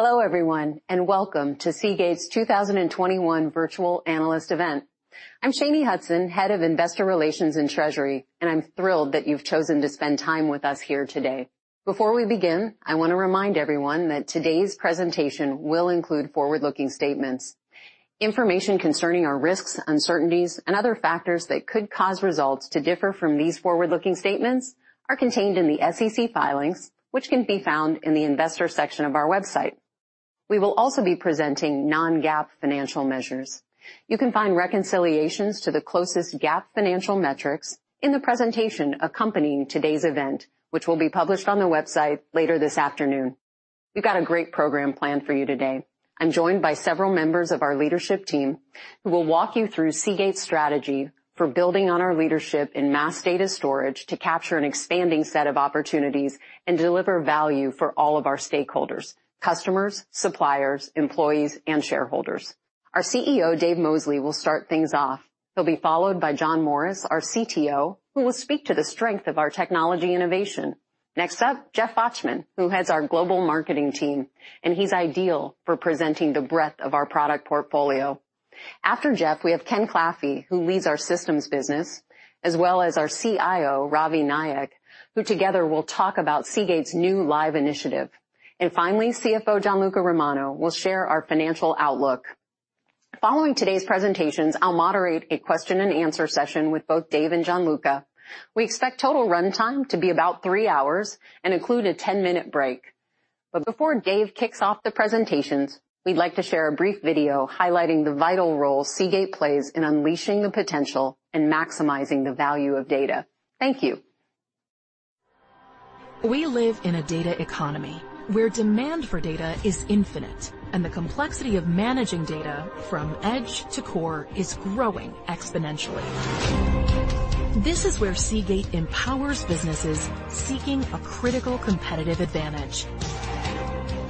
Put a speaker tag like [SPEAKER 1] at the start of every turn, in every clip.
[SPEAKER 1] Hello everyone, and welcome to Seagate's 2021 Virtual Analyst Event. I'm Shanye Hudson, Head of Investor Relations and Treasury, and I'm thrilled that you've chosen to spend time with us here today. Before we begin, I want to remind everyone that today's presentation will include forward-looking statements. Information concerning our risks, uncertainties, and other factors that could cause results to differ from these forward-looking statements are contained in the SEC filings, which can be found in the investor section of our website. We will also be presenting non-GAAP financial measures. You can find reconciliations to the closest GAAP financial metrics in the presentation accompanying today's event, which will be published on the website later this afternoon. We've got a great program planned for you today. I'm joined by several members of our leadership team who will walk you through Seagate's strategy for building on our leadership in mass data storage to capture an expanding set of opportunities and deliver value for all of our stakeholders, customers, suppliers, employees, and shareholders. Our CEO, Dave Mosley, will start things off. He'll be followed by John Morris, our CTO, who will speak to the strength of our technology innovation. Next up, Jeff Fochtman, who heads our global marketing team, and he's ideal for presenting the breadth of our product portfolio. After Jeff, we have Ken Claffey, who leads our Systems business, as well as our CIO, Ravi Naik, who together will talk about Seagate's new Lyve initiative. Finally, CFO Gianluca Romano will share our financial outlook. Following today's presentations, I'll moderate a question and answer session with both Dave and Gianluca. We expect total runtime to be about three hours and include a 10-minute break. Before Dave kicks off the presentations, we'd like to share a brief video highlighting the vital role Seagate plays in unleashing the potential and maximizing the value of data. Thank you.
[SPEAKER 2] We live in a data economy where demand for data is infinite and the complexity of managing data from edge to core is growing exponentially. This is where Seagate empowers businesses seeking a critical competitive advantage.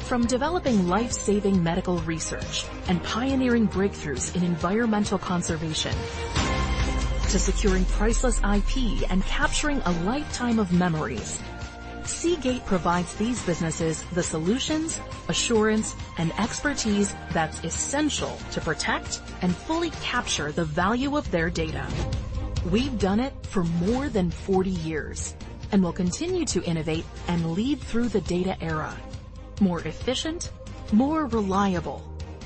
[SPEAKER 2] From developing life-saving medical research and pioneering breakthroughs in environmental conservation, to securing priceless IP and capturing a lifetime of memories, Seagate provides these businesses the solutions, assurance, and expertise that's essential to protect and fully capture the value of their data. We've done it for more than 40 years and will continue to innovate and lead through the data era. More efficient, more reliable,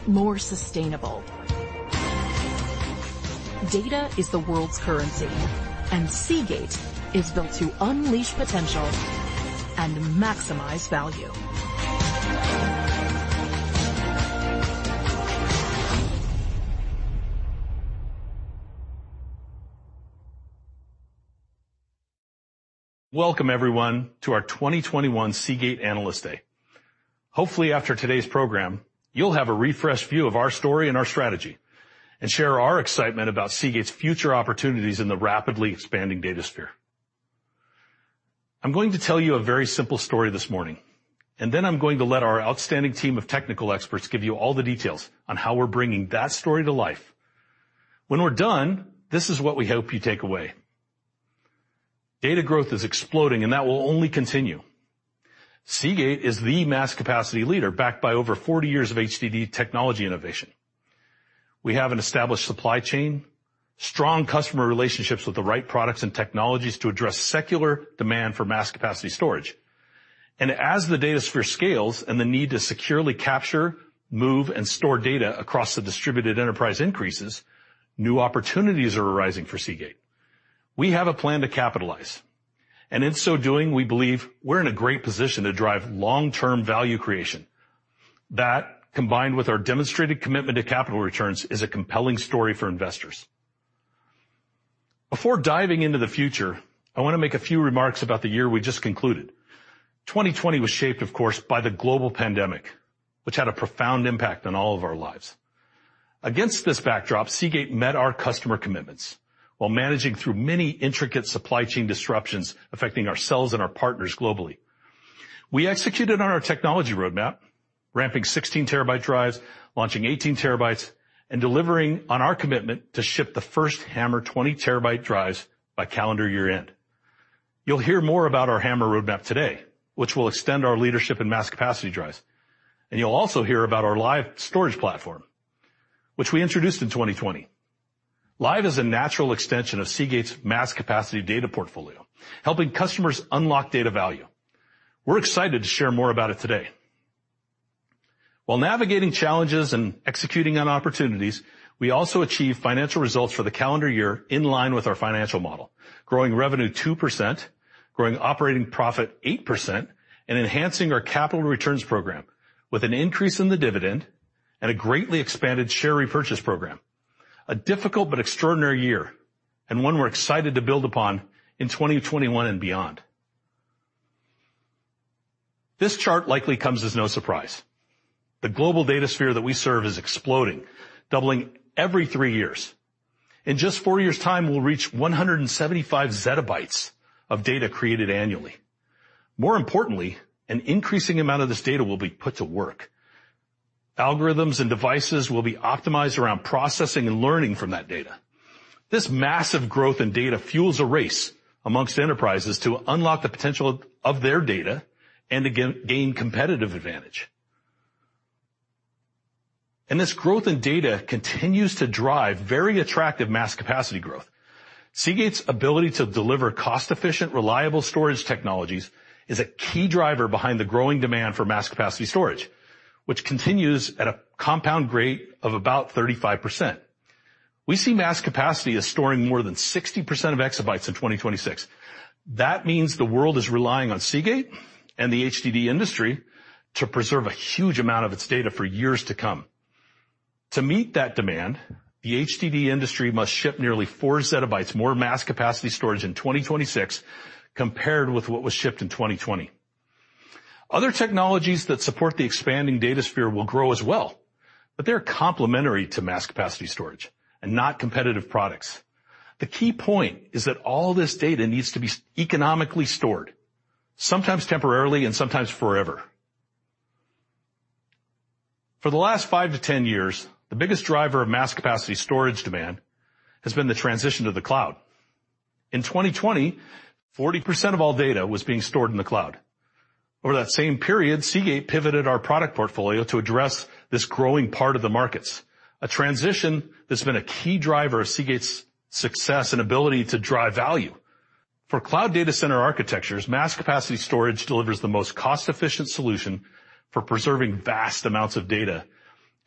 [SPEAKER 2] more sustainable. Data is the world's currency, and Seagate is built to unleash potential and maximize value.
[SPEAKER 3] Welcome everyone to our 2021 Seagate Analyst Day. Hopefully after today's program, you'll have a refreshed view of our story and our strategy and share our excitement about Seagate's future opportunities in the rapidly expanding datasphere. I'm going to tell you a very simple story this morning, and then I'm going to let our outstanding team of technical experts give you all the details on how we're bringing that story to life. When we're done, this is what we hope you take away. Data growth is exploding, and that will only continue. Seagate is the mass capacity leader, backed by over 40 years of HDD technology innovation. We have an established supply chain, strong customer relationships with the right products and technologies to address secular demand for mass capacity storage. As the datasphere scales and the need to securely capture, move, and store data across the distributed enterprise increases, new opportunities are arising for Seagate. We have a plan to capitalize, and in so doing, we believe we're in a great position to drive long-term value creation. That, combined with our demonstrated commitment to capital returns, is a compelling story for investors. Before diving into the future, I want to make a few remarks about the year we just concluded. 2020 was shaped, of course, by the global pandemic, which had a profound impact on all of our lives. Against this backdrop, Seagate met our customer commitments while managing through many intricate supply chain disruptions affecting ourselves and our partners globally. We executed on our technology roadmap, ramping 16 TB drives, launching 18 TB, and delivering on our commitment to ship the first HAMR 20 TB drives by calendar year-end. You'll hear more about our HAMR roadmap today, which will extend our leadership in mass capacity drives, and you'll also hear about our Lyve Storage Platform, which we introduced in 2020. Lyve is a natural extension of Seagate's mass capacity data portfolio, helping customers unlock data value. We're excited to share more about it today. While navigating challenges and executing on opportunities, we also achieved financial results for the calendar year in line with our financial model, growing revenue 2%, growing operating profit 8%, and enhancing our capital returns program with an increase in the dividend and a greatly expanded share repurchase program. A difficult but extraordinary year, one we're excited to build upon in 2021 and beyond. This chart likely comes as no surprise. The global datasphere that we serve is exploding, doubling every three years. In just four years' time, we'll reach 175 ZB of data created annually. More importantly, an increasing amount of this data will be put to work. Algorithms and devices will be optimized around processing and learning from that data. This massive growth in data fuels a race amongst enterprises to unlock the potential of their data and to gain competitive advantage. This growth in data continues to drive very attractive mass capacity growth. Seagate's ability to deliver cost-efficient, reliable storage technologies is a key driver behind the growing demand for mass capacity storage, which continues at a compound rate of about 35%. We see mass capacity as storing more than 60% of exabytes in 2026. That means the world is relying on Seagate and the HDD industry to preserve a huge amount of its data for years to come. To meet that demand, the HDD industry must ship nearly 4 ZB more mass capacity storage in 2026 compared with what was shipped in 2020. Other technologies that support the expanding datasphere will grow as well, but they're complementary to mass capacity storage and not competitive products. The key point is that all this data needs to be economically stored, sometimes temporarily and sometimes forever. For the last five to 10 years, the biggest driver of mass capacity storage demand has been the transition to the cloud. In 2020, 40% of all data was being stored in the cloud. Over that same period, Seagate pivoted our product portfolio to address this growing part of the markets, a transition that's been a key driver of Seagate's success and ability to drive value. For cloud data center architectures, mass capacity storage delivers the most cost-efficient solution for preserving vast amounts of data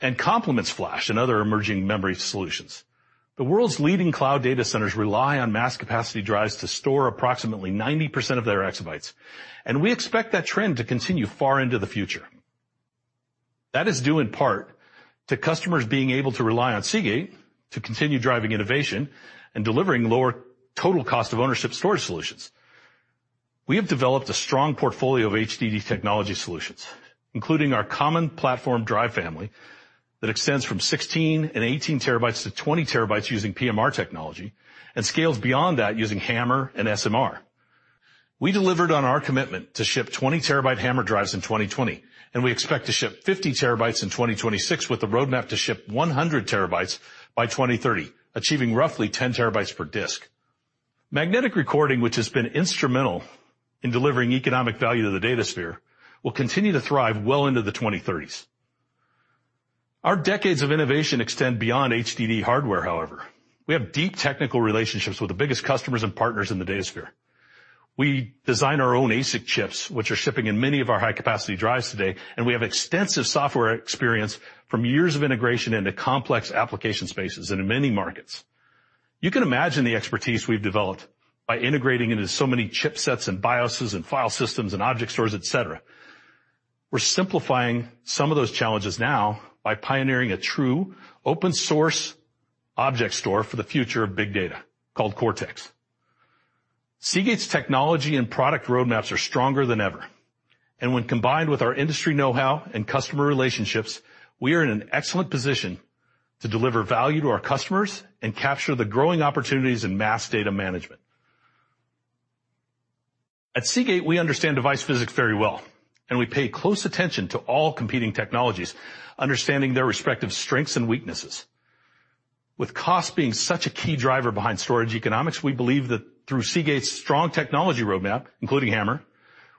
[SPEAKER 3] and complements flash and other emerging memory solutions. The world's leading cloud data centers rely on mass capacity drives to store approximately 90% of their exabytes, and we expect that trend to continue far into the future. That is due in part to customers being able to rely on Seagate to continue driving innovation and delivering lower total cost of ownership storage solutions. We have developed a strong portfolio of HDD technology solutions, including our common platform drive family that extends from 16 TB and 18 TB to 20 TB using PMR technology and scales beyond that using HAMR and SMR. We delivered on our commitment to ship 20-TB HAMR drives in 2020, and we expect to ship 50 TB in 2026 with a roadmap to ship 100 TB by 2030, achieving roughly 10 TB per disk. Magnetic recording, which has been instrumental in delivering economic value to the datasphere, will continue to thrive well into the 2030s. Our decades of innovation extend beyond HDD hardware, however. We have deep technical relationships with the biggest customers and partners in the datasphere. We design our own ASIC chips, which are shipping in many of our high-capacity drives today, and we have extensive software experience from years of integration into complex application spaces and in many markets. You can imagine the expertise we've developed by integrating into so many chipsets and BIOSes and file systems and object stores, et cetera. We're simplifying some of those challenges now by pioneering a true open-source object store for the future of big data called CORTX. Seagate's technology and product roadmaps are stronger than ever, and when combined with our industry know-how and customer relationships, we are in an excellent position to deliver value to our customers and capture the growing opportunities in mass data management. At Seagate, we understand device physics very well, and we pay close attention to all competing technologies, understanding their respective strengths and weaknesses. With cost being such a key driver behind storage economics, we believe that through Seagate's strong technology roadmap, including HAMR,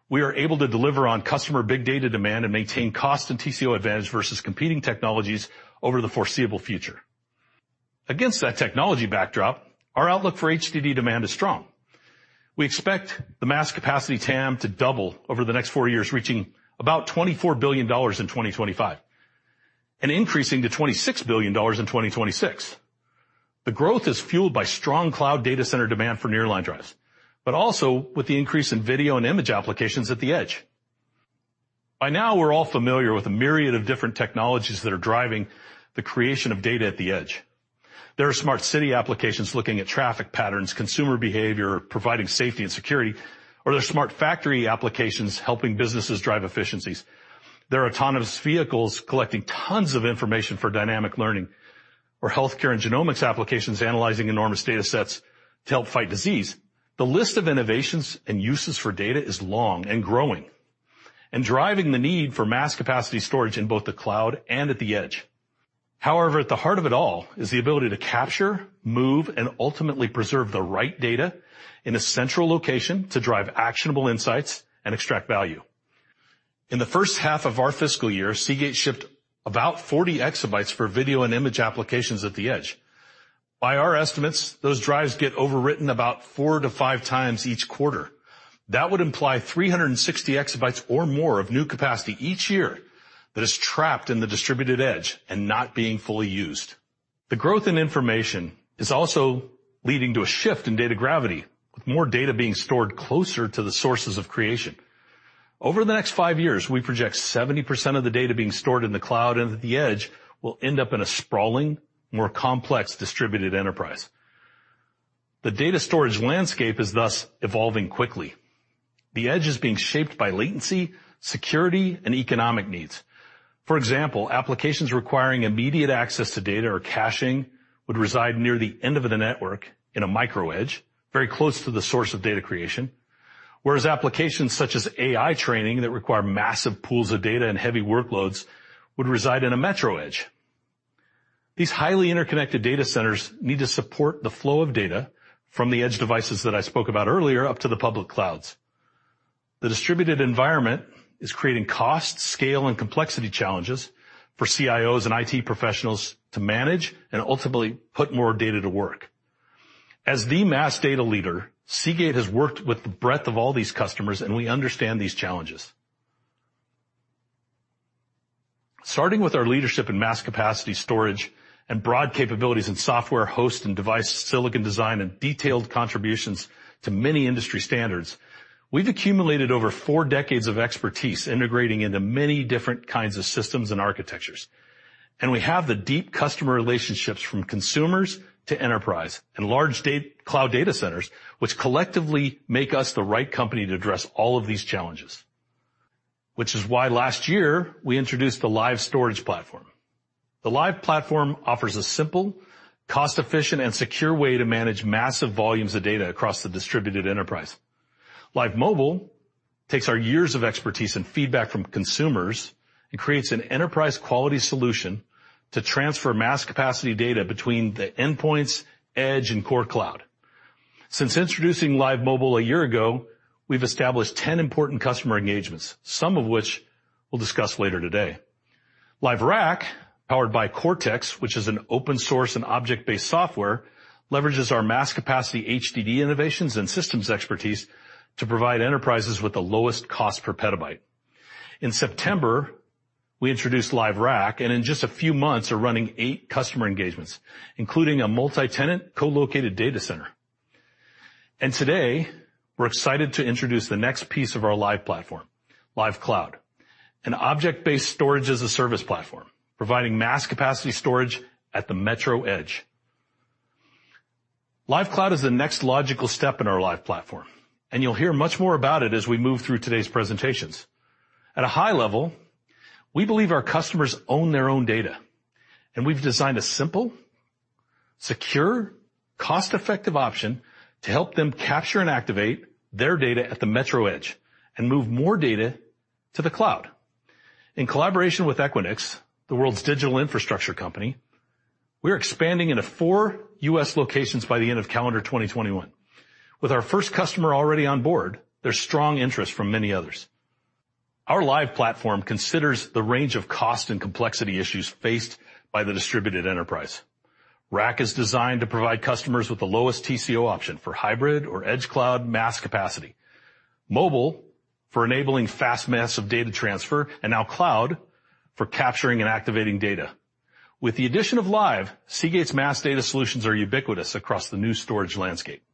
[SPEAKER 3] we are able to deliver on customer big data demand and maintain cost and TCO advantage versus competing technologies over the foreseeable future. Against that technology backdrop, our outlook for HDD demand is strong. We expect the mass capacity TAM to double over the next four years, reaching about $24 billion in 2025 and increasing to $26 billion in 2026. The growth is fueled by strong cloud data center demand for nearline drives. But also with the increase in video and image applications at the edge. By now, we're all familiar with a myriad of different technologies that are driving the creation of data at the edge. There are smart city applications looking at traffic patterns, consumer behavior, providing safety and security. There are smart factory applications helping businesses drive efficiencies. There are autonomous vehicles collecting tons of information for dynamic learning, or healthcare and genomics applications analyzing enormous data sets to help fight disease. The list of innovations and uses for data is long and growing and driving the need for mass capacity storage in both the cloud and at the edge. However, at the heart of it all is the ability to capture, move, and ultimately preserve the right data in a central location to drive actionable insights and extract value. In the first half of our fiscal year, Seagate shipped about 40 EB for video and image applications at the edge. By our estimates, those drives get overwritten about four to five times each quarter. That would imply 360 EB or more of new capacity each year that is trapped in the distributed edge and not being fully used. The growth in information is also leading to a shift in data gravity, with more data being stored closer to the sources of creation. Over the next five years, we project 70% of the data being stored in the cloud and at the edge will end up in a sprawling, more complex distributed enterprise. The data storage landscape is thus evolving quickly. The edge is being shaped by latency, security, and economic needs. For example, applications requiring immediate access to data or caching would reside near the end of the network in a micro edge, very close to the source of data creation, whereas applications such as AI training that require massive pools of data and heavy workloads would reside in a metro edge. These highly interconnected data centers need to support the flow of data from the edge devices that I spoke about earlier up to the public clouds. The distributed environment is creating cost, scale, and complexity challenges for CIOs and IT professionals to manage and ultimately put more data to work. As the mass data leader, Seagate has worked with the breadth of all these customers, and we understand these challenges. Starting with our leadership in mass capacity storage and broad capabilities in software host and device silicon design and detailed contributions to many industry standards, we've accumulated over four decades of expertise integrating into many different kinds of systems and architectures, and we have the deep customer relationships from consumers to enterprise and large cloud data centers, which collectively make us the right company to address all of these challenges. Which is why last year we introduced the Lyve Storage Platform. The Lyve platform offers a simple, cost-efficient, and secure way to manage massive volumes of data across the distributed enterprise. Lyve Mobile takes our years of expertise and feedback from consumers and creates an enterprise-quality solution to transfer mass capacity data between the endpoints, edge, and core cloud. Since introducing Lyve Mobile a year ago, we've established 10 important customer engagements, some of which we'll discuss later today. Lyve Rack, powered by CORTX, which is an open source and object-based software, leverages our mass capacity HDD innovations and systems expertise to provide enterprises with the lowest cost per petabyte. In September, we introduced Lyve Rack, and in just a few months are running eight customer engagements, including a multi-tenant co-located data center. Today, we're excited to introduce the next piece of our Lyve platform, Lyve Cloud, an object-based storage-as-a-service platform providing mass capacity storage at the metro edge. Lyve Cloud is the next logical step in our Lyve platform, and you'll hear much more about it as we move through today's presentations. At a high level, we believe our customers own their own data, and we've designed a simple, secure, cost-effective option to help them capture and activate their data at the metro edge and move more data to the cloud. In collaboration with Equinix, the world's digital infrastructure company, we are expanding into four U.S. locations by the end of calendar 2021. With our first customer already on board, there's strong interest from many others. Our Lyve platform considers the range of cost and complexity issues faced by the distributed enterprise. Rack is designed to provide customers with the lowest TCO option for hybrid or edge cloud mass capacity. Mobile for enabling fast massive data transfer, now Cloud for capturing and activating data. With the addition of Lyve, Seagate's mass data solutions are ubiquitous across the new storage landscape.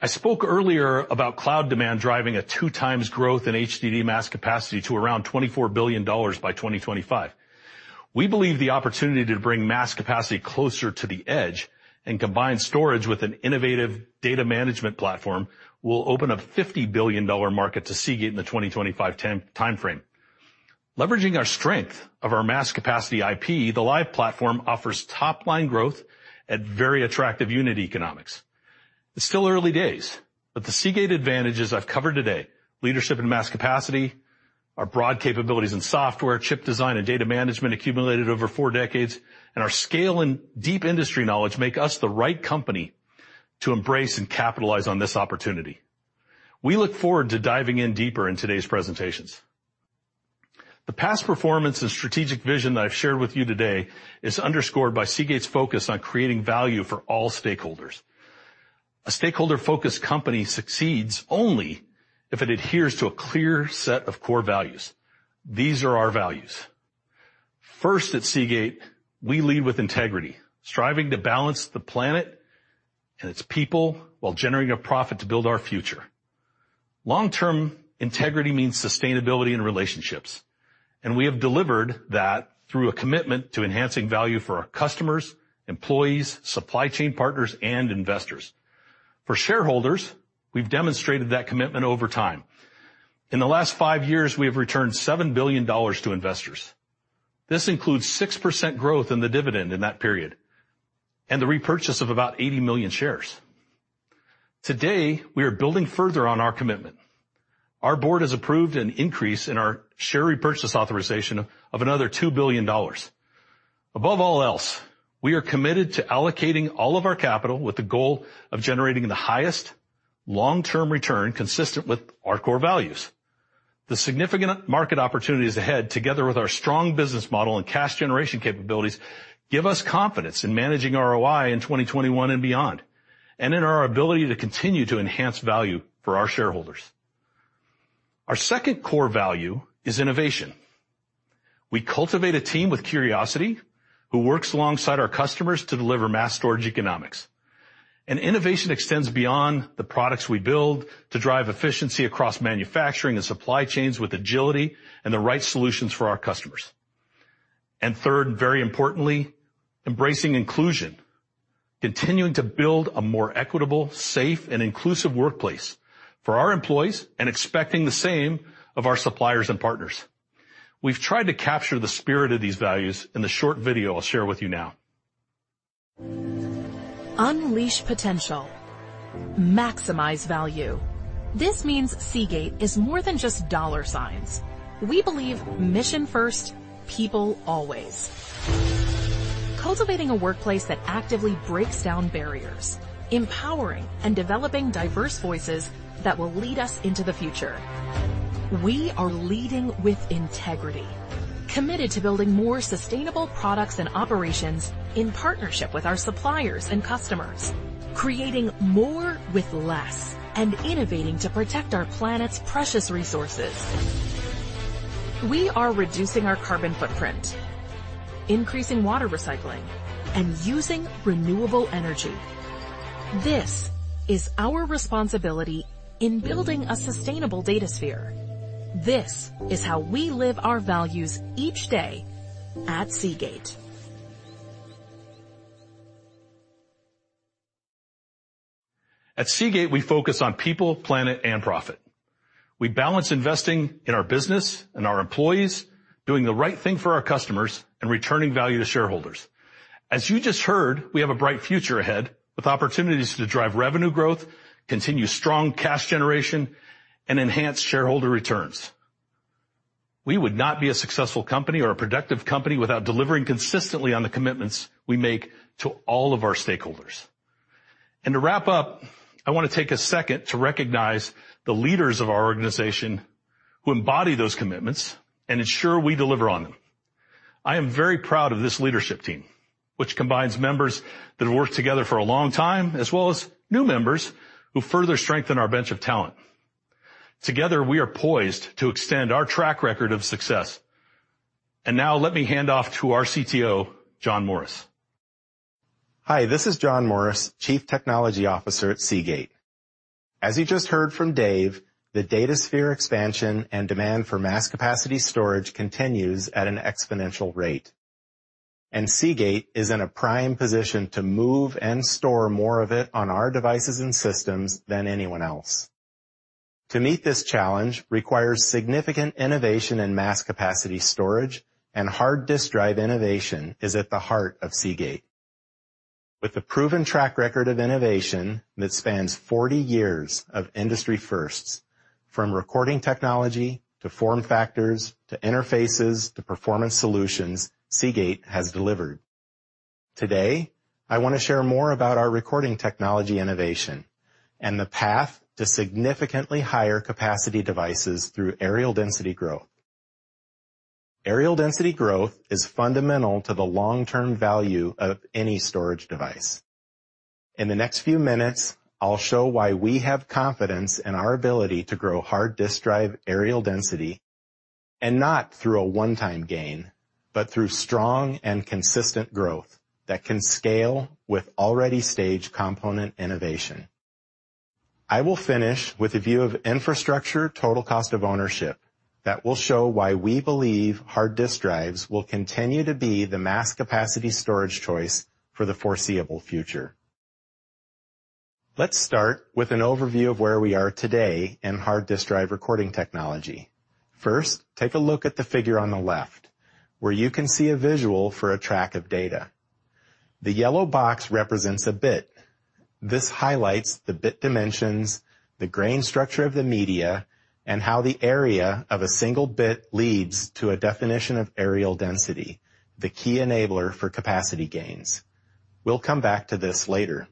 [SPEAKER 3] I spoke earlier about cloud demand driving a 2x growth in HDD mass capacity to around $24 billion by 2025. We believe the opportunity to bring mass capacity closer to the edge and combine storage with an innovative data management platform will open a $50 billion market to Seagate in the 2025 timeframe. Leveraging our strength of our mass capacity IP, the Lyve platform offers top-line growth at very attractive unit economics. It's still early days, the Seagate advantages I've covered today, leadership and mass capacity, our broad capabilities in software, chip design, and data management accumulated over four decades, and our scale and deep industry knowledge make us the right company to embrace and capitalize on this opportunity. We look forward to diving in deeper in today's presentations. The past performance and strategic vision that I've shared with you today is underscored by Seagate's focus on creating value for all stakeholders. A stakeholder-focused company succeeds only if it adheres to a clear set of core values. These are our values. First at Seagate, we lead with integrity, striving to balance the planet and its people while generating a profit to build our future. Long-term integrity means sustainability in relationships, and we have delivered that through a commitment to enhancing value for our customers, employees, supply chain partners, and investors. For shareholders, we've demonstrated that commitment over time. In the last five years, we have returned $7 billion to investors. This includes 6% growth in the dividend in that period and the repurchase of about 80 million shares. Today, we are building further on our commitment. Our board has approved an increase in our share repurchase authorization of another $2 billion. Above all else, we are committed to allocating all of our capital with the goal of generating the highest long-term return consistent with our core values. The significant market opportunities ahead, together with our strong business model and cash generation capabilities, give us confidence in managing ROI in 2021 and beyond, and in our ability to continue to enhance value for our shareholders. Our second core value is innovation. We cultivate a team with curiosity who works alongside our customers to deliver mass storage economics. Innovation extends beyond the products we build to drive efficiency across manufacturing and supply chains with agility and the right solutions for our customers. Third, very importantly, embracing inclusion, continuing to build a more equitable, safe, and inclusive workplace for our employees and expecting the same of our suppliers and partners. We've tried to capture the spirit of these values in the short video I'll share with you now.
[SPEAKER 2] Unleash potential, maximize value. This means Seagate is more than just dollar signs. We believe mission first, people always. Cultivating a workplace that actively breaks down barriers, empowering and developing diverse voices that will lead us into the future. We are leading with integrity, committed to building more sustainable products and operations in partnership with our suppliers and customers, creating more with less, and innovating to protect our planet's precious resources. We are reducing our carbon footprint, increasing water recycling, and using renewable energy. This is our responsibility in building a sustainable datasphere. This is how we live our values each day at Seagate.
[SPEAKER 3] At Seagate, we focus on People, Planet, and Profit. We balance investing in our business and our employees, doing the right thing for our customers, and returning value to shareholders. As you just heard, we have a bright future ahead with opportunities to drive revenue growth, continue strong cash generation, and enhance shareholder returns. We would not be a successful company or a productive company without delivering consistently on the commitments we make to all of our stakeholders. To wrap up, I want to take a second to recognize the leaders of our organization who embody those commitments and ensure we deliver on them. I am very proud of this leadership team, which combines members that have worked together for a long time, as well as new members who further strengthen our bench of talent. Together, we are poised to extend our track record of success. Now let me hand off to our CTO, John Morris.
[SPEAKER 4] Hi, this is John Morris, Chief Technology Officer at Seagate. As you just heard from Dave, the datasphere expansion and demand for mass capacity storage continues at an exponential rate. Seagate is in a prime position to move and store more of it on our devices and systems than anyone else. To meet this challenge requires significant innovation in mass capacity storage. Hard disk drive innovation is at the heart of Seagate. With a proven track record of innovation that spans 40 years of industry firsts, from recording technology, to form factors, to interfaces, to performance solutions Seagate has delivered. Today, I want to share more about our recording technology innovation and the path to significantly higher capacity devices through areal density growth. Areal density growth is fundamental to the long-term value of any storage device. In the next few minutes, I'll show why we have confidence in our ability to grow hard disk drive areal density, and not through a one-time gain, but through strong and consistent growth that can scale with already staged component innovation. I will finish with a view of infrastructure total cost of ownership that will show why we believe hard disk drives will continue to be the mass capacity storage choice for the foreseeable future. Let's start with an overview of where we are today in hard disk drive recording technology. First, take a look at the figure on the left, where you can see a visual for a track of data. The yellow box represents a bit. This highlights the bit dimensions, the grain structure of the media, and how the area of a single bit leads to a definition of areal density, the key enabler for capacity gains. We'll come back to this later.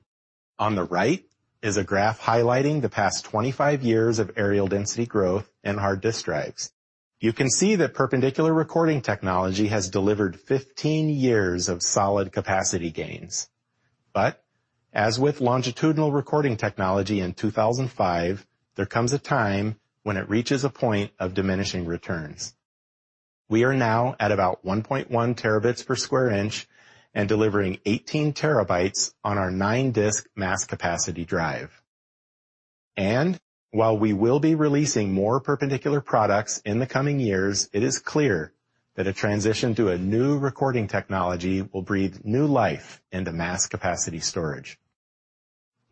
[SPEAKER 4] On the right is a graph highlighting the past 25 years of areal density growth in hard disk drives. You can see that perpendicular recording technology has delivered 15 years of solid capacity gains. As with longitudinal recording technology in 2005, there comes a time when it reaches a point of diminishing returns. We are now at about 1.1 Tb per square inch and delivering 18 TB on our nine-disk mass capacity drive. While we will be releasing more perpendicular products in the coming years, it is clear that a transition to a new recording technology will breathe new life into mass capacity storage.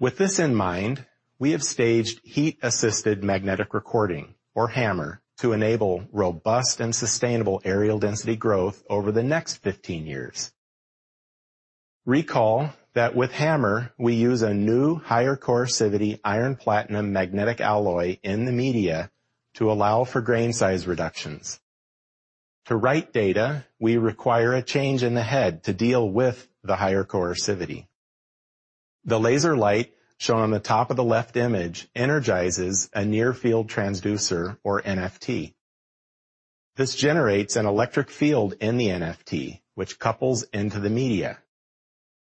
[SPEAKER 4] With this in mind, we have staged heat-assisted magnetic recording, or HAMR, to enable robust and sustainable areal density growth over the next 15 years. Recall that with HAMR, we use a new higher coercivity iron platinum magnetic alloy in the media to allow for grain size reductions. To write data, we require a change in the head to deal with the higher coercivity. The laser light shown on the top of the left image energizes a near-field transducer or NFT. This generates an electric field in the NFT which couples into the media.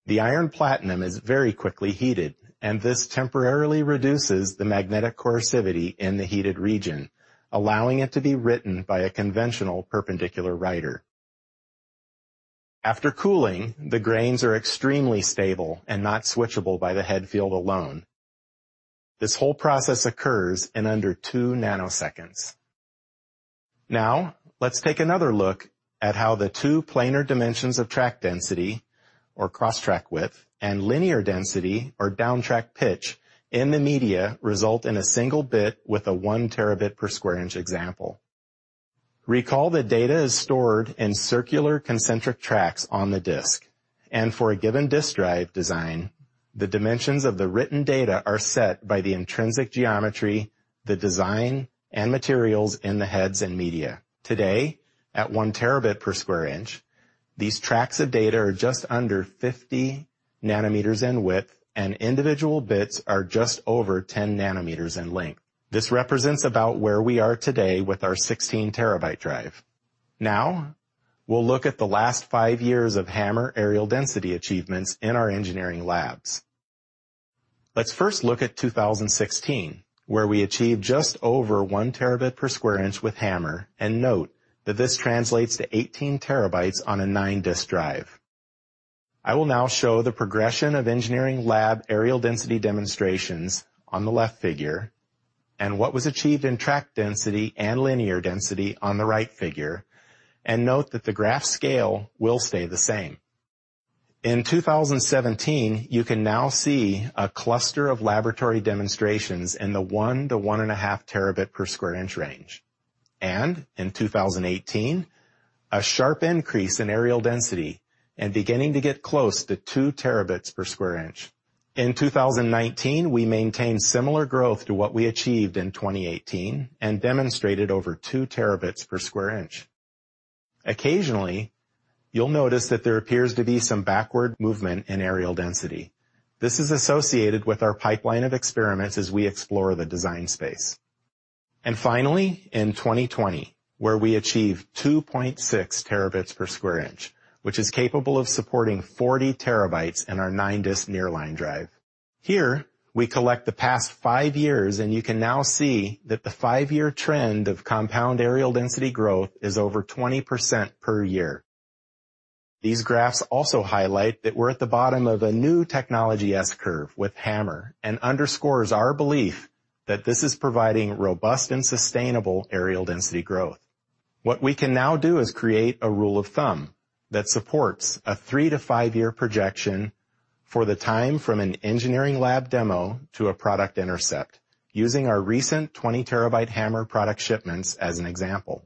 [SPEAKER 4] The iron platinum is very quickly heated, and this temporarily reduces the magnetic coercivity in the heated region, allowing it to be written by a conventional perpendicular writer. After cooling, the grains are extremely stable and not switchable by the head field alone. This whole process occurs in under 2 ns. Let's take another look at how the two planar dimensions of track density or cross-track width and linear density or down-track pitch in the media result in a single bit with a 1 Tb per square inch example. Recall that data is stored in circular concentric tracks on the disk, and for a given disk drive design, the dimensions of the written data are set by the intrinsic geometry, the design, and materials in the heads and media. Today, at 1 Tb per square inch, these tracks of data are just under 50 nm in width, and individual bits are just over 10 nm in length. This represents about where we are today with our 16-TB drive. We'll look at the last five years of HAMR areal density achievements in our engineering labs. Let's first look at 2016, where we achieved just over 1 Tb per square inch with HAMR. Note that this translates to 18 TB on a nine-disk drive. I will now show the progression of engineering lab areal density demonstrations on the left figure and what was achieved in track density and linear density on the right figure. Note that the graph scale will stay the same. In 2017, you can now see a cluster of laboratory demonstrations in the 1 Tb to 1.5 Tb per square inch range. In 2018, a sharp increase in areal density and beginning to get close to 2 Tb per square inch. In 2019, we maintained similar growth to what we achieved in 2018 and demonstrated over 2 Tb per square inch. Occasionally, you'll notice that there appears to be some backward movement in areal density. This is associated with our pipeline of experiments as we explore the design space. Finally, in 2020, where we achieved 2.6 Tb per square inch, which is capable of supporting 40 TB in our nine-disk nearline drive. Here, we collect the past five years, you can now see that the five-year trend of compound areal density growth is over 20% per year. These graphs also highlight that we're at the bottom of a new technology S curve with HAMR underscores our belief that this is providing robust and sustainable areal density growth. What we can now do is create a rule of thumb that supports a three-to-five-year projection for the time from an engineering lab demo to a product intercept, using our recent 20-TB HAMR product shipments as an example.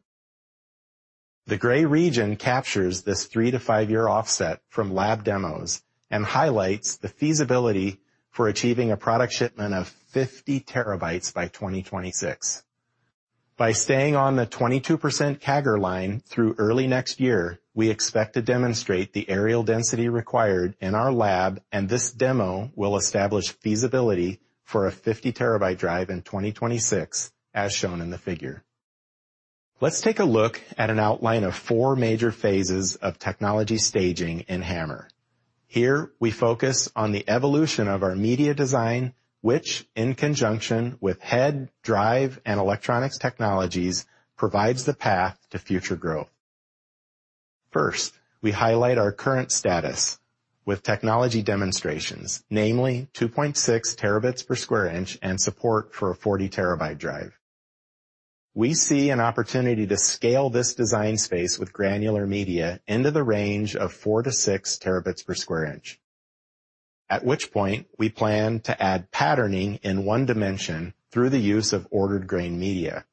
[SPEAKER 4] The gray region captures this three- to five-year offset from lab demos and highlights the feasibility for achieving a product shipment of 50 TB by 2026. By staying on the 22% CAGR line through early next year, we expect to demonstrate the areal density required in our lab, and this demo will establish feasibility for a 50-TB drive in 2026, as shown in the figure. Let's take a look at an outline of four major phases of technology staging in HAMR. Here, we focus on the evolution of our media design, which, in conjunction with head, drive, and electronics technologies, provides the path to future growth. First, we highlight our current status with technology demonstrations, namely 2.6 Tb per square inch and support for a 40-TB drive. We see an opportunity to scale this design space with granular media into the range of 4 Tb to 6 Tb per square inch, at which point we plan to add patterning in one dimension through the use of ordered grain media.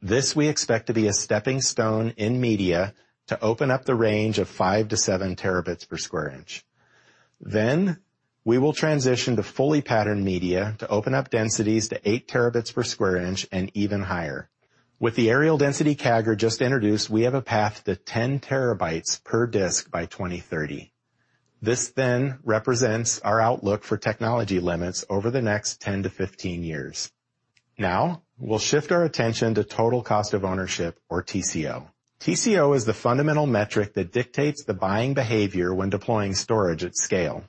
[SPEAKER 4] This we expect to be a stepping stone in media to open up the range of 5 Tb to 7 Tb per square inch. We will transition to fully patterned media to open up densities to 8 Tb per square inch and even higher. With the areal density CAGR just introduced, we have a path to 10 TB per disk by 2030. This then represents our outlook for technology limits over the next 10 to 15 years. Now, we'll shift our attention to total cost of ownership, or TCO. TCO is the fundamental metric that dictates the buying behavior when deploying storage at scale.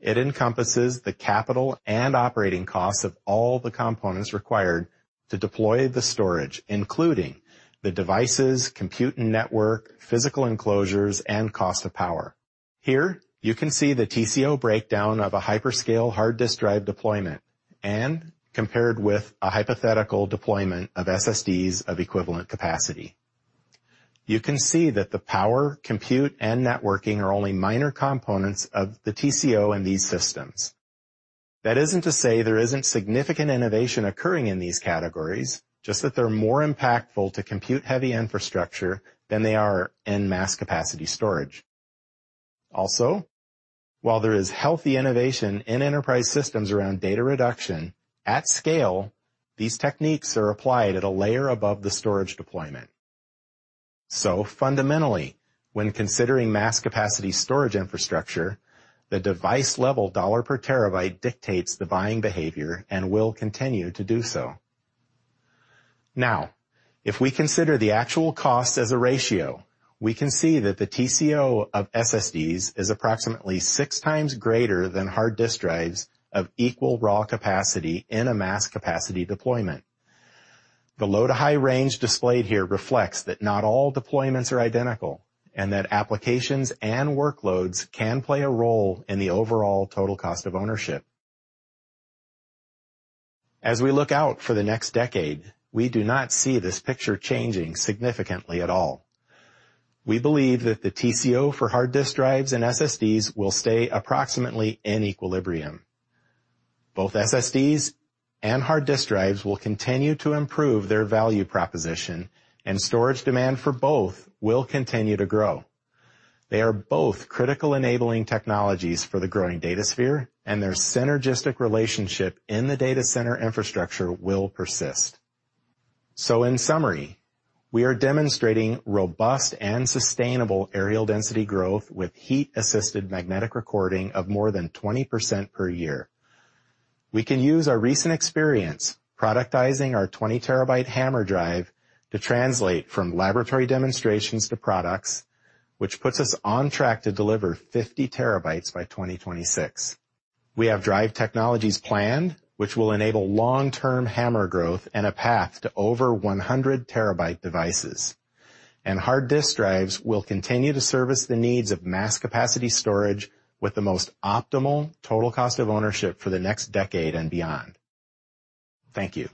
[SPEAKER 4] It encompasses the capital and operating costs of all the components required to deploy the storage, including the devices, compute and network, physical enclosures, and cost of power. Here, you can see the TCO breakdown of a hyperscale hard disk drive deployment and compared with a hypothetical deployment of SSDs of equivalent capacity. You can see that the power, compute, and networking are only minor components of the TCO in these systems. That isn't to say there isn't significant innovation occurring in these categories, just that they're more impactful to compute-heavy infrastructure than they are in mass capacity storage. While there is healthy innovation in enterprise systems around data reduction, at scale, these techniques are applied at a layer above the storage deployment. Fundamentally, when considering mass capacity storage infrastructure, the device-level dollar-per-terabyte dictates the buying behavior and will continue to do so. Now, if we consider the actual cost as a ratio, we can see that the TCO of SSDs is approximately six times greater than hard disk drives of equal raw capacity in a mass capacity deployment. The low to high range displayed here reflects that not all deployments are identical and that applications and workloads can play a role in the overall total cost of ownership. As we look out for the next decade, we do not see this picture changing significantly at all. We believe that the TCO for hard disk drives and SSDs will stay approximately in equilibrium. Both SSDs and hard disk drives will continue to improve their value proposition, and storage demand for both will continue to grow. They are both critical enabling technologies for the growing datasphere, and their synergistic relationship in the data center infrastructure will persist. In summary, we are demonstrating robust and sustainable areal density growth with heat-assisted magnetic recording of more than 20% per year. We can use our recent experience productizing our 20-TB HAMR drive to translate from laboratory demonstrations to products, which puts us on track to deliver 50 TB by 2026. We have drive technologies planned, which will enable long-term HAMR growth and a path to over 100-TB devices. Hard disk drives will continue to service the needs of mass capacity storage with the most optimal total cost of ownership for the next decade and beyond. Thank you.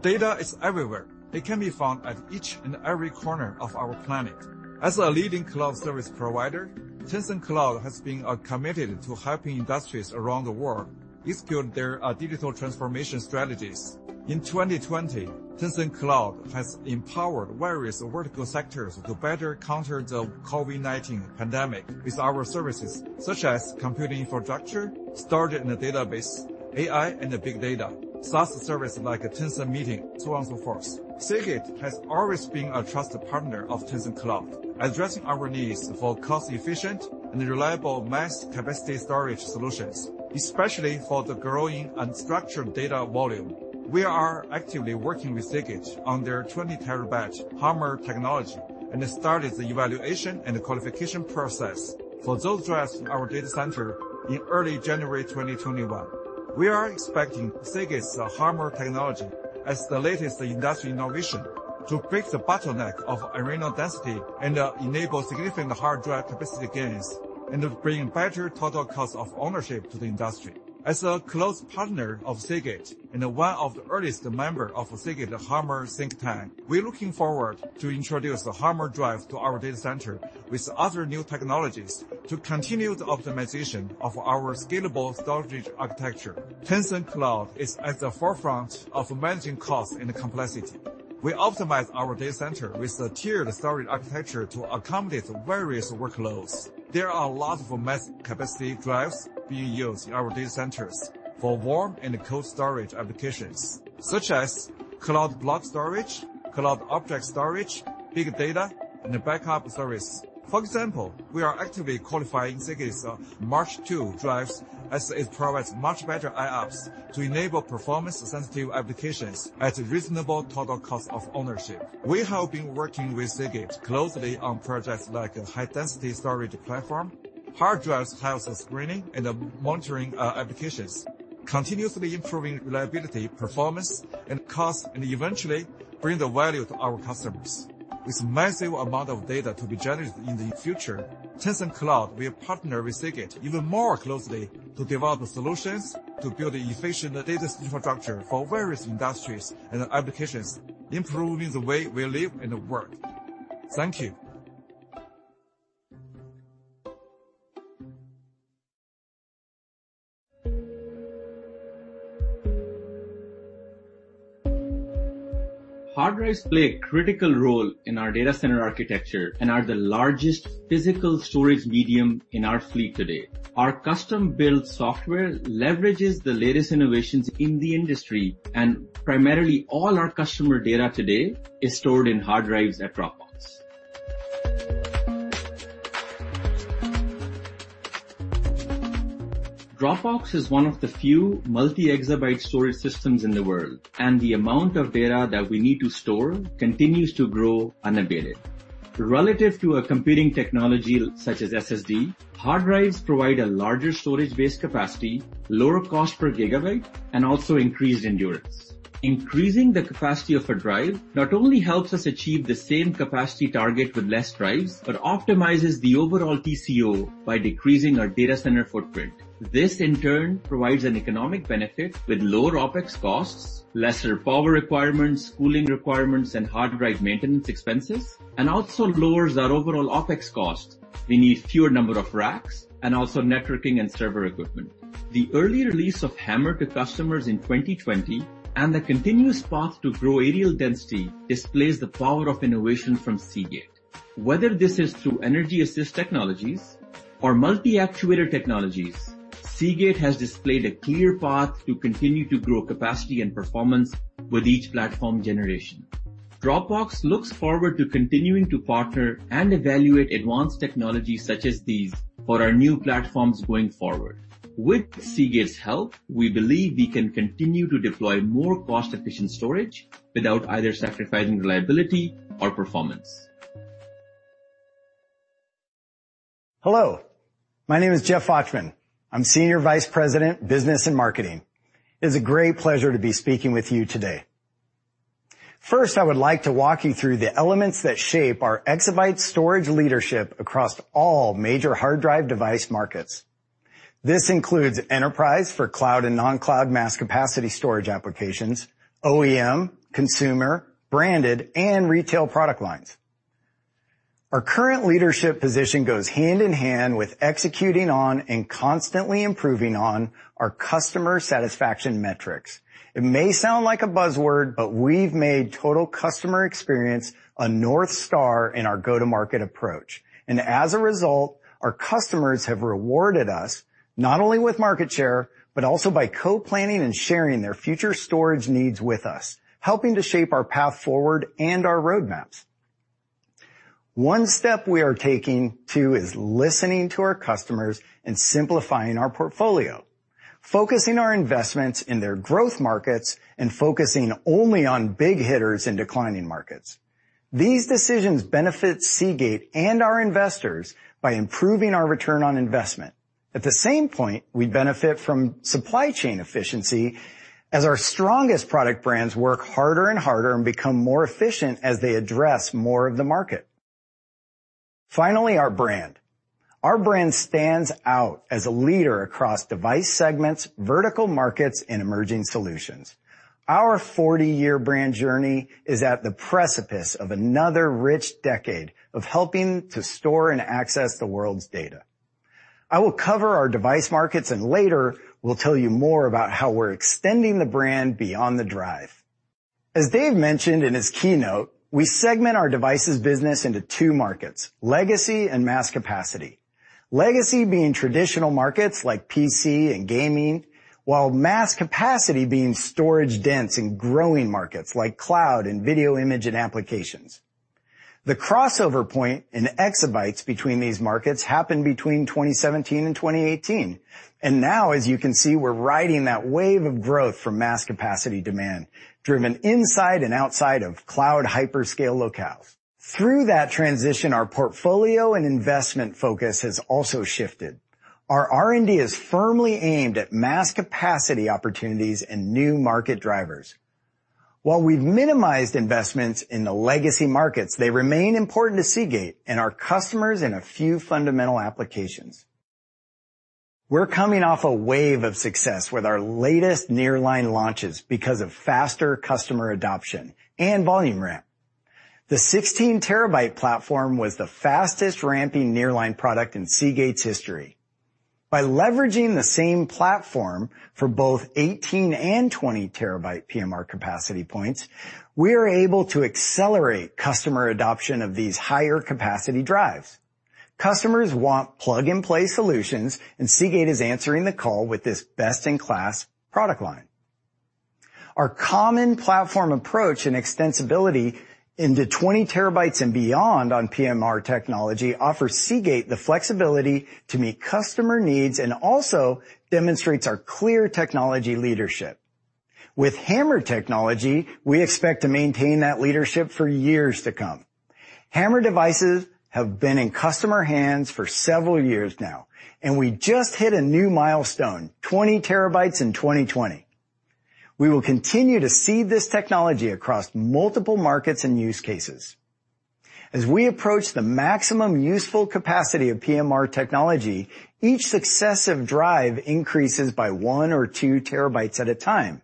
[SPEAKER 5] Data is everywhere. It can be found at each and every corner of our planet. As a leading cloud service provider, Tencent Cloud has been committed to helping industries around the world execute their digital transformation strategies. In 2020, Tencent Cloud has empowered various vertical sectors to better counter the COVID-19 pandemic with our services, such as computing infrastructure, storage and a database, AI and big data, SaaS service like Tencent Meeting, so on and so forth. Seagate has always been a trusted partner of Tencent Cloud, addressing our needs for cost-efficient and reliable mass capacity storage solutions, especially for the growing unstructured data volume. We are actively working with Seagate on their 20-TB HAMR technology, and they started the evaluation and the qualification process for those drives in our data center in early January 2021. We are expecting Seagate's HAMR technology as the latest industry innovation to break the bottleneck of areal density and enable significant hard drive capacity gains, and of bringing better total cost of ownership to the industry. As a close partner of Seagate, and one of the earliest member of Seagate HAMR think tank, we're looking forward to introduce the HAMR drive to our data center with other new technologies to continue the optimization of our scalable storage architecture. Tencent Cloud is at the forefront of managing cost and complexity. We optimize our data center with a tiered storage architecture to accommodate various workloads. There are a lot of mass capacity drives being used in our data centers for warm and cold storage applications, such as cloud block storage, cloud object storage, big data, and the backup service. For example, we are actively qualifying Seagate's MACH.2 drives as it provides much better IOPS to enable performance-sensitive applications at a reasonable total cost of ownership. We have been working with Seagate closely on projects like a high-density storage platform, hard drives health screening, and monitoring applications, continuously improving reliability, performance, and cost, and eventually bring the value to our customers. With massive amount of data to be generated in the future, Tencent Cloud will partner with Seagate even more closely to develop the solutions to build an efficient data infrastructure for various industries and applications, improving the way we live and work. Thank you.
[SPEAKER 6] Hard drives play a critical role in our data center architecture and are the largest physical storage medium in our fleet today. Our custom-built software leverages the latest innovations in the industry, and primarily all our customer data today is stored in hard drives at Dropbox. Dropbox is one of the few multi-exabyte storage systems in the world, and the amount of data that we need to store continues to grow unabated. Relative to a competing technology such as SSD, hard drives provide a larger storage-based capacity, lower cost per gigabyte, and also increased endurance. Increasing the capacity of a drive not only helps us achieve the same capacity target with less drives, but optimizes the overall TCO by decreasing our data center footprint. This, in turn, provides an economic benefit with lower OpEx costs, lesser power requirements, cooling requirements, and hard drive maintenance expenses, and also lowers our overall OpEx costs. We need fewer number of racks and also networking and server equipment. The early release of HAMR to customers in 2020 and the continuous path to grow areal density displays the power of innovation from Seagate. Whether this is through energy assist technologies or multi-actuator technologies, Seagate has displayed a clear path to continue to grow capacity and performance with each platform generation. Dropbox looks forward to continuing to partner and evaluate advanced technologies such as these for our new platforms going forward. With Seagate's help, we believe we can continue to deploy more cost-efficient storage without either sacrificing reliability or performance.
[SPEAKER 7] Hello, my name is Jeff Fochtman. I'm Senior Vice President, Business and Marketing. It's a great pleasure to be speaking with you today. First, I would like to walk you through the elements that shape our exabyte storage leadership across all major hard drive device markets. This includes enterprise for cloud and non-cloud mass capacity storage applications, OEM, consumer, branded, and retail product lines. Our current leadership position goes hand in hand with executing on and constantly improving on our customer satisfaction metrics. It may sound like a buzzword, but we've made total customer experience a North Star in our go-to-market approach, and as a result, our customers have rewarded us not only with market share, but also by co-planning and sharing their future storage needs with us, helping to shape our path forward and our roadmaps. One step we are taking too is listening to our customers and simplifying our portfolio, focusing our investments in their growth markets and focusing only on big hitters in declining markets. These decisions benefit Seagate and our investors by improving our return on investment. At the same point, we benefit from supply chain efficiency as our strongest product brands work harder and harder and become more efficient as they address more of the market. Finally, our brand. Our brand stands out as a leader across device segments, vertical markets, and emerging solutions. Our 40-year brand journey is at the precipice of another rich decade of helping to store and access the world's data. I will cover our device markets, and later, we'll tell you more about how we're extending the brand beyond the drive. As Dave mentioned in his keynote, we segment our devices business into two markets, Legacy and Mass Capacity. Legacy being traditional markets like PC and gaming, while Mass Capacity being storage dense in growing markets like cloud and video image and applications. The crossover point in exabytes between these markets happened between 2017 and 2018, and now, as you can see, we're riding that wave of growth from mass capacity demand driven inside and outside of cloud hyperscale locales. Through that transition, our portfolio and investment focus has also shifted. Our R&D is firmly aimed at mass capacity opportunities and new market drivers. While we've minimized investments in the Legacy Markets, they remain important to Seagate and our customers in a few fundamental applications. We're coming off a wave of success with our latest nearline launches because of faster customer adoption and volume ramp. The 16 TB platform was the fastest ramping nearline product in Seagate's history. By leveraging the same platform for both 18 TB and 20 TB PMR capacity points, we are able to accelerate customer adoption of these higher capacity drives. Customers want plug-and-play solutions, and Seagate is answering the call with this best-in-class product line. Our common platform approach and extensibility into 20 TB and beyond on PMR technology offers Seagate the flexibility to meet customer needs and also demonstrates our clear technology leadership. With HAMR technology, we expect to maintain that leadership for years to come. HAMR devices have been in customer hands for several years now, and we just hit a new milestone, 20 TB in 2020. We will continue to see this technology across multiple markets and use cases. As we approach the maximum useful capacity of PMR technology, each successive drive increases by 1 TB or 2 TB at a time.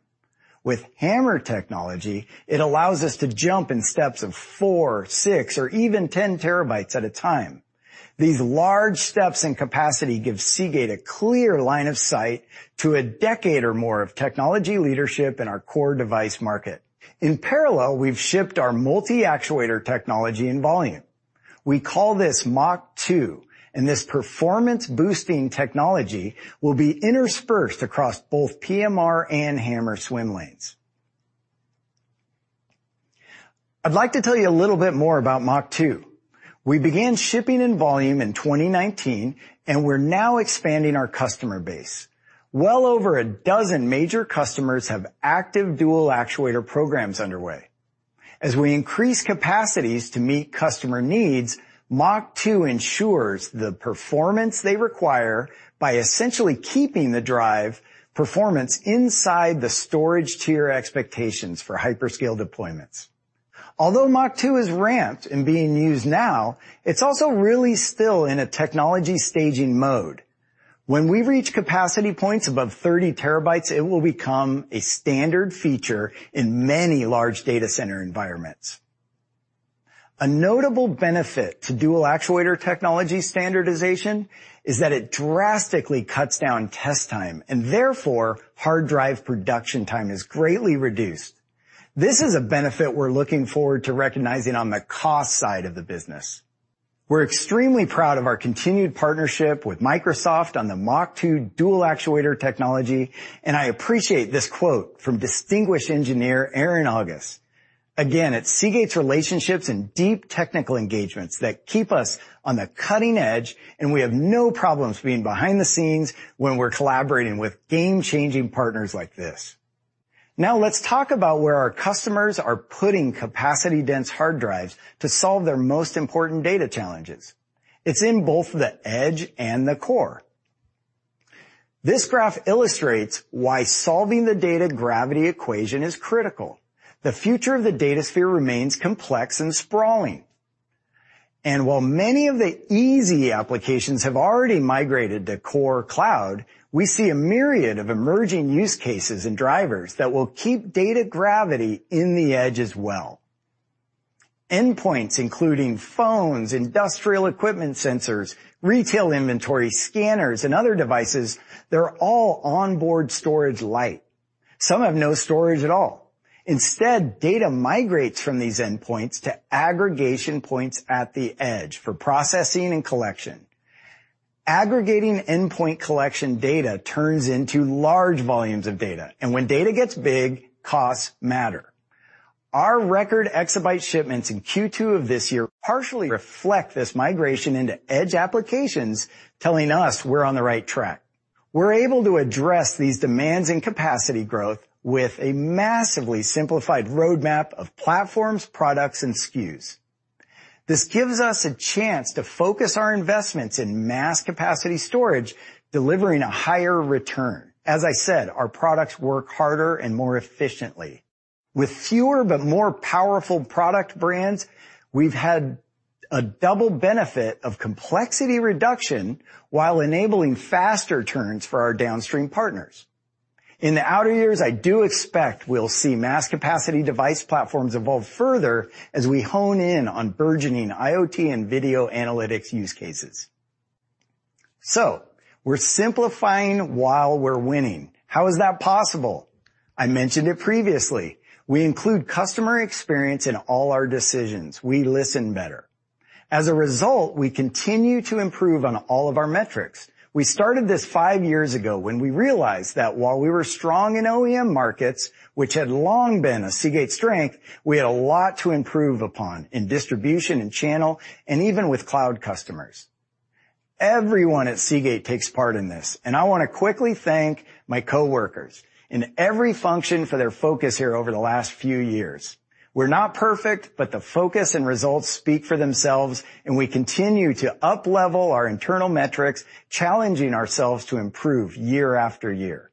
[SPEAKER 7] With HAMR technology, it allows us to jump in steps of 4 TB, 6 TB, or even 10 TB at a time. These large steps in capacity give Seagate a clear line of sight to a decade or more of technology leadership in our core device market. In parallel, we've shipped our multi-actuator technology in volume. We call this MACH.2, and this performance-boosting technology will be interspersed across both PMR and HAMR swim lanes. I'd like to tell you a little bit more about MACH.2. We began shipping in volume in 2019, and we're now expanding our customer base. Well over a dozen major customers have active dual actuator programs underway. As we increase capacities to meet customer needs, MACH.2 ensures the performance they require by essentially keeping the drive performance inside the storage tier expectations for hyperscale deployments. Although MACH.2 is ramped and being used now, it's also really still in a technology staging mode. When we reach capacity points above 30 TB, it will become a standard feature in many large data center environments. A notable benefit to dual actuator technology standardization is that it drastically cuts down test time, and therefore, hard drive production time is greatly reduced. This is a benefit we're looking forward to recognizing on the cost side of the business. We're extremely proud of our continued partnership with Microsoft on the MACH.2 dual actuator technology, and I appreciate this quote from Distinguished Engineer Aaron Ogus. Again, it's Seagate's relationships and deep technical engagements that keep us on the cutting edge, and we have no problems being behind the scenes when we're collaborating with game-changing partners like this. Now let's talk about where our customers are putting capacity dense hard drives to solve their most important data challenges. It's in both the edge and the core. This graph illustrates why solving the data gravity equation is critical. The future of the datasphere remains complex and sprawling. While many of the easy applications have already migrated to core cloud, we see a myriad of emerging use cases and drivers that will keep data gravity in the edge as well. Endpoints including phones, industrial equipment sensors, retail inventory scanners, and other devices, they're all onboard storage light. Some have no storage at all. Instead, data migrates from these endpoints to aggregation points at the edge for processing and collection. Aggregating endpoint collection data turns into large volumes of data, and when data gets big, costs matter. Our record exabyte shipments in Q2 of this year partially reflect this migration into edge applications telling us we're on the right track. We're able to address these demands and capacity growth with a massively simplified roadmap of platforms, products, and SKUs. This gives us a chance to focus our investments in mass capacity storage, delivering a higher return. As I said, our products work harder and more efficiently. With fewer but more powerful product brands, we've had a double benefit of complexity reduction while enabling faster turns for our downstream partners. In the outer years, I do expect we'll see mass capacity device platforms evolve further as we hone in on burgeoning IoT and video analytics use cases. We're simplifying while we're winning. How is that possible? I mentioned it previously. We include customer experience in all our decisions. We listen better. As a result, we continue to improve on all of our metrics. We started this five years ago when we realized that while we were strong in OEM markets, which had long been a Seagate strength, we had a lot to improve upon in distribution and channel, and even with Cloud customers. Everyone at Seagate takes part in this, and I want to quickly thank my coworkers in every function for their focus here over the last few years. We're not perfect, but the focus and results speak for themselves, and we continue to uplevel our internal metrics, challenging ourselves to improve year after year.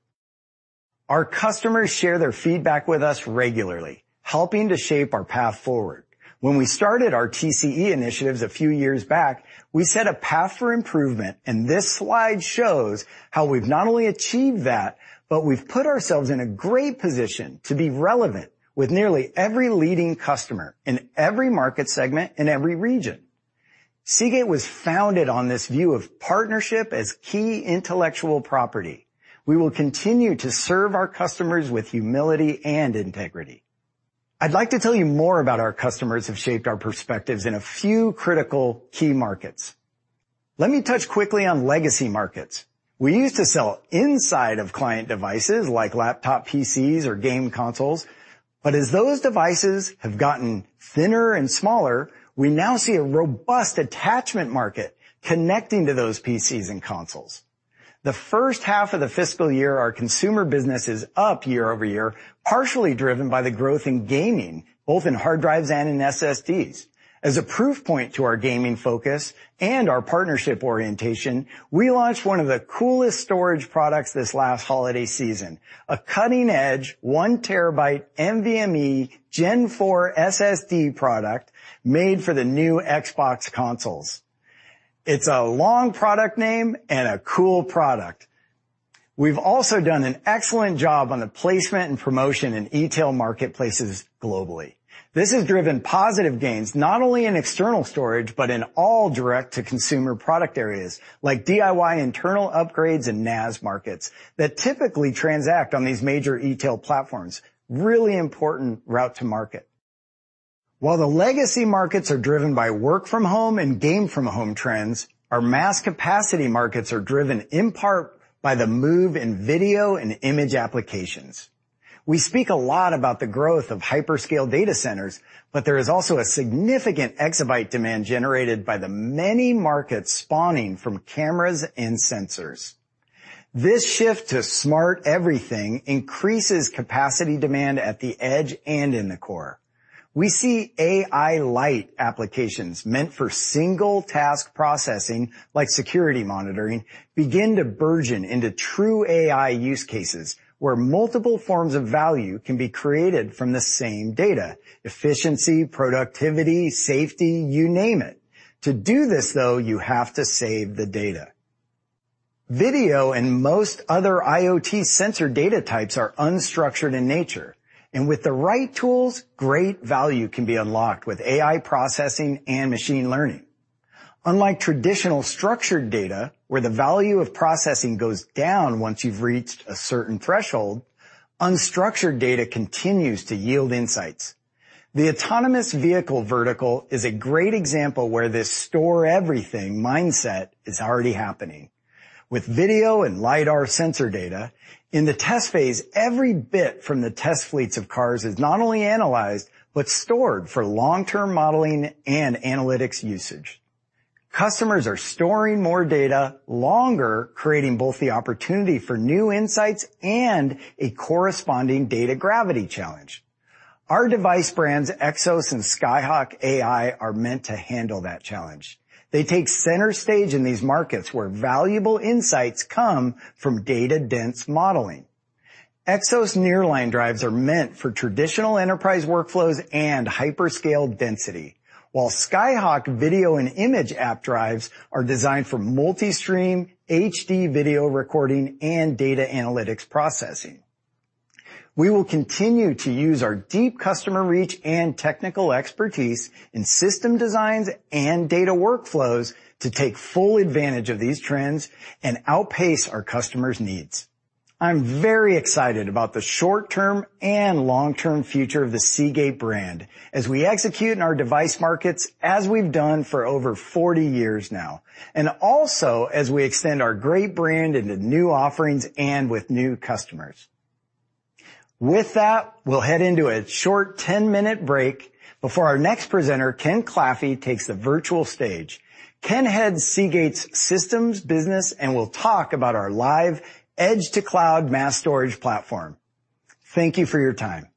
[SPEAKER 7] Our customers share their feedback with us regularly, helping to shape our path forward. When we started our TCE initiatives a few years back, we set a path for improvement, and this slide shows how we've not only achieved that, but we've put ourselves in a great position to be relevant with nearly every leading customer in every market segment in every region. Seagate was founded on this view of partnership as key intellectual property. We will continue to serve our customers with humility and integrity. I'd like to tell you more about our customers who've shaped our perspectives in a few critical key markets. Let me touch quickly on Legacy Markets. We used to sell inside of client devices like laptop PCs or game consoles, as those devices have gotten thinner and smaller, we now see a robust attachment market connecting to those PCs and consoles. The first half of the fiscal year, our consumer business is up year-over-year, partially driven by the growth in gaming, both in hard drives and in SSDs. As a proof point to our gaming focus and our partnership orientation, we launched one of the coolest storage products this last holiday season, a cutting edge 1 TB NVMe Gen 4 SSD product made for the new Xbox consoles. It's a long product name and a cool product. We've also done an excellent job on the placement and promotion in e-tail marketplaces globally. This has driven positive gains, not only in external storage, but in all direct to consumer product areas like DIY internal upgrades and NAS markets that typically transact on these major e-tail platforms. Really important route to market. While the Legacy Markets are driven by work-from-home and game-from-home trends, our Mass Capacity Markets are driven in part by the move in video and image applications. We speak a lot about the growth of hyperscale data centers, but there is also a significant exabyte demand generated by the many markets spawning from cameras and sensors. This shift to smart everything increases capacity demand at the edge and in the core. We see AI lite applications meant for single task processing, like security monitoring, begin to burgeon into true AI use cases where multiple forms of value can be created from the same data. Efficiency, productivity, safety, you name it. To do this though, you have to save the data. Video and most other IoT sensor data types are unstructured in nature. With the right tools, great value can be unlocked with AI processing and machine learning. Unlike traditional structured data, where the value of processing goes down once you've reached a certain threshold, unstructured data continues to yield insights. The autonomous vehicle vertical is a great example where this store-everything mindset is already happening. With video and lidar sensor data, in the test phase, every bit from the test fleets of cars is not only analyzed but stored for long-term modeling and analytics usage. Customers are storing more data longer, creating both the opportunity for new insights and a corresponding data gravity challenge. Our device brands Exos and SkyHawk AI are meant to handle that challenge. They take center stage in these markets where valuable insights come from data-dense modeling. Exos nearline drives are meant for traditional enterprise workflows and hyperscale density, while SkyHawk video and image app drives are designed for multi-stream HD video recording and data analytics processing. We will continue to use our deep customer reach and technical expertise in system designs and data workflows to take full advantage of these trends and outpace our customers' needs. I'm very excited about the short-term and long-term future of the Seagate brand as we execute in our device markets, as we've done for over 40 years now, also as we extend our great brand into new offerings and with new customers. With that, we'll head into a short 10-minute break before our next presenter, Ken Claffey, takes the virtual stage. Ken heads Seagate's Systems business and will talk about our Lyve edge-to-cloud mass storage platform. Thank you for your time.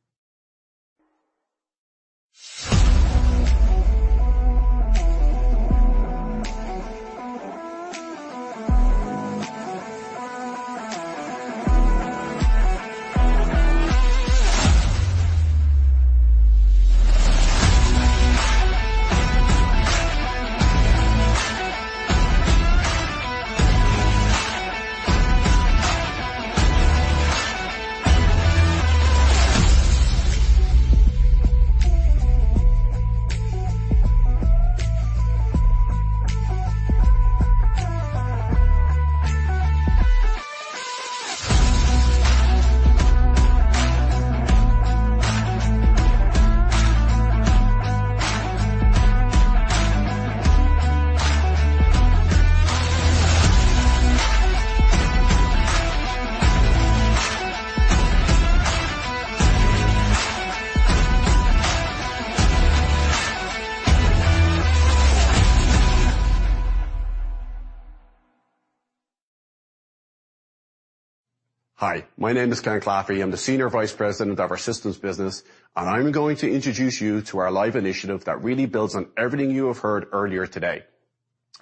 [SPEAKER 8] Hi, my name is Ken Claffey. I'm the Senior Vice President of our Systems business. I'm going to introduce you to our Lyve initiative that really builds on everything you have heard earlier today.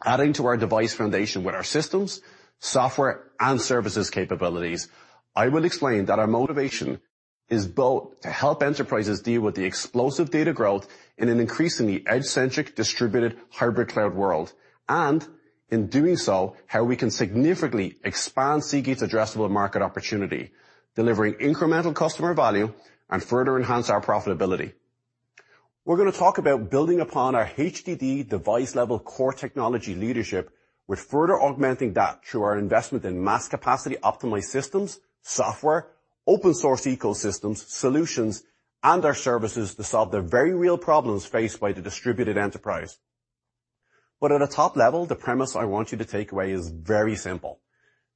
[SPEAKER 8] Adding to our device foundation with our systems, software, and services capabilities, I will explain that our motivation is both to help enterprises deal with the explosive data growth in an increasingly edge-centric, distributed hybrid cloud world. In doing so, how we can significantly expand Seagate's addressable market opportunity, delivering incremental customer value, and further enhance our profitability. We're going to talk about building upon our HDD device-level core technology leadership with further augmenting that through our investment in mass capacity optimized systems, software, open source ecosystems, solutions, and our services to solve the very real problems faced by the distributed enterprise. At a top level, the premise I want you to take away is very simple.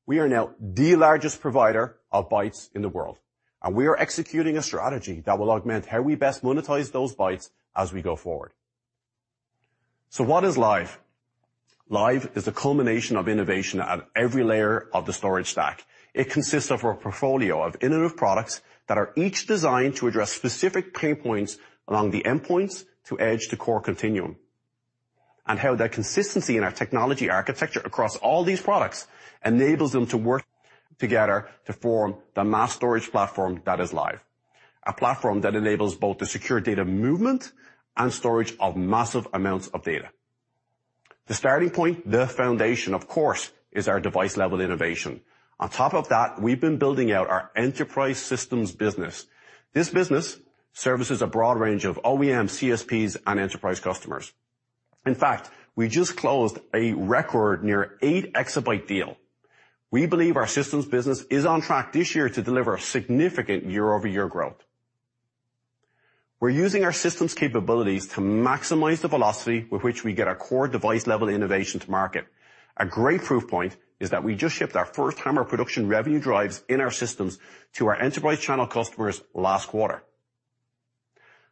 [SPEAKER 8] We are now the largest provider of bytes in the world, and we are executing a strategy that will augment how we best monetize those bytes as we go forward. What is Lyve? Lyve is a culmination of innovation at every layer of the storage stack. It consists of a portfolio of innovative products that are each designed to address specific pain points along the endpoints to edge to core continuum, and how that consistency in our technology architecture across all these products enables them to work together to form the mass storage platform that is Lyve, a platform that enables both the secure data movement and storage of massive amounts of data. The starting point, the foundation, of course, is our device-level innovation. On top of that, we've been building out our Enterprise Systems business. This business services a broad range of OEM, CSPs, and enterprise customers. We just closed a record near 8 EB deal. We believe our Systems business is on track this year to deliver significant year-over-year growth. We're using our systems capabilities to maximize the velocity with which we get our core device-level innovation to market. A great proof point is that we just shipped our first HAMR production revenue drives in our systems to our enterprise channel customers last quarter.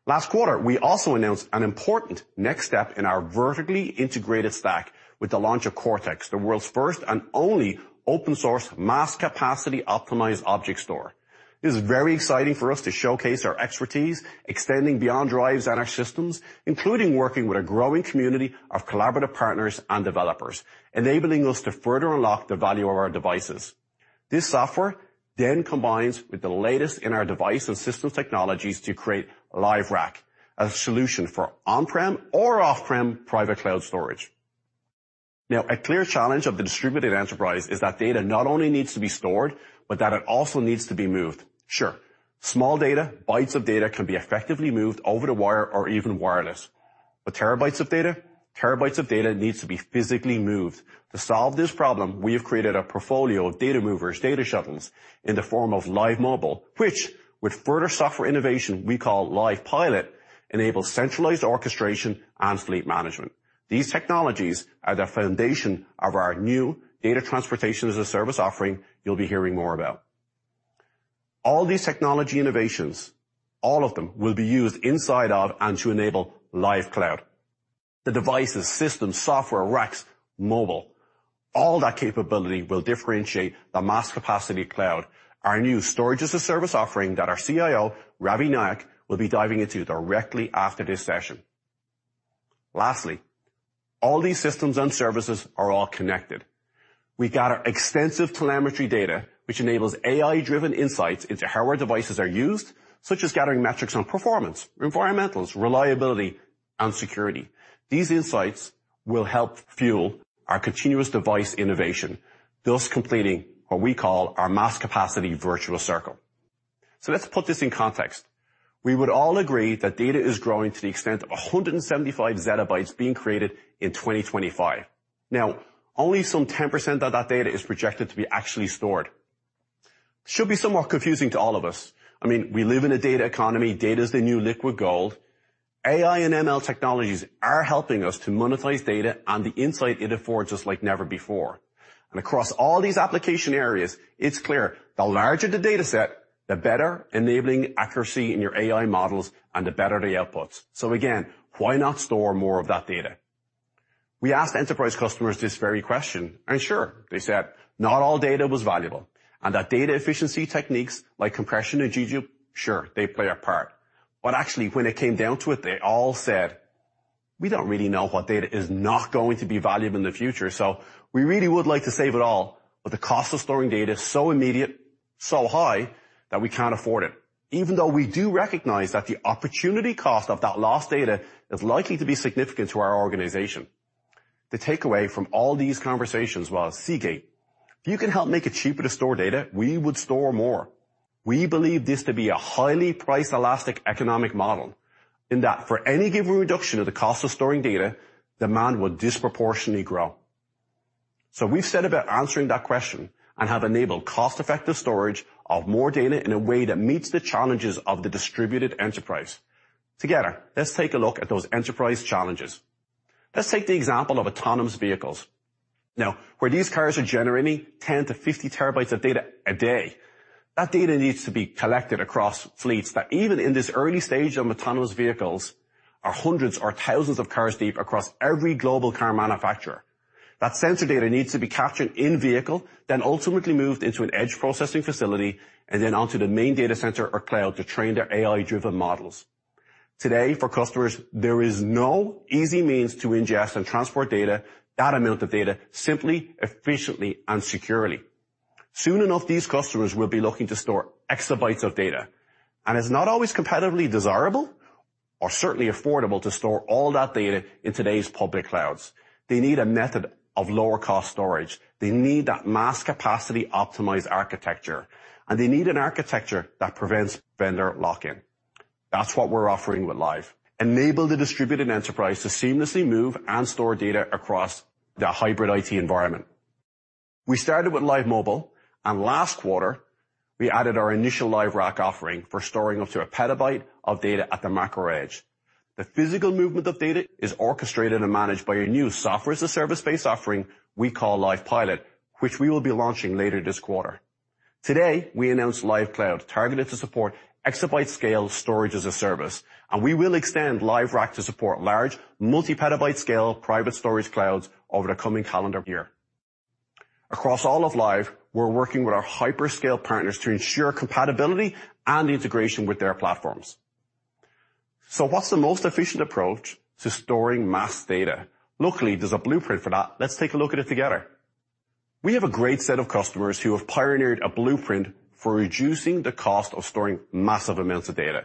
[SPEAKER 8] Last quarter, we also announced an important next step in our vertically integrated stack with the launch of CORTX, the world's first and only open-source mass capacity optimized object store. This is very exciting for us to showcase our expertise extending beyond drives and our systems, including working with a growing community of collaborative partners and developers, enabling us to further unlock the value of our devices. This software then combines with the latest in our device and systems technologies to create Lyve Rack, a solution for on-prem or off-prem private cloud storage. A clear challenge of the distributed enterprise is that data not only needs to be stored, but that it also needs to be moved. Sure, small data, bytes of data, can be effectively moved over the wire or even wireless. Terabytes of data? Terabytes of data needs to be physically moved. To solve this problem, we have created a portfolio of data movers, data shuttles, in the form of Lyve Mobile, which with further software innovation we call Lyve Pilot, enables centralized orchestration and fleet management. These technologies are the foundation of our new data transportation-as-a-service offering you'll be hearing more about. All these technology innovations, all of them, will be used inside of and to enable Lyve Cloud. The devices, systems, software, racks, mobile, all that capability will differentiate the mass capacity cloud, our new storage-as-a-service offering that our CIO, Ravi Naik, will be diving into directly after this session. All these systems and services are all connected. We've got our extensive telemetry data, which enables AI-driven insights into how our devices are used, such as gathering metrics on performance, environmentals, reliability, and security. These insights will help fuel our continuous device innovation, thus completing what we call our mass capacity virtual circle. Let's put this in context. We would all agree that data is growing to the extent of 175 ZB being created in 2025. Only some 10% of that data is projected to be actually stored, which should be somewhat confusing to all of us. I mean, we live in a data economy. Data is the new liquid gold. AI and ML technologies are helping us to monetize data and the insight it affords us like never before. Across all these application areas, it's clear the larger the data set, the better, enabling accuracy in your AI models and the better the outputs. Again, why not store more of that data? We asked enterprise customers this very question. Sure, they said not all data was valuable and that data efficiency techniques like compression and dedupe, sure, they play a part. Actually, when it came down to it, they all said, "We don't really know what data is not going to be valuable in the future, so we really would like to save it all. The cost of storing data is so immediate, so high, that we can't afford it, even though we do recognize that the opportunity cost of that lost data is likely to be significant to our organization." The takeaway from all these conversations was, "Seagate, if you can help make it cheaper to store data, we would store more." We believe this to be a highly price elastic economic model in that for any given reduction of the cost of storing data, demand will disproportionately grow. We've set about answering that question and have enabled cost-effective storage of more data in a way that meets the challenges of the distributed enterprise. Together, let's take a look at those enterprise challenges. Let's take the example of autonomous vehicles. Where these cars are generating 10TB-50 TB of data a day, that data needs to be collected across fleets that, even in this early stage of autonomous vehicles, are hundreds or thousands of cars deep across every global car manufacturer. That sensor data needs to be captured in-vehicle, then ultimately moved into an edge processing facility, then onto the main data center or cloud to train their AI-driven models. Today, for customers, there is no easy means to ingest and transport data, that amount of data, simply, efficiently, and securely. Soon enough, these customers will be looking to store exabytes of data, it's not always competitively desirable or certainly affordable to store all that data in today's public clouds. They need a method of lower cost storage. They need that mass capacity optimized architecture, they need an architecture that prevents vendor lock-in. That's what we're offering with Lyve, enable the distributed enterprise to seamlessly move and store data across their hybrid IT environment. We started with Lyve Mobile, last quarter, we added our initial Lyve Rack offering for storing up to a petabyte of data at the macro edge. The physical movement of data is orchestrated and managed by a new software-as-a-service-based offering we call Lyve Pilot, which we will be launching later this quarter. Today, we announced Lyve Cloud, targeted to support exabyte scale storage-as-a-service, we will extend Lyve Rack to support large multi-petabyte scale private storage clouds over the coming calendar year. Across all of Lyve, we're working with our hyperscale partners to ensure compatibility and integration with their platforms. What's the most efficient approach to storing mass data? Luckily, there's a blueprint for that. Let's take a look at it together. We have a great set of customers who have pioneered a blueprint for reducing the cost of storing massive amounts of data.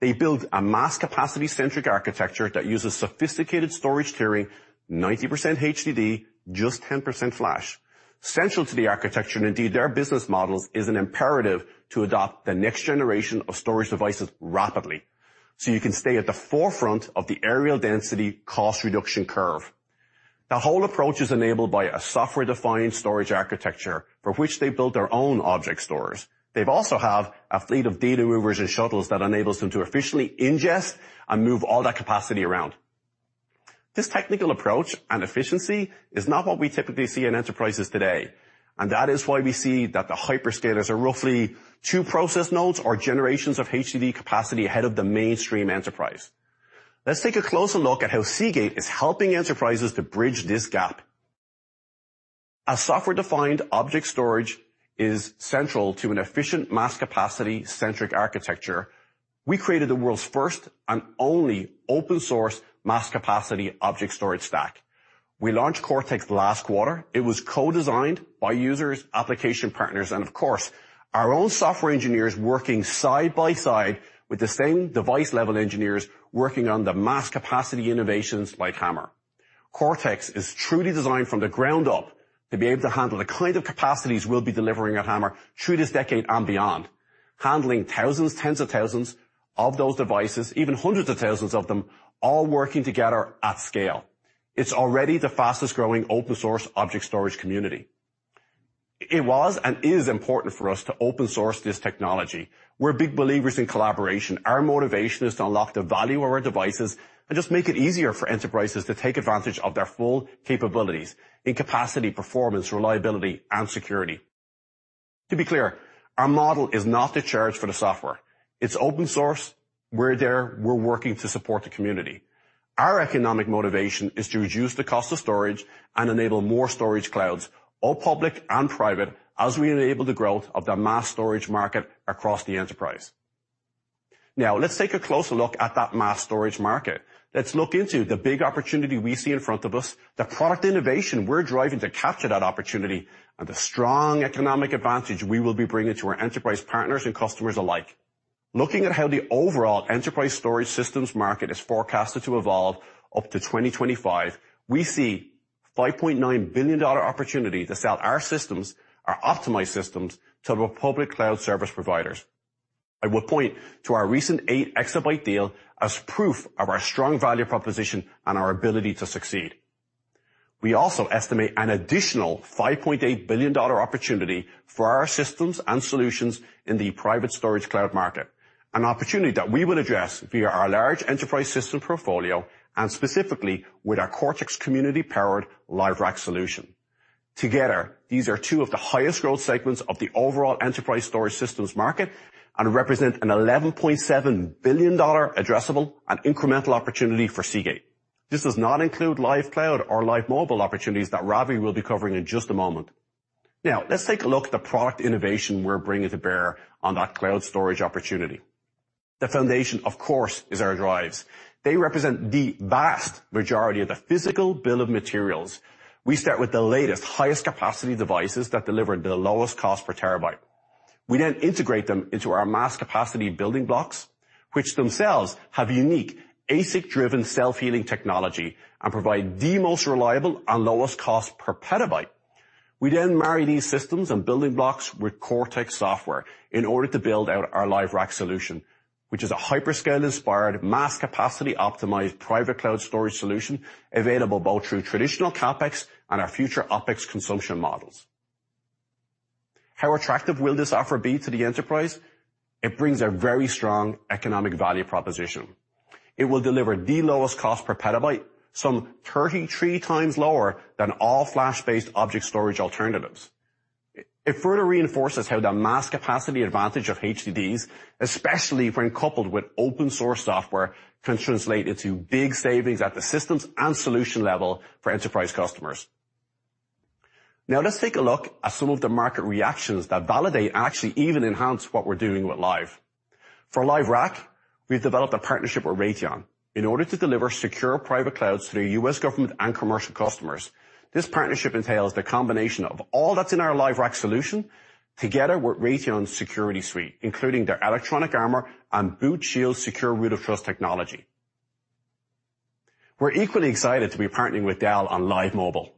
[SPEAKER 8] They build a mass capacity-centric architecture that uses sophisticated storage tiering, 90% HDD, just 10% flash. Central to the architecture, and indeed their business models, is an imperative to adopt the next generation of storage devices rapidly so you can stay at the forefront of the areal density cost reduction curve. The whole approach is enabled by a software-defined storage architecture for which they built their own object stores. They also have a fleet of data movers and shuttles that enables them to efficiently ingest and move all that capacity around. This technical approach and efficiency is not what we typically see in enterprises today, and that is why we see that the hyperscalers are roughly two process nodes or generations of HDD capacity ahead of the mainstream enterprise. Let's take a closer look at how Seagate is helping enterprises to bridge this gap. As software-defined object storage is central to an efficient mass capacity-centric architecture, we created the world's first and only open source mass capacity object storage stack. We launched CORTX last quarter. It was co-designed by users, application partners, and of course, our own software engineers working side by side with the same device-level engineers working on the mass capacity innovations like HAMR. CORTX is truly designed from the ground up to be able to handle the kind of capacities we'll be delivering at HAMR through this decade and beyond, handling thousands, tens of thousands of those devices, even hundreds of thousands of them, all working together at scale. It's already the fastest growing open source object storage community. It was and is important for us to open source this technology. We're big believers in collaboration. Our motivation is to unlock the value of our devices and just make it easier for enterprises to take advantage of their full capabilities in capacity, performance, reliability, and security. To be clear, our model is not to charge for the software. It's open source. We're there. We're working to support the community. Our economic motivation is to reduce the cost of storage and enable more storage clouds, all public and private, as we enable the growth of the mass storage market across the enterprise. Now, let's take a closer look at that mass storage market. Let's look into the big opportunity we see in front of us, the product innovation we're driving to capture that opportunity, and the strong economic advantage we will be bringing to our enterprise partners and customers alike. Looking at how the overall enterprise storage systems market is forecasted to evolve up to 2025, we see a $5.9 billion opportunity to sell our systems, our optimized systems, to public cloud service providers. I would point to our recent eight exabyte deal as proof of our strong value proposition and our ability to succeed. We also estimate an additional $5.8 billion opportunity for our systems and solutions in the private storage cloud market, an opportunity that we will address via our large enterprise system portfolio and specifically with our CORTX community-powered Lyve Rack solution. Together, these are two of the highest growth segments of the overall enterprise storage systems market and represent an $11.7 billion addressable and incremental opportunity for Seagate. This does not include Lyve Cloud or Lyve Mobile opportunities that Ravi will be covering in just a moment. Now, let's take a look at the product innovation we're bringing to bear on that cloud storage opportunity. The foundation, of course, is our drives. They represent the vast majority of the physical bill of materials. We start with the latest, highest capacity devices that deliver the lowest cost per terabyte. We then integrate them into our mass capacity building blocks, which themselves have unique ASIC-driven self-healing technology and provide the most reliable and lowest cost per petabyte. We then marry these systems and building blocks with CORTX software in order to build out our Lyve Rack solution, which is a hyperscale-inspired, mass capacity optimized private cloud storage solution available both through traditional CapEx and our future OpEx consumption models. How attractive will this offer be to the enterprise? It brings a very strong economic value proposition. It will deliver the lowest cost per petabyte, some 33x lower than all flash-based object storage alternatives. It further reinforces how the mass capacity advantage of HDDs, especially when coupled with open-source software, can translate into big savings at the systems and solution level for enterprise customers. Let's take a look at some of the market reactions that validate, actually even enhance, what we're doing with Lyve. For Lyve Rack, we've developed a partnership with Raytheon in order to deliver secure private clouds to the U.S. government and commercial customers. This partnership entails the combination of all that's in our Lyve Rack solution together with Raytheon's security suite, including their Electronic Armor and Boot Shield secure root-of-trust technology. We're equally excited to be partnering with Dell on Lyve Mobile.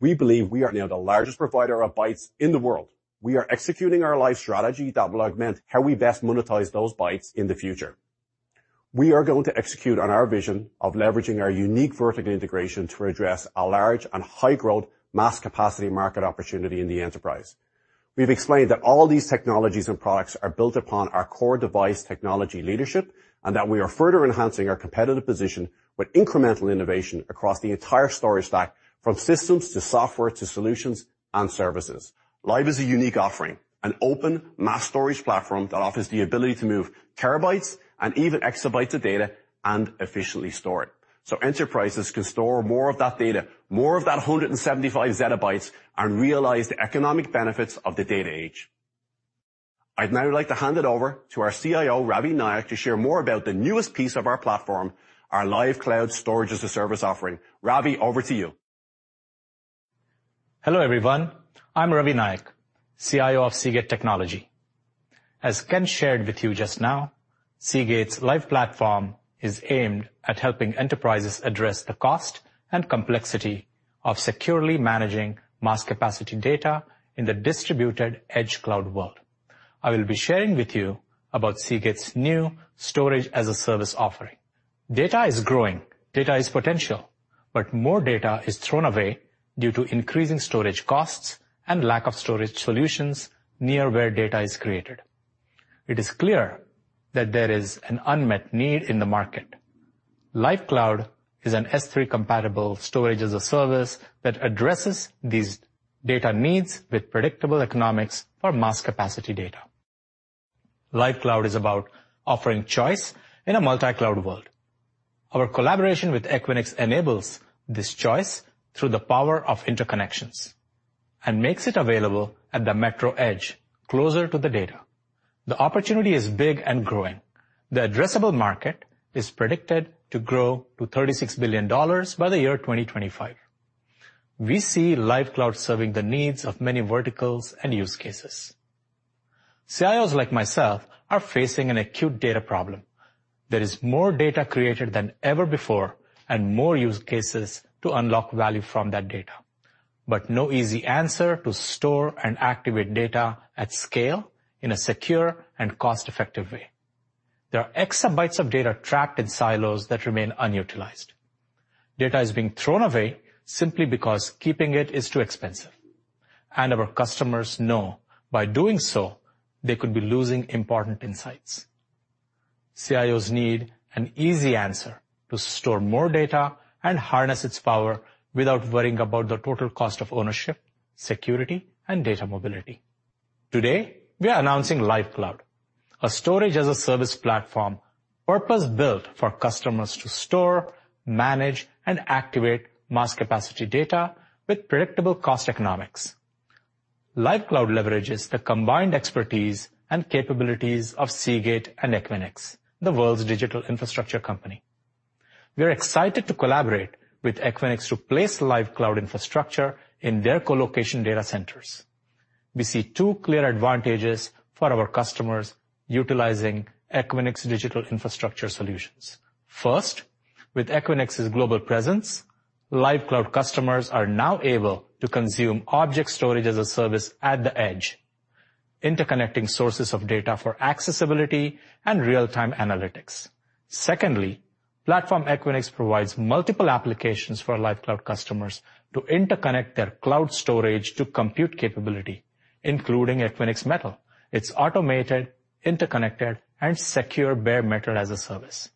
[SPEAKER 8] We believe we are now the largest provider of bytes in the world. We are executing our Lyve strategy that will augment how we best monetize those bytes in the future. We are going to execute on our vision of leveraging our unique vertical integration to address a large and high-growth Mass Capacity Market opportunity in the enterprise. We've explained that all these technologies and products are built upon our core device technology leadership, that we are further enhancing our competitive position with incremental innovation across the entire storage stack, from systems to software to solutions and services. Lyve is a unique offering, an open mass storage platform that offers the ability to move terabytes and even exabytes of data and efficiently store it. Enterprises can store more of that data, more of that 175 ZB, and realize the economic benefits of the data age. I'd now like to hand it over to our CIO, Ravi Naik, to share more about the newest piece of our platform, our Lyve Cloud storage-as-a-service offering. Ravi, over to you.
[SPEAKER 9] Hello, everyone. I'm Ravi Naik, CIO of Seagate Technology. As Ken shared with you just now, Seagate's Lyve platform is aimed at helping enterprises address the cost and complexity of securely managing mass capacity data in the distributed edge cloud world. I will be sharing with you about Seagate's new storage-as-a-service offering. Data is growing, data is potential, but more data is thrown away due to increasing storage costs and lack of storage solutions near where data is created. It is clear that there is an unmet need in the market. Lyve Cloud is an S3-compatible storage-as-a-service that addresses these data needs with predictable economics for mass capacity data. Lyve Cloud is about offering choice in a multi-cloud world. Our collaboration with Equinix enables this choice through the power of interconnections and makes it available at the metro edge, closer to the data. The opportunity is big and growing. The addressable market is predicted to grow to $36 billion by the year 2025. We see Lyve Cloud serving the needs of many verticals and use cases. CIOs like myself are facing an acute data problem. There is more data created than ever before and more use cases to unlock value from that data, but no easy answer to store and activate data at scale in a secure and cost-effective way. There are exabytes of data trapped in silos that remain unutilized. Data is being thrown away simply because keeping it is too expensive, and our customers know by doing so, they could be losing important insights. CIOs need an easy answer to store more data and harness its power without worrying about the total cost of ownership, security, and data mobility. Today, we are announcing Lyve Cloud, a storage-as-a-service platform purpose-built for customers to store, manage, and activate mass capacity data with predictable cost economics. Lyve Cloud leverages the combined expertise and capabilities of Seagate and Equinix, the world's digital infrastructure company. We are excited to collaborate with Equinix to place Lyve Cloud infrastructure in their co-location data centers. We see two clear advantages for our customers utilizing Equinix digital infrastructure solutions. First, with Equinix's global presence, Lyve Cloud customers are now able to consume object storage-as-a-service at the edge, interconnecting sources of data for accessibility and real-time analytics. Secondly, Platform Equinix provides multiple applications for Lyve Cloud customers to interconnect their cloud storage to compute capability, including Equinix Metal. It's automated, interconnected, and secure bare metal-as-a-service.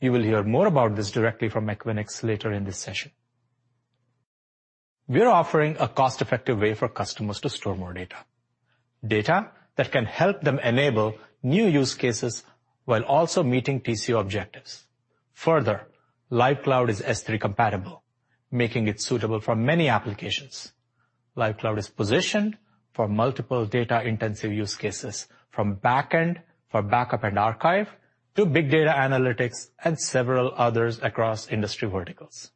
[SPEAKER 9] You will hear more about this directly from Equinix later in this session. We are offering a cost-effective way for customers to store more data that can help them enable new use cases while also meeting TCO objectives. Further, Lyve Cloud is S3 compatible, making it suitable for many applications. Lyve Cloud is positioned for multiple data-intensive use cases, from backend for backup and archive to big data analytics and several others across industry verticals.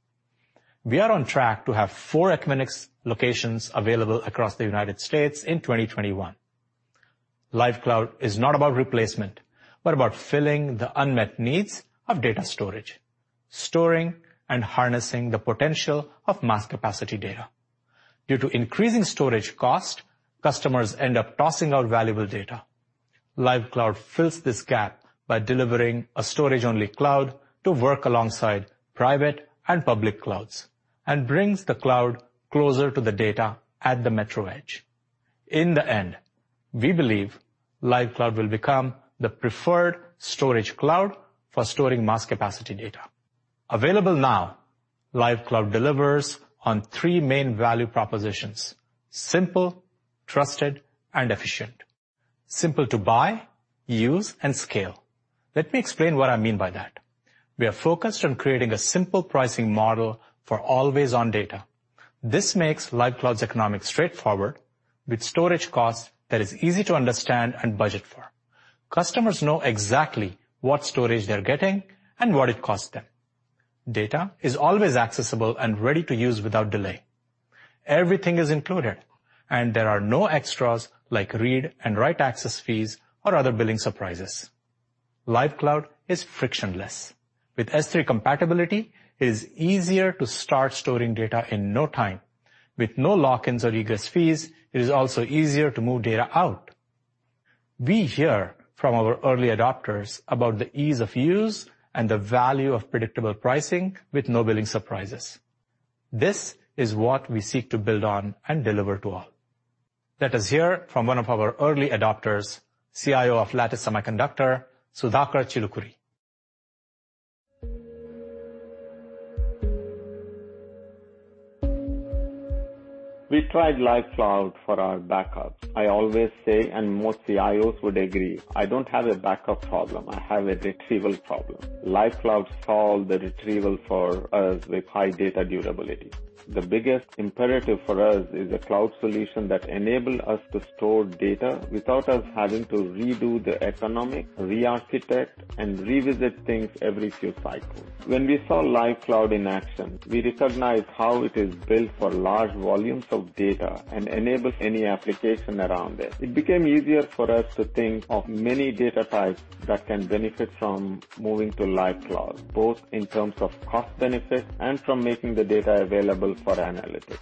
[SPEAKER 9] We are on track to have four Equinix locations available across the United States in 2021. Lyve Cloud is not about replacement but about filling the unmet needs of data storage, storing and harnessing the potential of mass capacity data. Due to increasing storage cost, customers end up tossing out valuable data. Lyve Cloud fills this gap by delivering a storage-only cloud to work alongside private and public clouds and brings the cloud closer to the data at the metro edge. In the end, we believe Lyve Cloud will become the preferred storage cloud for storing mass capacity data. Available now, Lyve Cloud delivers on three main value propositions: Simple, Trusted, and Efficient. Simple to buy, use, and scale. Let me explain what I mean by that. We are focused on creating a simple pricing model for always-on data. This makes Lyve Cloud's economics straightforward, with storage costs that is easy to understand and budget for. Customers know exactly what storage they're getting and what it costs them. Data is always accessible and ready to use without delay. Everything is included, and there are no extras like read and write access fees or other billing surprises. Lyve Cloud is frictionless. With S3 compatibility, it is easier to start storing data in no time. With no lock-ins or egress fees, it is also easier to move data out. We hear from our early adopters about the ease of use and the value of predictable pricing with no billing surprises. This is what we seek to build on and deliver to all. Let us hear from one of our early adopters, CIO of Lattice Semiconductor, Sudhakar Chilukuri.
[SPEAKER 10] We tried Lyve Cloud for our backups. I always say, and most CIOs would agree, I don't have a backup problem. I have a retrieval problem. Lyve Cloud solved the retrieval for us with high data durability. The biggest imperative for us is a cloud solution that enable us to store data without us having to redo the economic, rearchitect, and revisit things every few cycles. When we saw Lyve Cloud in action, we recognized how it is built for large volumes of data and enables any application around it. It became easier for us to think of many data types that can benefit from moving to Lyve Cloud, both in terms of cost benefits and from making the data available for analytics.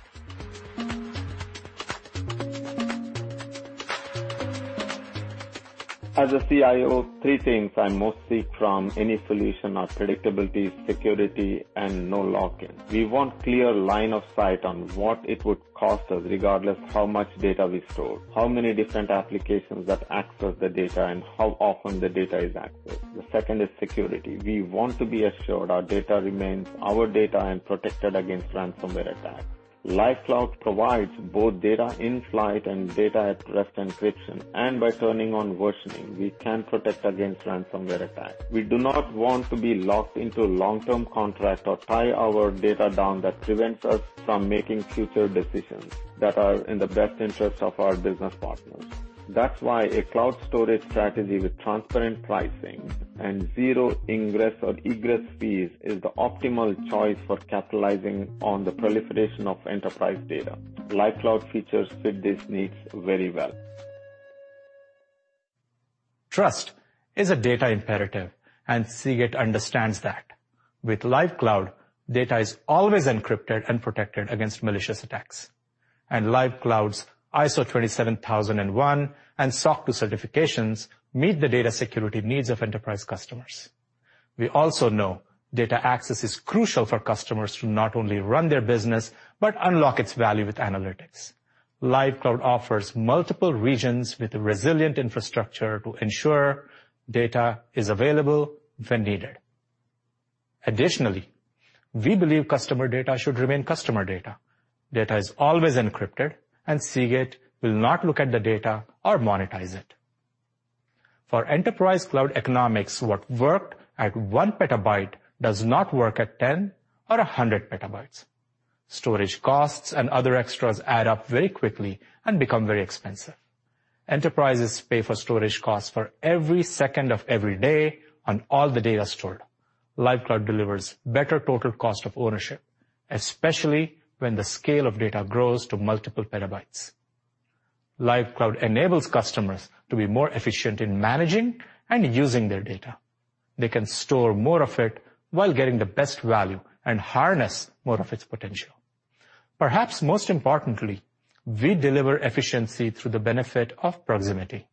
[SPEAKER 10] As a CIO, three things I mostly seek from any solution are predictability, security, and no lock-in. We want clear line of sight on what it would cost us regardless how much data we store, how many different applications that access the data, and how often the data is accessed. The second is security. We want to be assured our data remains our data and protected against ransomware attacks. Lyve Cloud provides both data-in-flight and data-at-rest encryption, and by turning on versioning, we can protect against ransomware attacks. We do not want to be locked into long-term contract or tie our data down that prevents us from making future decisions that are in the best interest of our business partners. That's why a cloud storage strategy with transparent pricing and zero ingress or egress fees is the optimal choice for capitalizing on the proliferation of enterprise data. Lyve Cloud features fit these needs very well.
[SPEAKER 9] Trust is a data imperative. Seagate understands that. With Lyve Cloud, data is always encrypted and protected against malicious attacks. Lyve Cloud's ISO 27001 and SOC 2 certifications meet the data security needs of enterprise customers. We also know data access is crucial for customers to not only run their business, but unlock its value with analytics. Lyve Cloud offers multiple regions with resilient infrastructure to ensure data is available when needed. Additionally, we believe customer data should remain customer data. Data is always encrypted, and Seagate will not look at the data or monetize it. For enterprise cloud economics, what worked at one petabyte does not work at 10 PB or 100 PB. Storage costs and other extras add up very quickly and become very expensive. Enterprises pay for storage costs for every second of every day on all the data stored. Lyve Cloud delivers better total cost of ownership, especially when the scale of data grows to multiple petabytes. Lyve Cloud enables customers to be more efficient in managing and using their data. They can store more of it while getting the best value and harness more of its potential. Perhaps most importantly, we deliver efficiency through the benefit of proximity.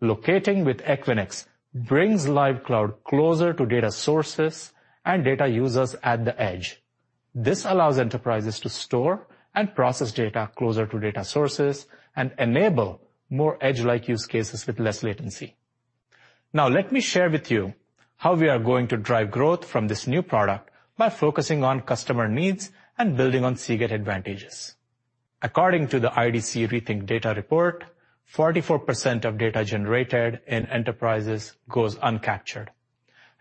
[SPEAKER 9] Locating with Equinix brings Lyve Cloud closer to data sources and data users at the edge. This allows enterprises to store and process data closer to data sources and enable more edge-like use cases with less latency. Let me share with you how we are going to drive growth from this new product by focusing on customer needs and building on Seagate advantages. According to the IDC Rethink Data report, 44% of data generated in enterprises goes uncaptured.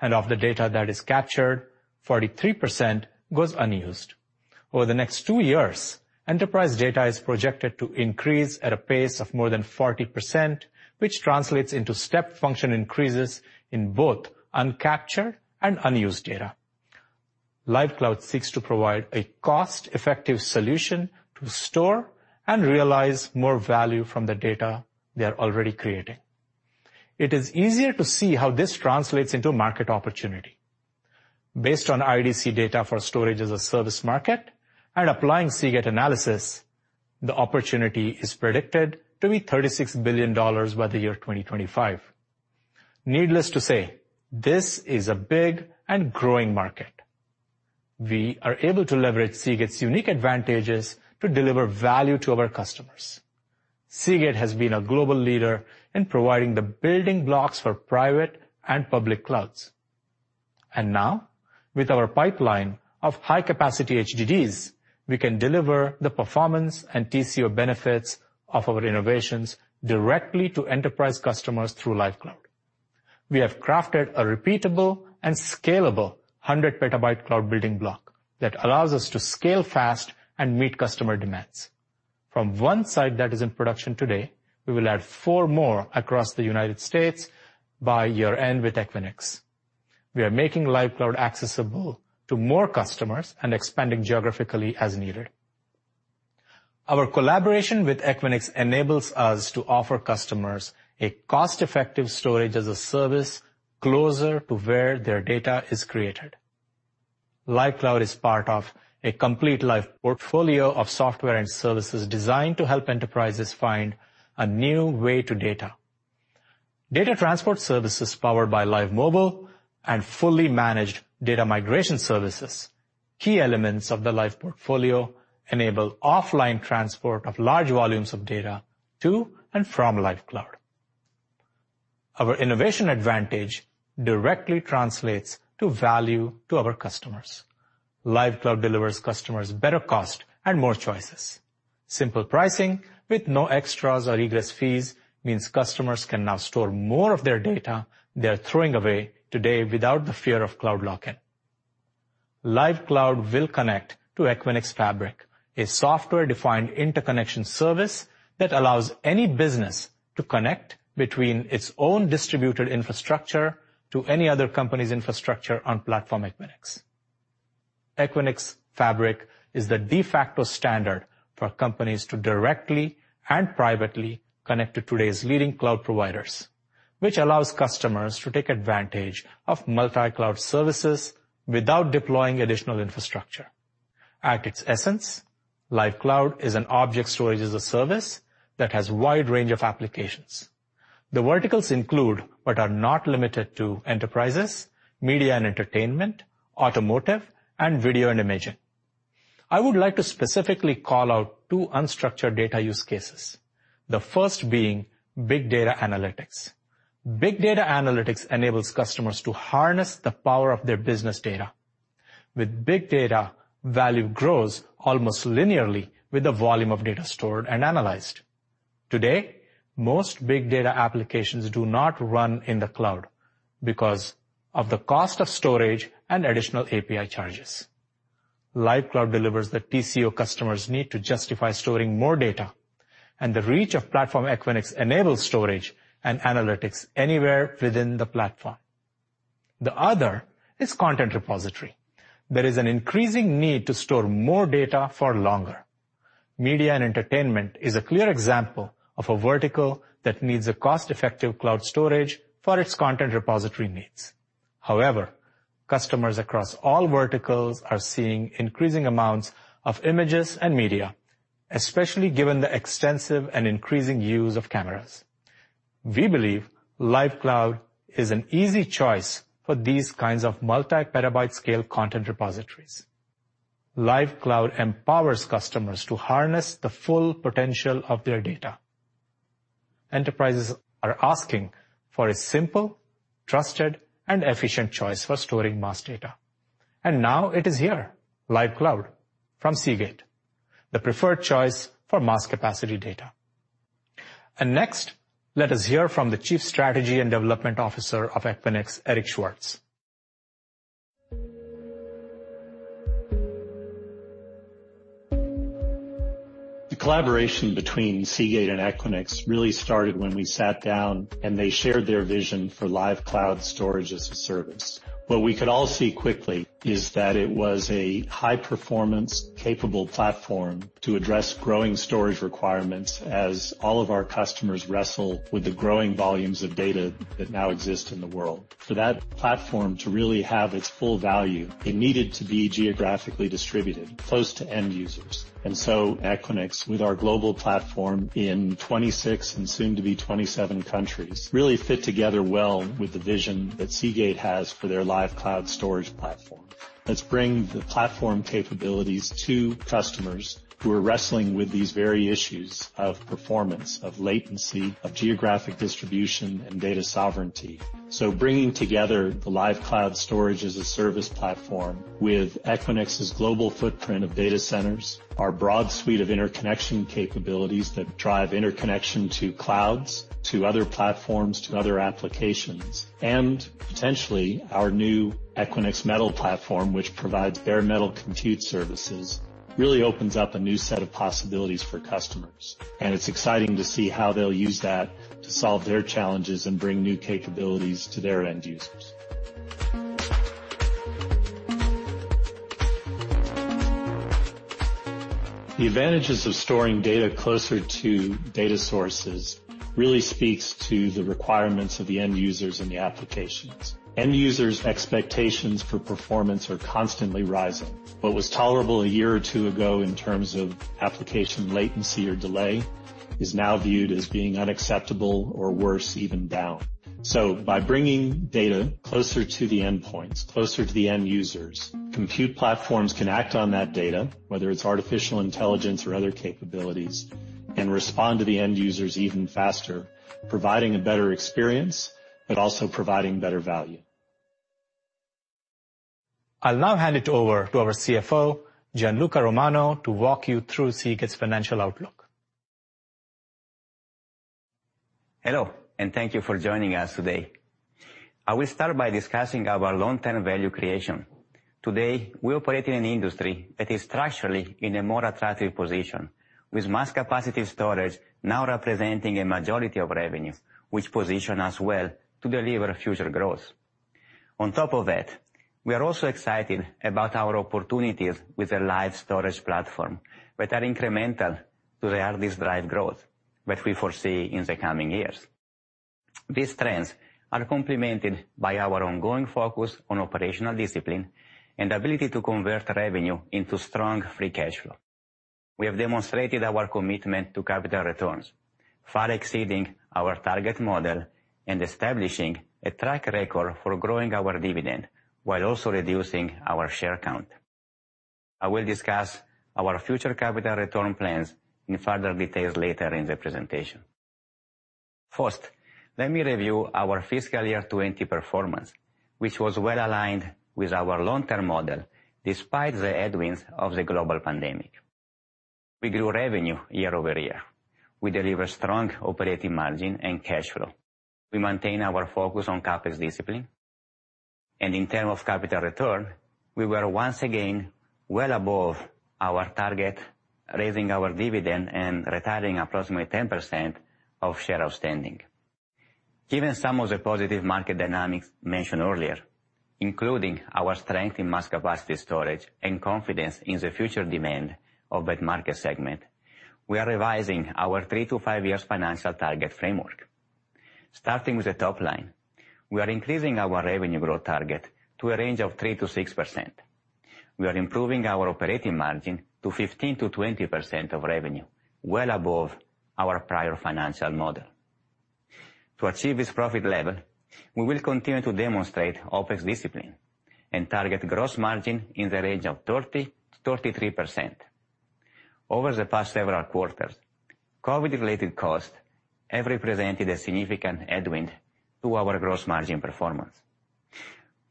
[SPEAKER 9] Of the data that is captured, 43% goes unused. Over the next two years, enterprise data is projected to increase at a pace of more than 40%, which translates into step function increases in both uncaptured and unused data. Lyve Cloud seeks to provide a cost-effective solution to store and realize more value from the data they are already creating. It is easier to see how this translates into market opportunity. Based on IDC data for storage-as-a-service market and applying Seagate analysis, the opportunity is predicted to be $36 billion by the year 2025. Needless to say, this is a big and growing market. We are able to leverage Seagate's unique advantages to deliver value to our customers. Seagate has been a global leader in providing the building blocks for private and public clouds. Now, with our pipeline of high-capacity HDDs, we can deliver the performance and TCO benefits of our innovations directly to enterprise customers through Lyve Cloud. We have crafted a repeatable and scalable 100-PB cloud building block that allows us to scale fast and meet customer demands. From one site that is in production today, we will add four more across the U.S. by year-end with Equinix. We are making Lyve Cloud accessible to more customers and expanding geographically as needed. Our collaboration with Equinix enables us to offer customers a cost-effective storage-as-a-service closer to where their data is created. Lyve Cloud is part of a complete Lyve portfolio of software and services designed to help enterprises find a new way to data. Data transport services powered by Lyve Mobile and fully managed data migration services, key elements of the Lyve portfolio, enable offline transport of large volumes of data to and from Lyve Cloud. Our innovation advantage directly translates to value to our customers. Lyve Cloud delivers customers better cost and more choices. Simple pricing with no extras or egress fees means customers can now store more of their data they are throwing away today without the fear of cloud lock-in. Lyve Cloud will connect to Equinix Fabric, a software-defined interconnection service that allows any business to connect between its own distributed infrastructure to any other company's infrastructure on Platform Equinix. Equinix Fabric is the de facto standard for companies to directly and privately connect to today's leading cloud providers, which allows customers to take advantage of multi-cloud services without deploying additional infrastructure. At its essence, Lyve Cloud is an object storage as a service that has wide range of applications. The verticals include, but are not limited to enterprises, media and entertainment, automotive, and video and imaging. I would like to specifically call out two unstructured data use cases, the first being big data analytics. Big data analytics enables customers to harness the power of their business data. With big data, value grows almost linearly with the volume of data stored and analyzed. Today, most big data applications do not run in the cloud because of the cost of storage and additional API charges. Lyve Cloud delivers the TCO customers need to justify storing more data, and the reach of Platform Equinix enables storage and analytics anywhere within the platform. The other is content repository. There is an increasing need to store more data for longer. Media and entertainment is a clear example of a vertical that needs a cost-effective cloud storage for its content repository needs. Customers across all verticals are seeing increasing amounts of images and media, especially given the extensive and increasing use of cameras. We believe Lyve Cloud is an easy choice for these kinds of multi-petabyte scale content repositories. Lyve Cloud empowers customers to harness the full potential of their data. Enterprises are asking for a simple, trusted, and efficient choice for storing mass data. Now it is here, Lyve Cloud from Seagate, the preferred choice for mass capacity data. Next, let us hear from the Chief Strategy and Development Officer of Equinix, Eric Schwartz.
[SPEAKER 11] The collaboration between Seagate and Equinix really started when we sat down, and they shared their vision for Lyve Cloud storage-as-a-service. What we could all see quickly is that it was a high-performance capable platform to address growing storage requirements as all of our customers wrestle with the growing volumes of data that now exist in the world. For that platform to really have its full value, it needed to be geographically distributed, close to end users. Equinix, with our global platform in 26 and soon to be 27 countries, really fit together well with the vision that Seagate has for their Lyve Cloud storage platform. Let's bring the platform capabilities to customers who are wrestling with these very issues of performance, of latency, of geographic distribution, and data sovereignty. Bringing together the Lyve Cloud storage-as-a-service platform with Equinix's global footprint of data centers, our broad suite of interconnection capabilities that drive interconnection to clouds, to other platforms, to other applications, and potentially our new Equinix Metal platform, which provides bare metal compute services, really opens up a new set of possibilities for customers. It's exciting to see how they'll use that to solve their challenges and bring new capabilities to their end users. The advantages of storing data closer to data sources really speaks to the requirements of the end users and the applications. End users' expectations for performance are constantly rising. What was tolerable a year or two ago in terms of application latency or delay is now viewed as being unacceptable or worse even down. By bringing data closer to the endpoints, closer to the end users, compute platforms can act on that data, whether it's Artificial Intelligence or other capabilities, and respond to the end users even faster, providing a better experience, but also providing better value.
[SPEAKER 9] I'll now hand it over to our CFO, Gianluca Romano, to walk you through Seagate's financial outlook.
[SPEAKER 12] Hello, thank you for joining us today. I will start by discussing our long-term value creation. Today, we operate in an industry that is structurally in a more attractive position, with mass capacity storage now representing a majority of revenue, which position us well to deliver future growth. On top of that, we are also excited about our opportunities with the Lyve Storage Platform that are incremental to the hard disk drive growth that we foresee in the coming years. These trends are complemented by our ongoing focus on operational discipline and ability to convert revenue into strong free cash flow. We have demonstrated our commitment to capital returns, far exceeding our target model and establishing a track record for growing our dividend while also reducing our share count. I will discuss our future capital return plans in further details later in the presentation. First, let me review our fiscal year 2020 performance, which was well-aligned with our long-term model, despite the headwinds of the global pandemic. We grew revenue year-over-year. We delivered strong operating margin and cash flow. We maintained our focus on CapEx discipline, and in term of capital return, we were once again well above our target, raising our dividend and retiring approximately 10% of share outstanding. Given some of the positive market dynamics mentioned earlier, including our strength in mass capacity storage and confidence in the future demand of that market segment, we are revising our three to five years financial target framework. Starting with the top line, we are increasing our revenue growth target to a range of 3%-6%. We are improving our operating margin to 15%-20% of revenue, well above our prior financial model. To achieve this profit level, we will continue to demonstrate OpEx discipline and target gross margin in the range of 30%-33%. Over the past several quarters, COVID-related costs have represented a significant headwind to our gross margin performance.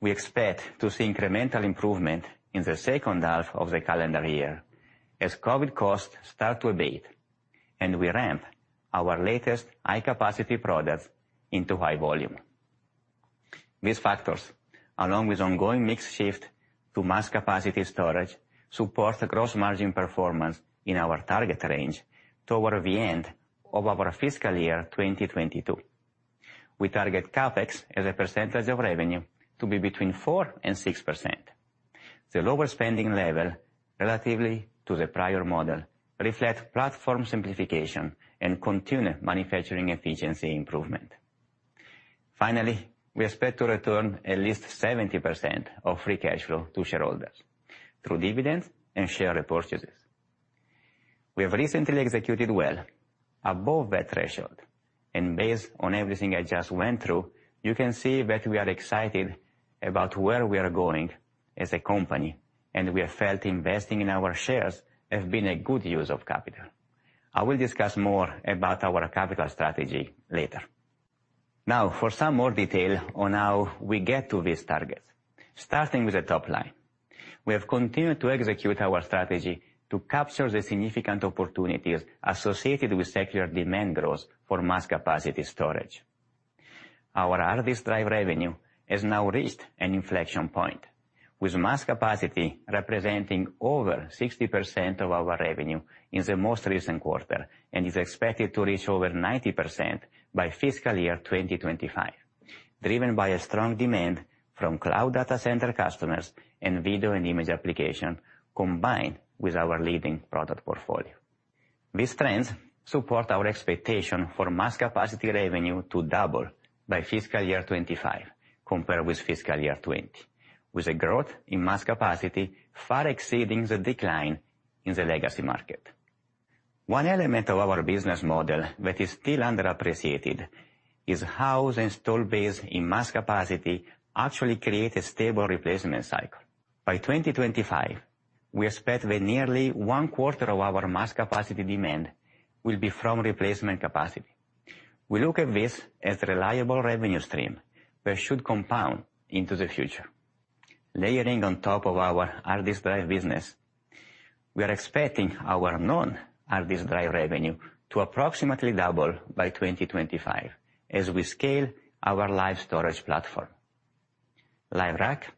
[SPEAKER 12] We expect to see incremental improvement in the second half of the calendar year as COVID costs start to abate, and we ramp our latest high-capacity products into high volume. These factors, along with ongoing mix shift to mass capacity storage, support the gross margin performance in our target range toward the end of our fiscal year 2022. We target CapEx as a percentage of revenue to be between 4% and 6%. The lower spending level, relative to the prior model, reflect platform simplification and continued manufacturing efficiency improvement. Finally, we expect to return at least 70% of free cash flow to shareholders through dividends and share repurchases. We have recently executed well above that threshold, and based on everything I just went through, you can see that we are excited about where we are going as a company, and we have felt investing in our shares has been a good use of capital. I will discuss more about our capital strategy later. For some more detail on how we get to these targets. Starting with the top line. We have continued to execute our strategy to capture the significant opportunities associated with secular demand growth for mass capacity storage. Our hard disk drive revenue has now reached an inflection point, with mass capacity representing over 60% of our revenue in the most recent quarter, and is expected to reach over 90% by fiscal year 2025, driven by a strong demand from cloud data center customers and video and image application, combined with our leading product portfolio. These trends support our expectation for mass capacity revenue to double by fiscal year 2025 compared with fiscal year 2020, with a growth in mass capacity far exceeding the decline in the Legacy Market. One element of our business model that is still underappreciated is how the install base in mass capacity actually create a stable replacement cycle. By 2025, we expect that nearly one-quarter of our mass capacity demand will be from replacement capacity. We look at this as a reliable revenue stream that should compound into the future. Layering on top of our hard disk drive business, we are expecting our non-hard disk drive revenue to approximately double by 2025 as we scale our Lyve Storage Platform. Lyve Rack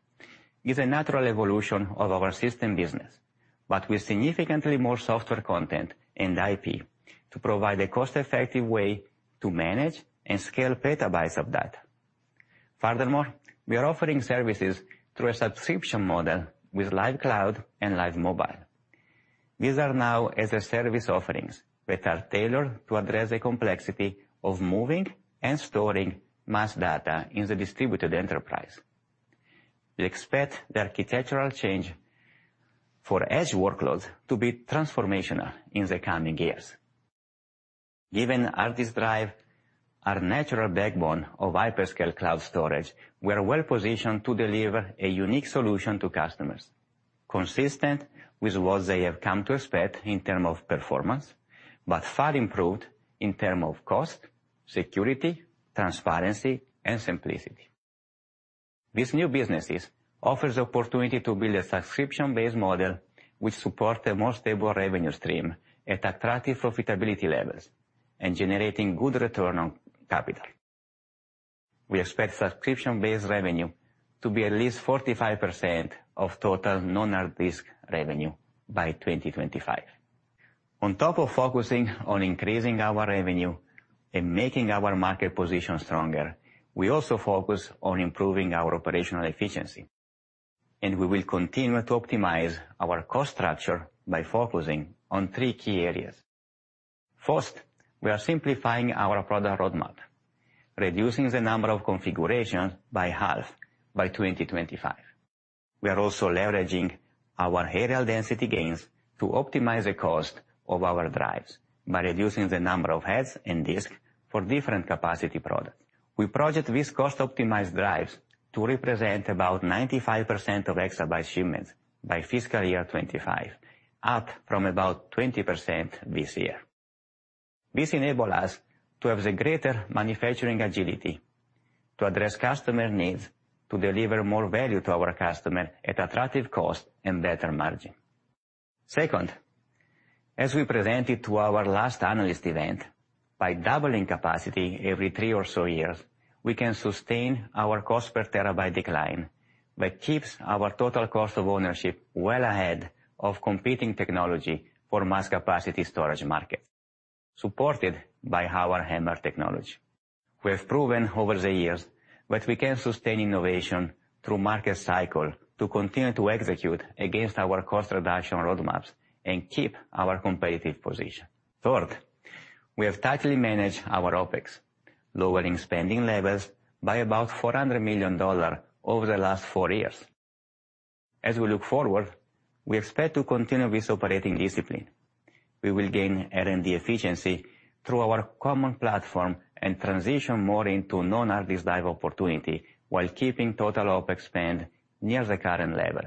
[SPEAKER 12] is a natural evolution of our system business, but with significantly more software content and IP to provide a cost-effective way to manage and scale petabytes of data. Furthermore, we are offering services through a subscription model with Lyve Cloud and Lyve Mobile. These are now as-a-service offerings that are tailored to address the complexity of moving and storing mass data in the distributed enterprise. We expect the architectural change for edge workloads to be transformational in the coming years. Given hard disk drive are natural backbone of hyperscale cloud storage, we are well-positioned to deliver a unique solution to customers, consistent with what they have come to expect in terms of performance, but far improved in terms of cost, security, transparency, and simplicity. These new businesses offers opportunity to build a subscription-based model which support a more stable revenue stream at attractive profitability levels and generating good return on capital. We expect subscription-based revenue to be at least 45% of total non-hard disk revenue by 2025. On top of focusing on increasing our revenue and making our market position stronger, we also focus on improving our operational efficiency. We will continue to optimize our cost structure by focusing on three key areas. First, we are simplifying our product roadmap, reducing the number of configurations by half by 2025. We are also leveraging our areal density gains to optimize the cost of our drives by reducing the number of heads and disk for different capacity products. We project these cost-optimized drives to represent about 95% of exabyte shipments by fiscal year 2025, up from about 20% this year. This enable us to have the greater manufacturing agility to address customer needs, to deliver more value to our customer at attractive cost and better margin. Second, as we presented to our last analyst event, by doubling capacity every three or so years, we can sustain our cost per terabyte decline that keeps our total cost of ownership well ahead of competing technology for mass capacity storage market, supported by our HAMR technology. We have proven over the years that we can sustain innovation through market cycle to continue to execute against our cost reduction roadmaps and keep our competitive position. Third, we have tightly managed our OpEx, lowering spending levels by about $400 million over the last four years. As we look forward, we expect to continue this operating discipline. We will gain R&D efficiency through our common platform and transition more into non-hard disk drive opportunity while keeping total OpEx spend near the current level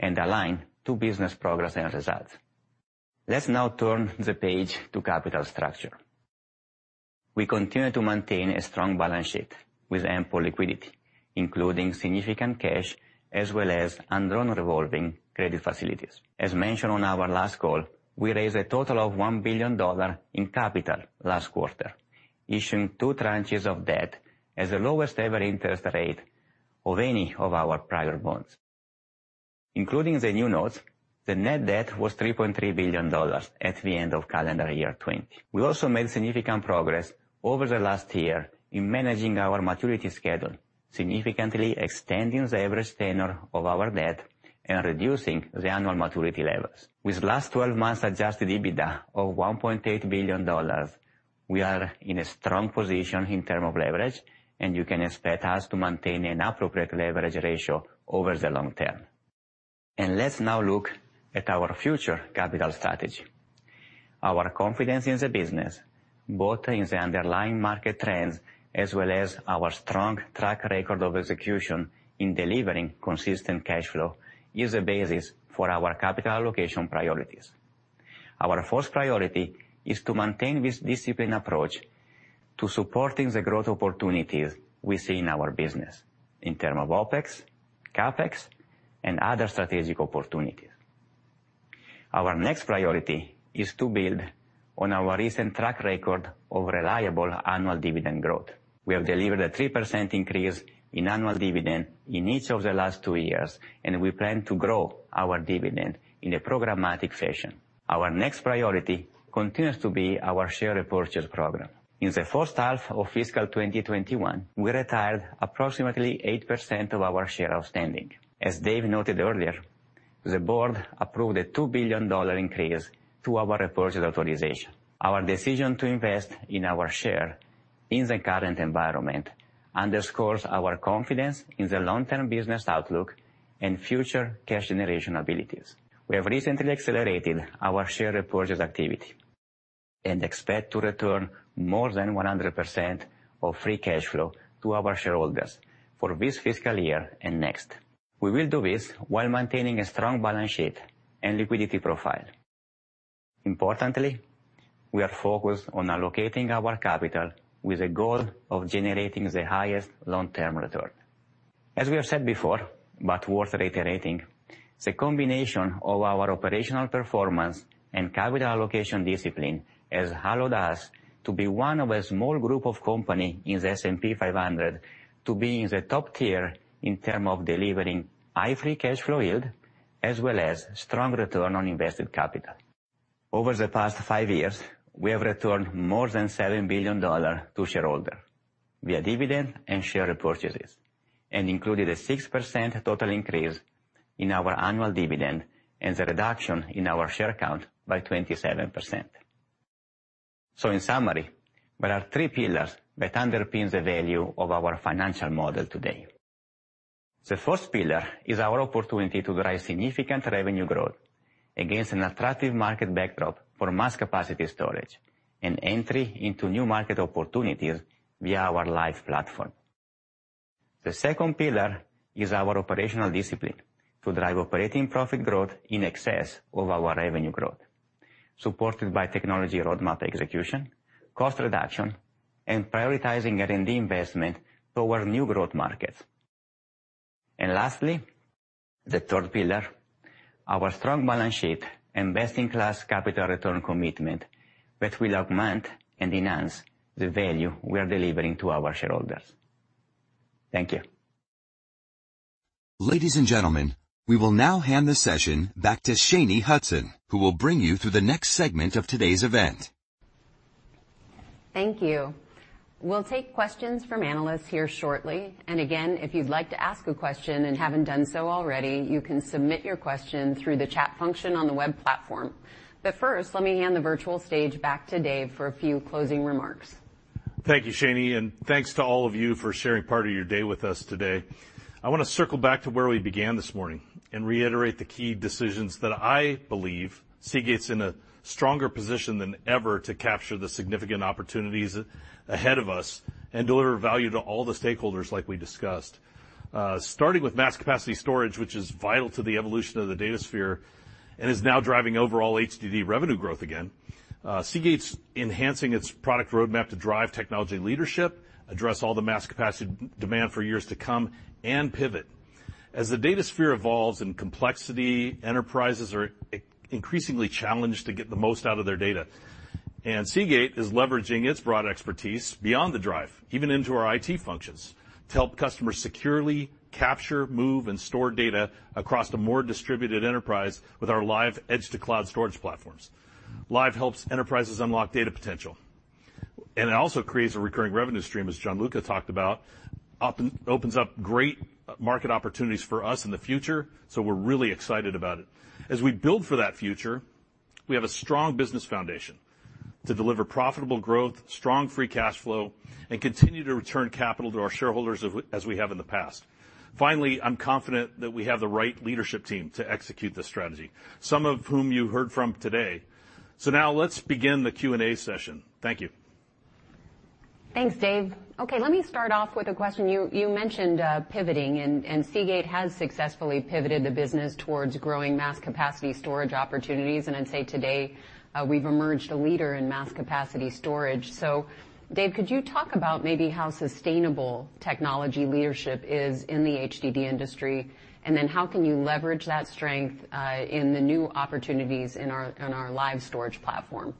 [SPEAKER 12] and aligned to business progress and results. Let's now turn the page to capital structure. We continue to maintain a strong balance sheet with ample liquidity, including significant cash as well as undrawn revolving credit facilities. As mentioned on our last call, we raised a total of $1 billion in capital last quarter, issuing two tranches of debt as the lowest ever interest rate of any of our prior bonds. Including the new notes, the net debt was $3.3 billion at the end of calendar year 2020. We also made significant progress over the last year in managing our maturity schedule, significantly extending the average tenure of our debt and reducing the annual maturity levels. With last 12 months adjusted EBITDA of $1.8 billion, we are in a strong position in terms of leverage. You can expect us to maintain an appropriate leverage ratio over the long term. Let's now look at our future capital strategy. Our confidence in the business, both in the underlying market trends as well as our strong track record of execution in delivering consistent cash flow, is the basis for our capital allocation priorities. Our first priority is to maintain this disciplined approach to supporting the growth opportunities we see in our business in terms of OpEx, CapEx, and other strategic opportunities. Our next priority is to build on our recent track record of reliable annual dividend growth. We have delivered a 3% increase in annual dividend in each of the last two years. We plan to grow our dividend in a programmatic fashion. Our next priority continues to be our share repurchase program. In the first half of fiscal 2021, we retired approximately 8% of our shares outstanding. As Dave noted earlier, the board approved a $2 billion increase to our repurchase authorization. Our decision to invest in our share in the current environment underscores our confidence in the long-term business outlook and future cash generation abilities. We have recently accelerated our share repurchase activity and expect to return more than 100% of free cash flow to our shareholders for this fiscal year and next. We will do this while maintaining a strong balance sheet and liquidity profile. Importantly, we are focused on allocating our capital with the goal of generating the highest long-term return. As we have said before, worth reiterating, the combination of our operational performance and capital allocation discipline has allowed us to be one of a small group of company in the S&P 500 to be in the top tier in terms of delivering high free cash flow yield as well as strong return on invested capital. Over the past five years, we have returned more than $7 billion to shareholder via dividend and share repurchases, and included a 6% total increase in our annual dividend and the reduction in our share count by 27%. In summary, there are three pillars that underpins the value of our financial model today. The first pillar is our opportunity to drive significant revenue growth against an attractive market backdrop for mass capacity storage and entry into new market opportunities via our Lyve platform. The second pillar is our operational discipline to drive operating profit growth in excess of our revenue growth, supported by technology roadmap execution, cost reduction, and prioritizing R&D investment toward new growth markets. Lastly, the third pillar, our strong balance sheet and best-in-class capital return commitment that will augment and enhance the value we are delivering to our shareholders. Thank you.
[SPEAKER 13] Ladies and gentlemen, we will now hand the session back to Shanye Hudson, who will bring you through the next segment of today's event.
[SPEAKER 1] Thank you. We'll take questions from analysts here shortly. Again, if you'd like to ask a question and haven't done so already, you can submit your question through the chat function on the web platform. First, let me hand the virtual stage back to Dave for a few closing remarks.
[SPEAKER 3] Thank you, Shanye, and thanks to all of you for sharing part of your day with us today. I want to circle back to where we began this morning and reiterate the key decisions that I believe Seagate's in a stronger position than ever to capture the significant opportunities ahead of us and deliver value to all the stakeholders like we discussed. Starting with mass capacity storage, which is vital to the evolution of the datasphere and is now driving overall HDD revenue growth again, Seagate's enhancing its product roadmap to drive technology leadership, address all the mass capacity demand for years to come, and pivot. As the datasphere evolves in complexity, enterprises are increasingly challenged to get the most out of their data. Seagate is leveraging its broad expertise beyond the drive, even into our IT functions, to help customers securely capture, move, and store data across a more distributed enterprise with our Lyve edge-to-cloud storage platforms. Lyve helps enterprises unlock data potential. It also creates a recurring revenue stream, as Gianluca talked about. It opens up great market opportunities for us in the future. We're really excited about it. As we build for that future, we have a strong business foundation to deliver profitable growth, strong free cash flow, and continue to return capital to our shareholders as we have in the past. Finally, I'm confident that we have the right leadership team to execute this strategy, some of whom you heard from today. Now let's begin the Q&A session. Thank you.
[SPEAKER 1] Thanks, Dave. Okay, let me start off with a question. You mentioned pivoting. Seagate has successfully pivoted the business towards growing mass capacity storage opportunities. I'd say today, we've emerged a leader in mass capacity storage. Dave, could you talk about maybe how sustainable technology leadership is in the HDD industry? How can you leverage that strength in the new opportunities in our Lyve Storage Platform?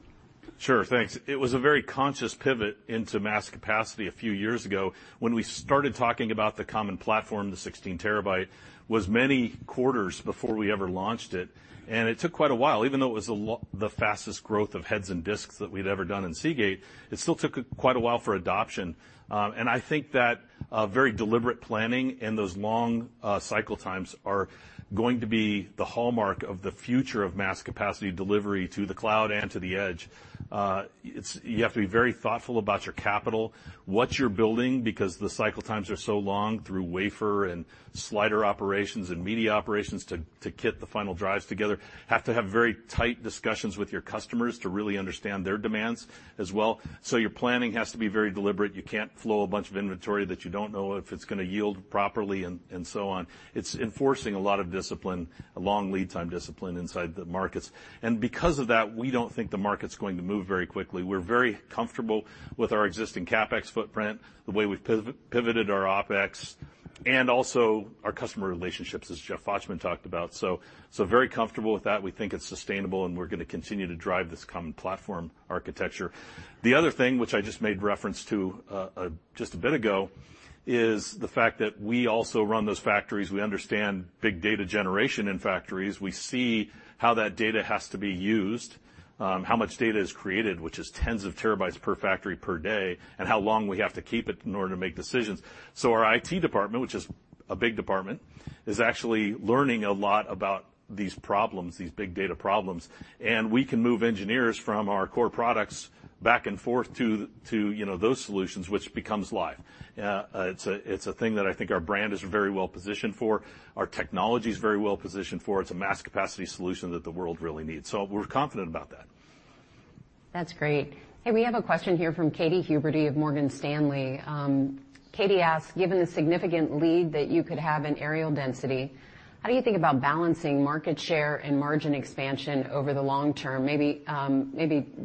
[SPEAKER 3] Sure, thanks. It was a very conscious pivot into mass capacity a few years ago when we started talking about the common platform, the 16 TB, was many quarters before we ever launched it, and it took quite a while. Even though it was the fastest growth of heads and disks that we'd ever done in Seagate, it still took quite a while for adoption. I think that very deliberate planning and those long cycle times are going to be the hallmark of the future of mass capacity delivery to the cloud and to the edge. You have to be very thoughtful about your capital, what you're building, because the cycle times are so long through wafer and slider operations and media operations to kit the final drives together. Have to have very tight discussions with your customers to really understand their demands as well. Your planning has to be very deliberate. You can't flow a bunch of inventory that you don't know if it's going to yield properly, and so on. It's enforcing a lot of discipline, a long lead time discipline inside the markets. Because of that, we don't think the market's going to move very quickly. We're very comfortable with our existing CapEx footprint, the way we've pivoted our OpEx, and also our customer relationships, as Jeff Fochtman talked about. Very comfortable with that. We think it's sustainable, and we're going to continue to drive this common platform architecture. The other thing which I just made reference to just a bit ago, is the fact that we also run those factories. We understand big data generation in factories. We see how that data has to be used, how much data is created, which is tens of terabytes per factory per day, and how long we have to keep it in order to make decisions. Our IT department, which is a big department, is actually learning a lot about these problems, these big data problems, and we can move engineers from our core products back and forth to those solutions which becomes Lyve. It's a thing that I think our brand is very well positioned for, our technology is very well positioned for. It's a mass capacity solution that the world really needs. We're confident about that.
[SPEAKER 1] That's great. We have a question here from Katy Huberty of Morgan Stanley. Katy asks, given the significant lead that you could have in areal density, how do you think about balancing market share and margin expansion over the long term? Maybe,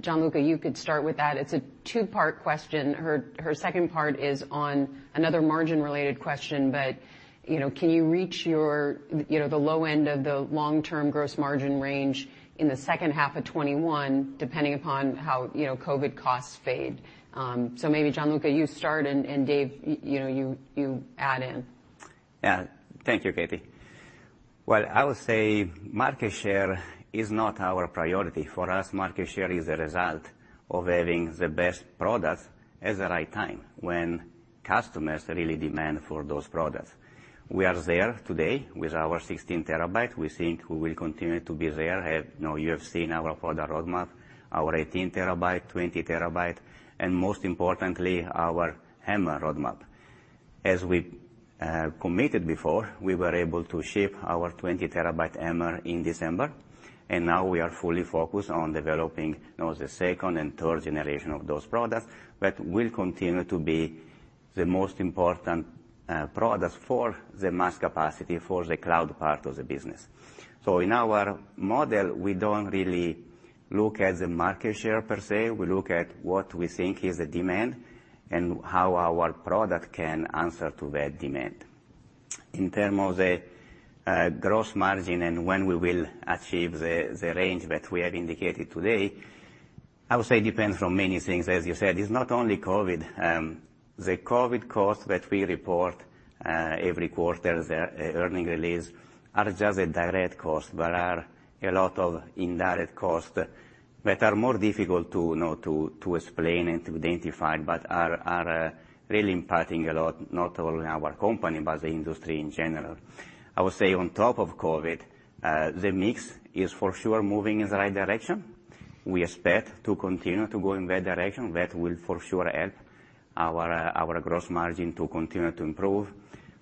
[SPEAKER 1] Gianluca, you could start with that. It's a two-part question. Her second part is on another margin-related question, can you reach the low end of the long-term gross margin range in the second half of 2021, depending upon how COVID costs fade? Maybe, Gianluca, you start, and Dave, you add in.
[SPEAKER 12] Yeah. Thank you, Katy. Well, I would say market share is not our priority. For us, market share is a result of having the best products at the right time, when customers really demand for those products. We are there today with our 16 TB. We think we will continue to be there. You have seen our product roadmap, our 18 TB, 20 TB, and most importantly, our HAMR roadmap. As we committed before, we were able to ship our 20 TB HAMR in December, and now we are fully focused on developing now the second and third generation of those products, that will continue to be the most important products for the mass capacity for the cloud part of the business. In our model, we don't really look at the market share per se. We look at what we think is the demand and how our product can answer to that demand. In terms of the gross margin and when we will achieve the range that we have indicated today, I would say it depends from many things. As you said, it's not only COVID. The COVID costs that we report every quarter, the earnings release, are just the direct costs. There are a lot of indirect costs that are more difficult to explain and to identify, but are really impacting a lot, not only our company, but the industry in general. I would say on top of COVID, the mix is for sure moving in the right direction. We expect to continue to go in the right direction. That will for sure help our gross margin to continue to improve.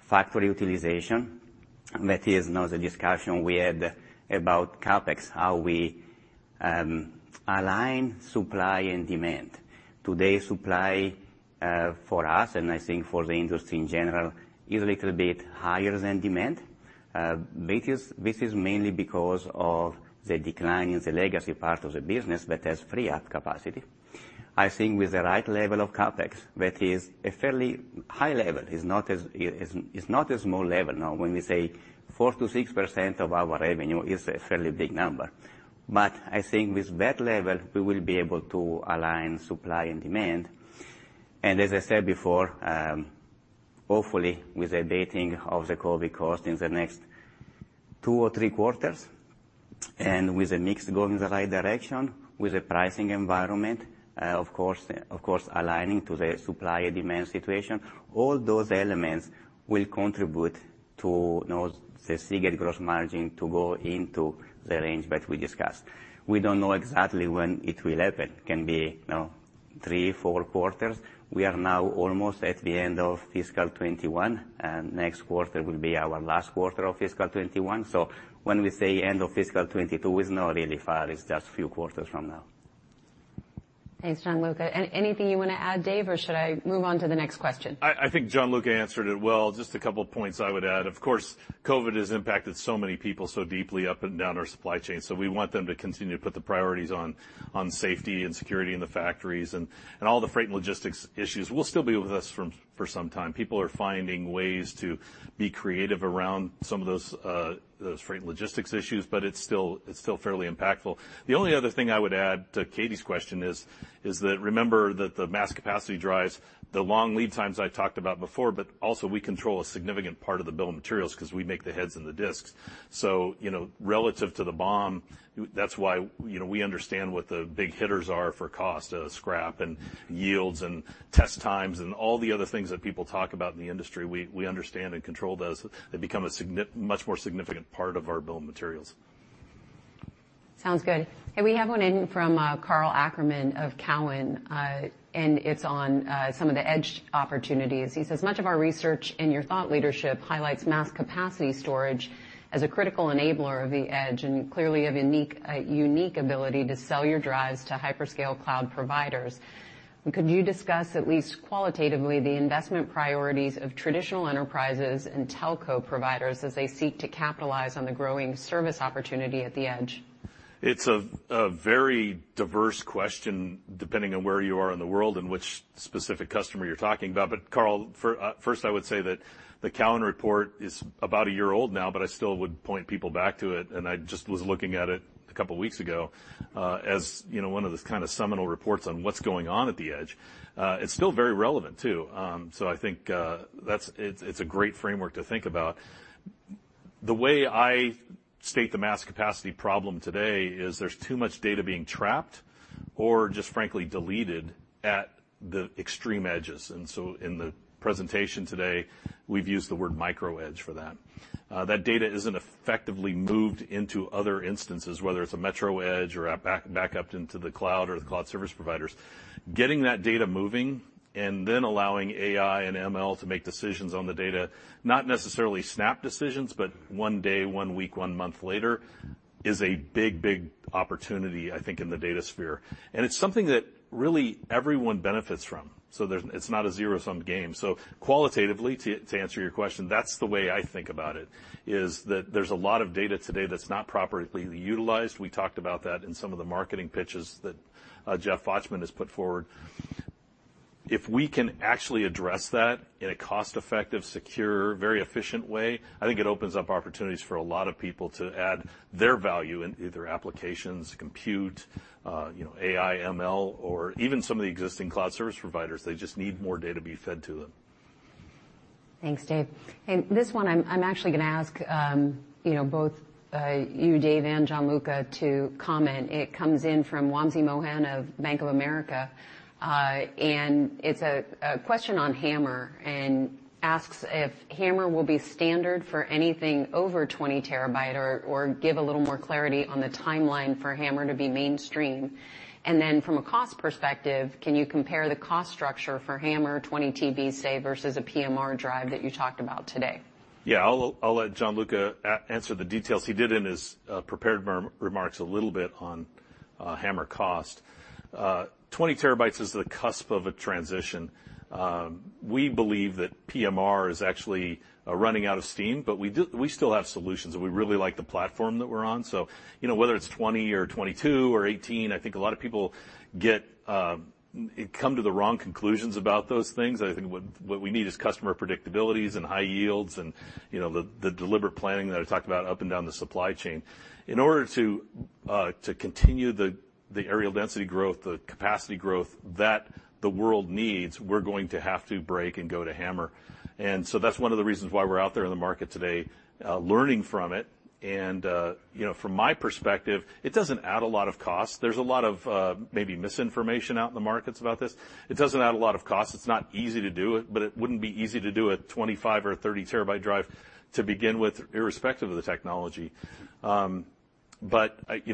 [SPEAKER 12] Factory utilization, that is now the discussion we had about CapEx, how we align supply and demand. Today, supply for us, and I think for the industry in general, is a little bit higher than demand. This is mainly because of the decline in the Legacy part of the business that has free up capacity. I think with the right level of CapEx, that is a fairly high level. It's not a small level. When we say 4%-6% of our revenue is a fairly big number. I think with that level, we will be able to align supply and demand. As I said before, hopefully with the abating of the COVID cost in the next two or three quarters, and with the mix going in the right direction, with the pricing environment, of course aligning to the supply and demand situation, all those elements will contribute to the Seagate gross margin to go into the range that we discussed. We don't know exactly when it will happen, can be three, four quarters. We are now almost at the end of fiscal 2021, and next quarter will be our last quarter of fiscal 2021. When we say end of fiscal 2022, it's not really far. It's just few quarters from now.
[SPEAKER 1] Thanks, Gianluca. Anything you want to add, Dave, or should I move on to the next question?
[SPEAKER 3] I think Gianluca answered it well. Just a couple of points I would add. Of course, COVID has impacted so many people so deeply up and down our supply chain, so we want them to continue to put the priorities on safety and security in the factories, and all the freight and logistics issues will still be with us for some time. People are finding ways to be creative around some of those freight and logistics issues, but it's still fairly impactful. The only other thing I would add to Katy's question is that, remember that the mass capacity drives, the long lead times I talked about before, but also we control a significant part of the bill of materials because we make the heads and the disks. Relative to the BOM, that's why we understand what the big hitters are for cost. Scrap and yields and test times and all the other things that people talk about in the industry, we understand and control those. They become a much more significant part of our bill of materials.
[SPEAKER 1] Sounds good. Hey, we have one in from Karl Ackerman of Cowen. It's on some of the edge opportunities. He says, "Much of our research and your thought leadership highlights mass capacity storage as a critical enabler of the edge, and clearly a unique ability to sell your drives to hyperscale cloud providers. Could you discuss, at least qualitatively, the investment priorities of traditional enterprises and telco providers as they seek to capitalize on the growing service opportunity at the edge?
[SPEAKER 3] It's a very diverse question depending on where you are in the world and which specific customer you're talking about. Karl, first I would say that the Cowen report is about a year old now, but I still would point people back to it, and I just was looking at it a couple of weeks ago. As one of the seminal reports on what's going on at the edge. It's still very relevant too. I think it's a great framework to think about. The way I state the mass capacity problem today is there's too much data being trapped or just frankly deleted at the extreme edges. In the presentation today, we've used the word micro edge for that. That data isn't effectively moved into other instances, whether it's a metro edge or back up into the cloud or the cloud service providers. Getting that data moving and then allowing AI and ML to make decisions on the data, not necessarily snap decisions, but one day, one week, one month later, is a big opportunity, I think, in the datasphere. It's something that really everyone benefits from. It's not a zero-sum game. Qualitatively, to answer your question, that's the way I think about it, is that there's a lot of data today that's not properly utilized. We talked about that in some of the marketing pitches that Jeff Fochtman has put forward. If we can actually address that in a cost-effective, secure, very efficient way, I think it opens up opportunities for a lot of people to add their value in either applications, compute, AI, ML, or even some of the existing cloud service providers. They just need more data to be fed to them.
[SPEAKER 1] Thanks, Dave. This one, I'm actually going to ask both you, Dave, and Gianluca to comment. It comes in from Wamsi Mohan of Bank of America. It's a question on HAMR and asks if HAMR will be standard for anything over 20 TB, or give a little more clarity on the timeline for HAMR to be mainstream. Then from a cost perspective, can you compare the cost structure for HAMR 20 TB, say, versus a PMR drive that you talked about today?
[SPEAKER 3] Yeah, I'll let Gianluca answer the details. He did in his prepared remarks a little bit on HAMR cost. 20 TB is the cusp of a transition. We believe that PMR is actually running out of steam, but we still have solutions, and we really like the platform that we're on. Whether it's 20 TB or 22 TB or 18 TB, I think a lot of people come to the wrong conclusions about those things. I think what we need is customer predictabilities and high yields and the deliberate planning that I talked about up and down the supply chain. In order to continue the areal density growth, the capacity growth that the world needs, we're going to have to break and go to HAMR. That's one of the reasons why we're out there in the market today learning from it. From my perspective, it doesn't add a lot of cost. There's a lot of maybe misinformation out in the markets about this. It doesn't add a lot of cost. It's not easy to do it, but it wouldn't be easy to do a 25 TB or 30 TB drive to begin with, irrespective of the technology.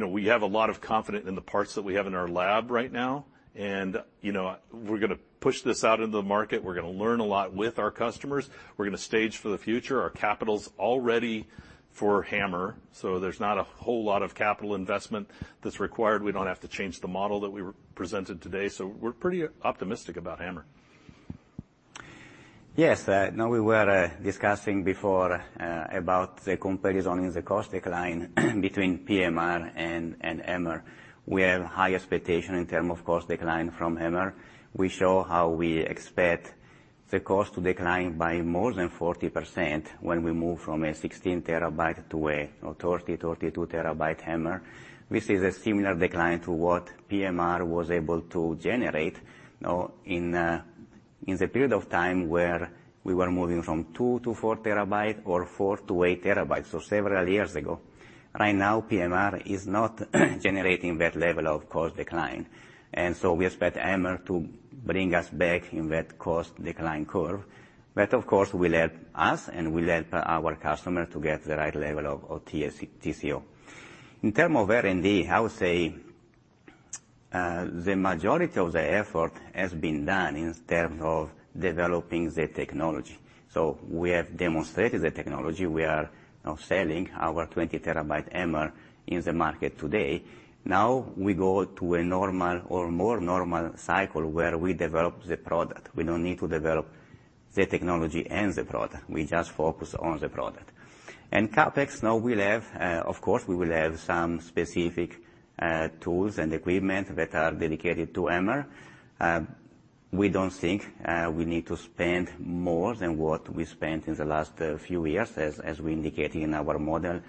[SPEAKER 3] We have a lot of confidence in the parts that we have in our lab right now, and we're going to push this out into the market. We're going to learn a lot with our customers. We're going to stage for the future. Our capital's all ready for HAMR. There's not a whole lot of capital investment that's required. We don't have to change the model that we presented today. We're pretty optimistic about HAMR.
[SPEAKER 12] Yes. We were discussing before about the comparison in the cost decline between PMR and HAMR. We have high expectation in terms of cost decline from HAMR. We show how we expect the cost to decline by more than 40% when we move from a 16 TB to a 30 TB, 32 TB HAMR. We see the similar decline to what PMR was able to generate in the period of time where we were moving from 2 TB to 4 TB or 4 TB to 8 TB, so several years ago. Right now, PMR is not generating that level of cost decline. We expect HAMR to bring us back in that cost decline curve. That, of course, will help us and will help our customer to get the right level of TCO. In terms of R&D, I would say the majority of the effort has been done in terms of developing the technology. We have demonstrated the technology. We are now selling our 20 TB HAMR in the market today. We go to a normal or more normal cycle where we develop the product. We don't need to develop the technology and the product. We just focus on the product. CapEx now, of course, we will have some specific tools and equipment that are dedicated to HAMR. We don't think we need to spend more than what we spent in the last few years, as we indicated in our model,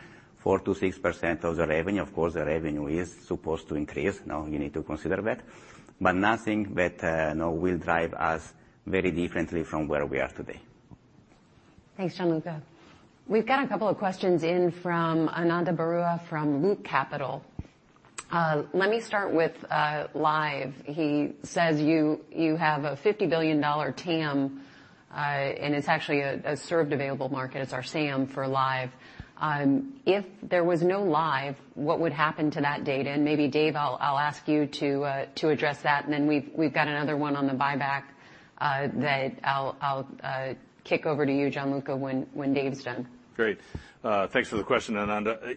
[SPEAKER 12] 4%-6% of the revenue. Of course, the revenue is supposed to increase. You need to consider that. Nothing that will drive us very differently from where we are today.
[SPEAKER 1] Thanks, Gianluca. We've got a couple of questions in from Ananda Baruah from Loop Capital. Let me start with Lyve. He says you have a $50 billion TAM, and it's actually a served available market as our SAM for Lyve. If there was no Lyve, what would happen to that data? Maybe Dave, I'll ask you to address that, and then we've got another one on the buyback that I'll kick over to you, Gianluca, when Dave's done.
[SPEAKER 3] Great. Thanks for the question, Ananda.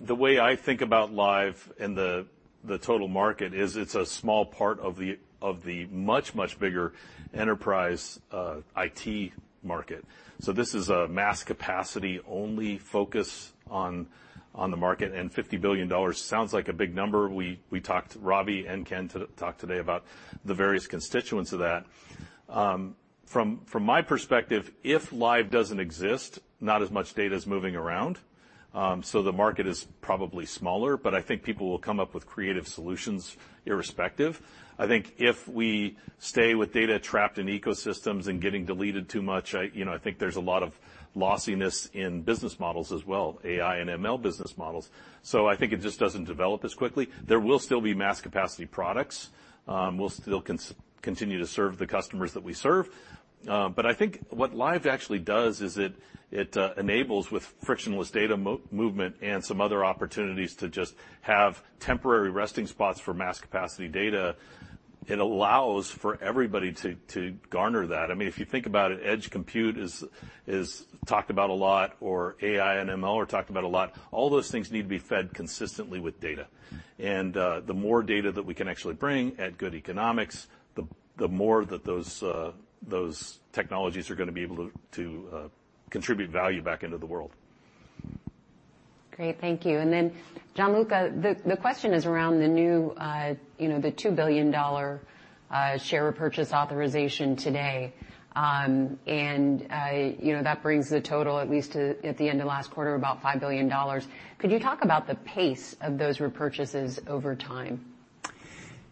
[SPEAKER 3] The way I think about Lyve and the total market is it's a small part of the much, much bigger enterprise IT market. This is a mass capacity only focus on the market, and $50 billion sounds like a big number. We talked, Ravi and Ken talked today about the various constituents of that. From my perspective, if Lyve doesn't exist, not as much data is moving around. The market is probably smaller, but I think people will come up with creative solutions irrespective. I think if we stay with data trapped in ecosystems and getting deleted too much, I think there's a lot of lossiness in business models as well, AI and ML business models. I think it just doesn't develop as quickly. There will still be mass capacity products. We'll still continue to serve the customers that we serve. I think what Lyve actually does is it enables with frictionless data movement and some other opportunities to just have temporary resting spots for mass capacity data. It allows for everybody to garner that. If you think about it, edge compute is talked about a lot, or AI and ML are talked about a lot. All those things need to be fed consistently with data. The more data that we can actually bring at good economics, the more that those technologies are going to be able to contribute value back into the world.
[SPEAKER 1] Great. Thank you. Gianluca, the question is around the new $2 billion share repurchase authorization today. That brings the total at least at the end of last quarter, about $5 billion. Could you talk about the pace of those repurchases over time?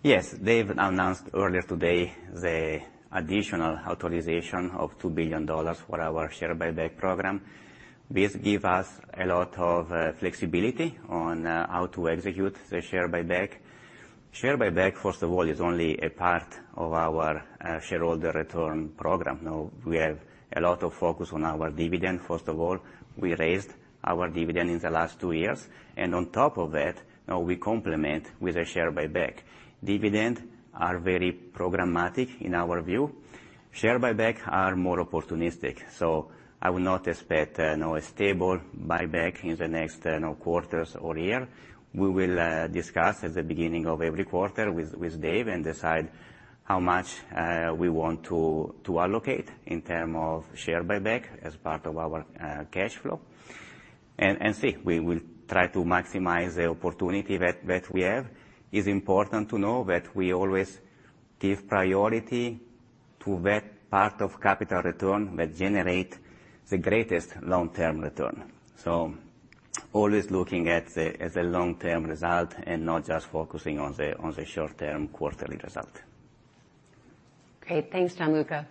[SPEAKER 12] Yes. Dave announced earlier today the additional authorization of $2 billion for our share buyback program. This give us a lot of flexibility on how to execute the share buyback. Share buyback, first of all, is only a part of our shareholder return program. Now we have a lot of focus on our dividend. First of all, we raised our dividend in the last two years, and on top of that, now we complement with a share buyback. Dividends are very programmatic in our view. Share buyback are more opportunistic. I would not expect a stable buyback in the next quarters or year. We will discuss at the beginning of every quarter with Dave and decide how much we want to allocate in term of share buyback as part of our cash flow. See, we will try to maximize the opportunity that we have. It's important to know that we always give priority to that part of capital return that generates the greatest long-term return. Always looking at the long-term result and not just focusing on the short-term quarterly result.
[SPEAKER 1] Great. Thanks, Gianluca.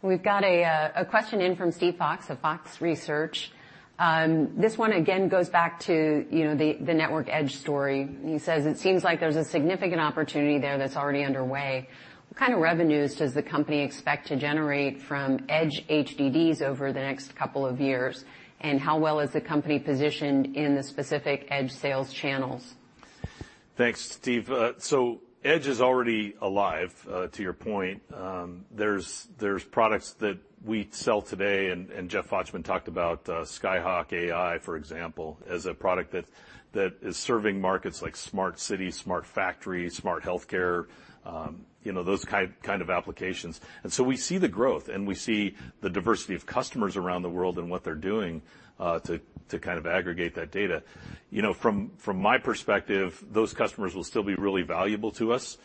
[SPEAKER 1] We've got a question in from Steve Fox of Fox Research. This one again goes back to the network edge story. He says, it seems like there's a significant opportunity there that's already underway. What kind of revenues does the company expect to generate from edge HDDs over the next couple of years? How well is the company positioned in the specific edge sales channels?
[SPEAKER 3] Thanks, Steve. Edge is already alive, to your point. There's products that we sell today, Jeff Fochtman talked about SkyHawk AI, for example, as a product that is serving markets like smart cities, smart factories, smart healthcare, those kind of applications. We see the growth, we see the diversity of customers around the world and what they're doing to aggregate that data. From my perspective, those customers will still be really valuable to us.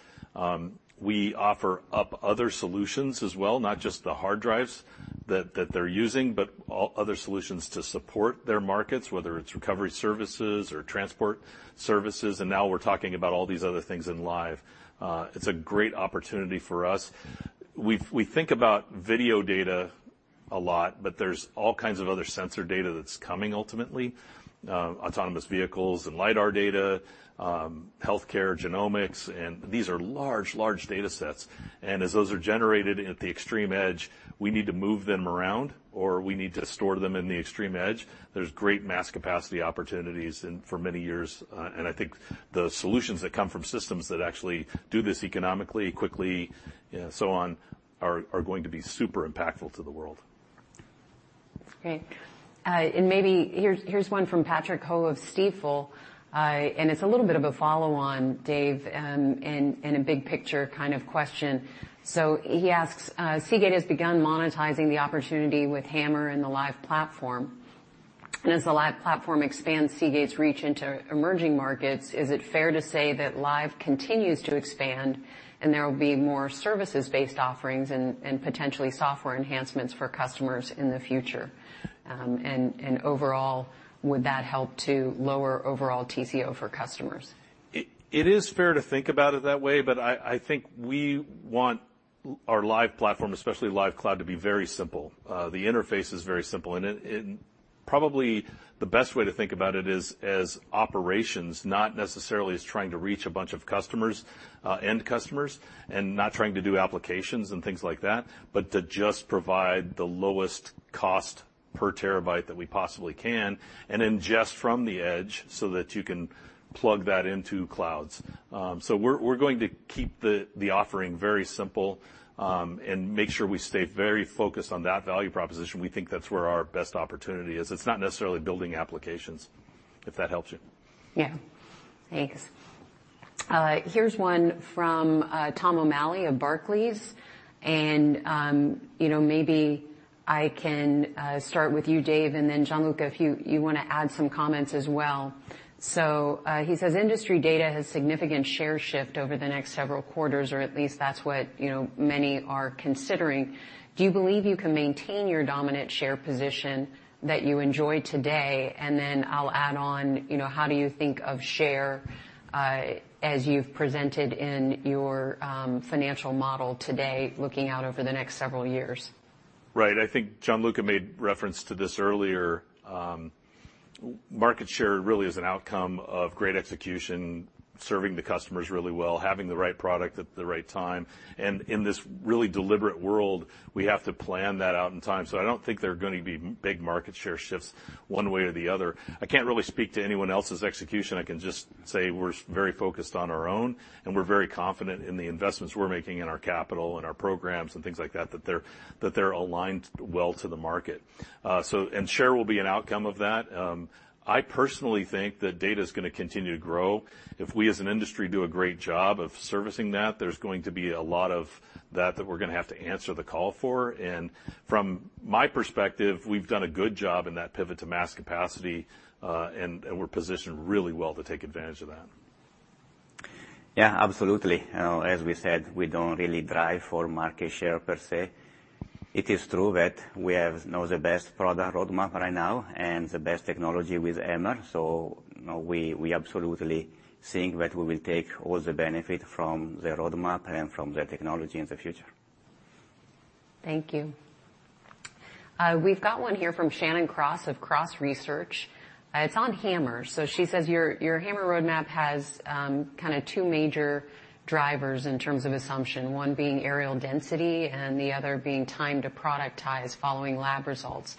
[SPEAKER 3] We offer up other solutions as well, not just the hard drives that they're using, but other solutions to support their markets, whether it's recovery services or transport services, now we're talking about all these other things in Lyve. It's a great opportunity for us. We think about video data a lot, there's all kinds of other sensor data that's coming ultimately. Autonomous vehicles and lidar data, healthcare, genomics, these are large data sets. As those are generated at the extreme edge, we need to move them around, or we need to store them in the extreme edge. There's great mass capacity opportunities for many years, I think the solutions that come from systems that actually do this economically, quickly, so on, are going to be super impactful to the world.
[SPEAKER 1] Great. Maybe here's one from Patrick Ho of Stifel, it's a little bit of a follow-on Dave, a big picture kind of question. He asks, Seagate has begun monetizing the opportunity with HAMR and the Lyve platform. As the Lyve platform expands Seagate's reach into emerging markets, is it fair to say that Lyve continues to expand, there will be more services-based offerings and potentially software enhancements for customers in the future? Overall, would that help to lower overall TCO for customers?
[SPEAKER 3] It is fair to think about it that way, but I think we want our Lyve platform, especially Lyve Cloud, to be very simple. The interface is very simple, and probably the best way to think about it is as operations, not necessarily as trying to reach a bunch of end customers, and not trying to do applications and things like that, but to just provide the lowest cost per terabyte that we possibly can, and then just from the edge so that you can plug that into clouds. We're going to keep the offering very simple, and make sure we stay very focused on that value proposition. We think that's where our best opportunity is. It's not necessarily building applications, if that helps you.
[SPEAKER 1] Yeah. Thanks. Here's one from Tom O'Malley of Barclays, and maybe I can start with you, Dave, and then Gianluca, if you want to add some comments as well. He says industry data has significant share shift over the next several quarters, or at least that's what many are considering. Do you believe you can maintain your dominant share position that you enjoy today? I'll add on, how do you think of share, as you've presented in your financial model today, looking out over the next several years?
[SPEAKER 3] Right. I think Gianluca made reference to this earlier. Market share really is an outcome of great execution, serving the customers really well, having the right product at the right time. In this really deliberate world, we have to plan that out in time. I don't think there are going to be big market share shifts one way or the other. I can't really speak to anyone else's execution. I can just say we're very focused on our own, and we're very confident in the investments we're making in our capital, and our programs, and things like that they're aligned well to the market. Share will be an outcome of that. I personally think that data is going to continue to grow. If we as an industry do a great job of servicing that, there's going to be a lot of that that we're going to have to answer the call for. From my perspective, we've done a good job in that pivot to mass capacity, and we're positioned really well to take advantage of that.
[SPEAKER 12] Yeah, absolutely. As we said, we don't really drive for market share per se. It is true that we have now the best product roadmap right now, and the best technology with HAMR. We absolutely think that we will take all the benefit from the roadmap and from the technology in the future.
[SPEAKER 1] Thank you. We've got one here from Shannon Cross of Cross Research. It is on HAMR. She says your HAMR roadmap has kind of two major drivers in terms of assumption, one being areal density, and the other being time to productize following lab results.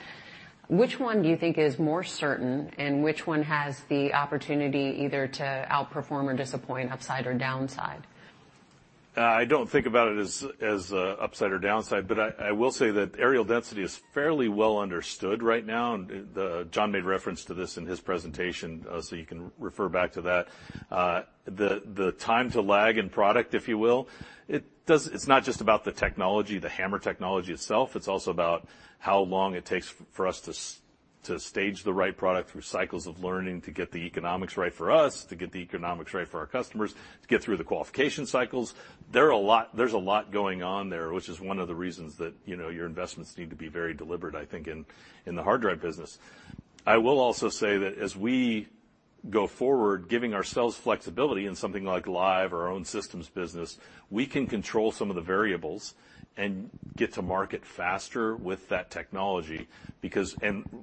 [SPEAKER 1] Which one do you think is more certain, and which one has the opportunity either to outperform or disappoint, upside or downside?
[SPEAKER 3] I don't think about it as upside or downside. I will say that areal density is fairly well understood right now. John made reference to this in his presentation. You can refer back to that. The time to lag in product, if you will, it's not just about the technology, the HAMR technology itself, it's also about how long it takes for us to stage the right product through cycles of learning to get the economics right for us, to get the economics right for our customers, to get through the qualification cycles. There's a lot going on there, which is one of the reasons that your investments need to be very deliberate, I think, in the hard drive business. I will also say that as we go forward, giving ourselves flexibility in something like Lyve or our own Systems business, we can control some of the variables and get to market faster with that technology.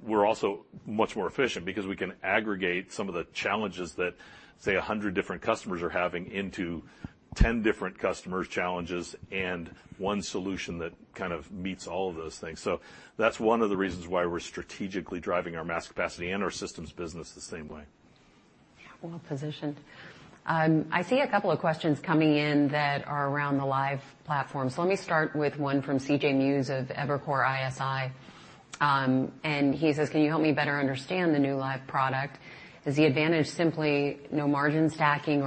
[SPEAKER 3] We're also much more efficient because we can aggregate some of the challenges that, say, 100 different customers are having into 10 different customers' challenges and one solution that kind of meets all of those things. That's one of the reasons why we're strategically driving our Mass Capacity and our Systems business the same way.
[SPEAKER 1] Yeah. Well positioned. I see a couple of questions coming in that are around the Lyve platform. Let me start with one from C.J. Muse of Evercore ISI, and he says, "Can you help me better understand the new Lyve product? Is the advantage simply no margin stacking?"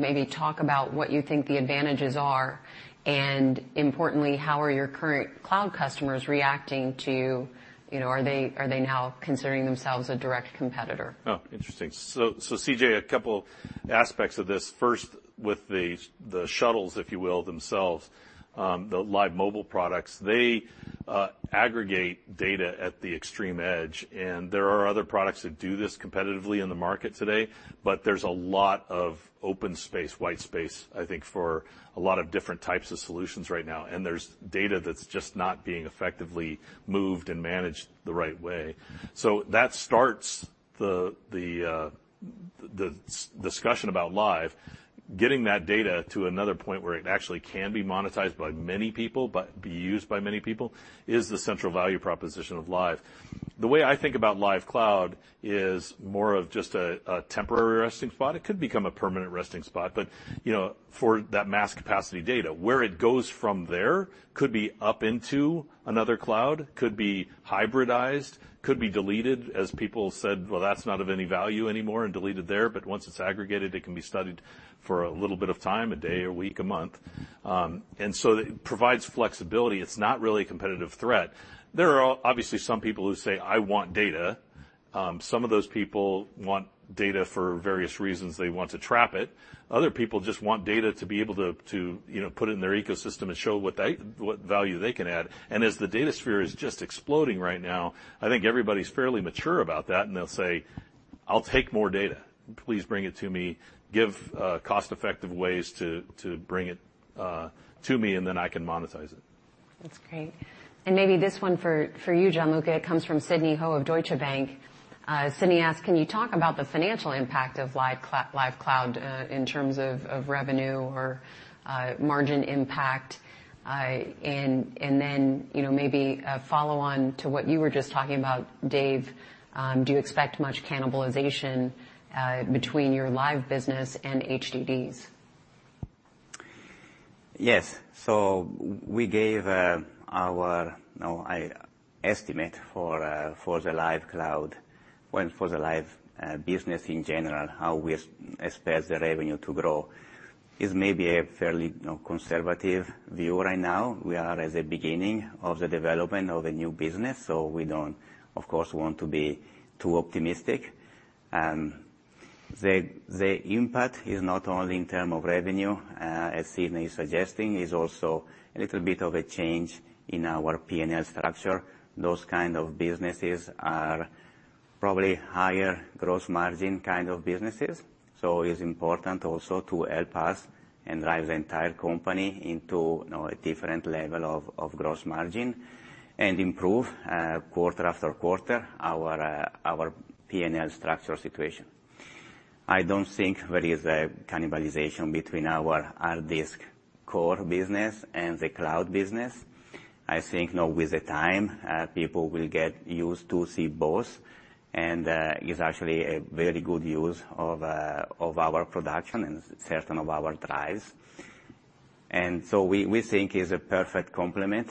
[SPEAKER 1] Maybe talk about what you think the advantages are, and importantly, how are your current cloud customers reacting to? Are they now considering themselves a direct competitor?
[SPEAKER 3] Oh, interesting. C.J., a couple aspects of this. First, with the shuttles, if you will, themselves, the Lyve Mobile products, they aggregate data at the extreme edge, and there are other products that do this competitively in the market today, but there's a lot of open space, white space, I think, for a lot of different types of solutions right now, and there's data that's just not being effectively moved and managed the right way. That starts the discussion about Lyve. Getting that data to another point where it actually can be monetized by many people, but be used by many people is the central value proposition of Lyve. The way I think about Lyve Cloud is more of just a temporary resting spot. It could become a permanent resting spot, for that mass capacity data, where it goes from there could be up into another cloud, could be hybridized, could be deleted, as people said, well, that's not of any value anymore, and delete it there. Once it's aggregated, it can be studied for a little bit of time, a day, a week, a month. It provides flexibility. It's not really a competitive threat. There are obviously some people who say, "I want data." Some of those people want data for various reasons, they want to trap it. Other people just want data to be able to put it in their ecosystem and show what value they can add. As the datasphere is just exploding right now, I think everybody's fairly mature about that, and they'll say, "I'll take more data. Please bring it to me. Give cost-effective ways to bring it to me, and then I can monetize it.
[SPEAKER 1] That's great. Maybe this one for you, Gianluca. It comes from Sidney Ho of Deutsche Bank. Sidney asks, "Can you talk about the financial impact of Lyve Cloud in terms of revenue or margin impact?" Maybe a follow-on to what you were just talking about, Dave, do you expect much cannibalization between your Lyve business and HDDs?
[SPEAKER 12] Yes. We gave our estimate for the Lyve business in general, how we expect the revenue to grow. It's maybe a fairly conservative view right now. We are at the beginning of the development of a new business, so we don't, of course, want to be too optimistic. The impact is not only in term of revenue, as Sidney is suggesting. It's also a little bit of a change in our P&L structure. Those kind of businesses are probably higher gross margin kind of businesses, so it is important also to help us and drive the entire company into a different level of gross margin and improve, quarter after quarter, our P&L structure situation. I don't think there is a cannibalization between our hard disk core business and the cloud business. I think with time, people will get used to see both, and it's actually a very good use of our production and certain of our drives. We think it's a perfect complement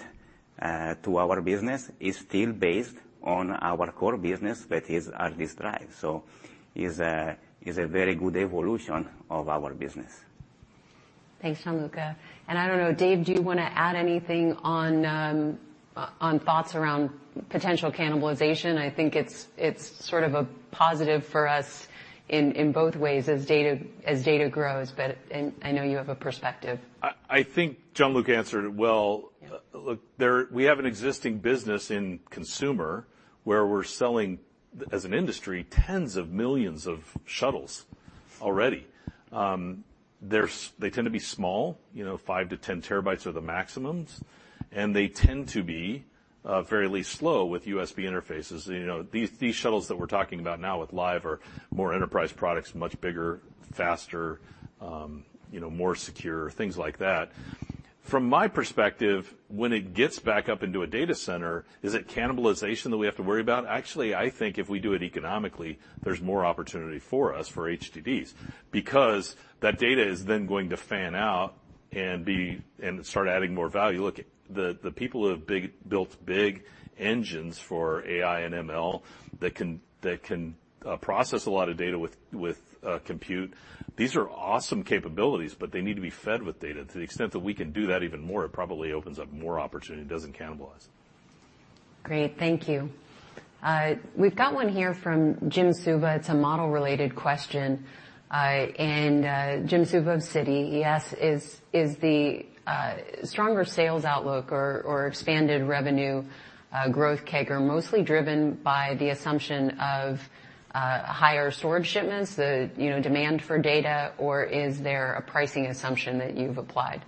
[SPEAKER 12] to our business. It's still based on our core business that is hard disk drive. It's a very good evolution of our business.
[SPEAKER 1] Thanks, Gianluca. I don't know, Dave, do you want to add anything on thoughts around potential cannibalization? I think it's sort of a positive for us in both ways as data grows, but I know you have a perspective.
[SPEAKER 3] I think Gianluca answered it well.
[SPEAKER 1] Yeah.
[SPEAKER 3] Look, we have an existing business in consumer where we're selling, as an industry, tens of millions of shuttles already. They tend to be small, 5 TB-10 TB are the maximums, and they tend to be fairly slow with USB interfaces. These shuttles that we're talking about now with Lyve are more enterprise products, much bigger, faster, more secure, things like that. From my perspective, when it gets back up into a data center, is it cannibalization that we have to worry about? Actually, I think if we do it economically, there's more opportunity for us for HDDs, because that data is then going to fan out and start adding more value. Look, the people who have built big engines for AI and ML that can process a lot of data with compute, these are awesome capabilities, but they need to be fed with data. To the extent that we can do that even more, it probably opens up more opportunity. It doesn't cannibalize.
[SPEAKER 1] Great. Thank you. We've got one here from Jim Suva. It's a model-related question. Jim Suva of Citi. He asks, "Is the stronger sales outlook or expanded revenue growth CAGR mostly driven by the assumption of higher storage shipments, the demand for data, or is there a pricing assumption that you've applied?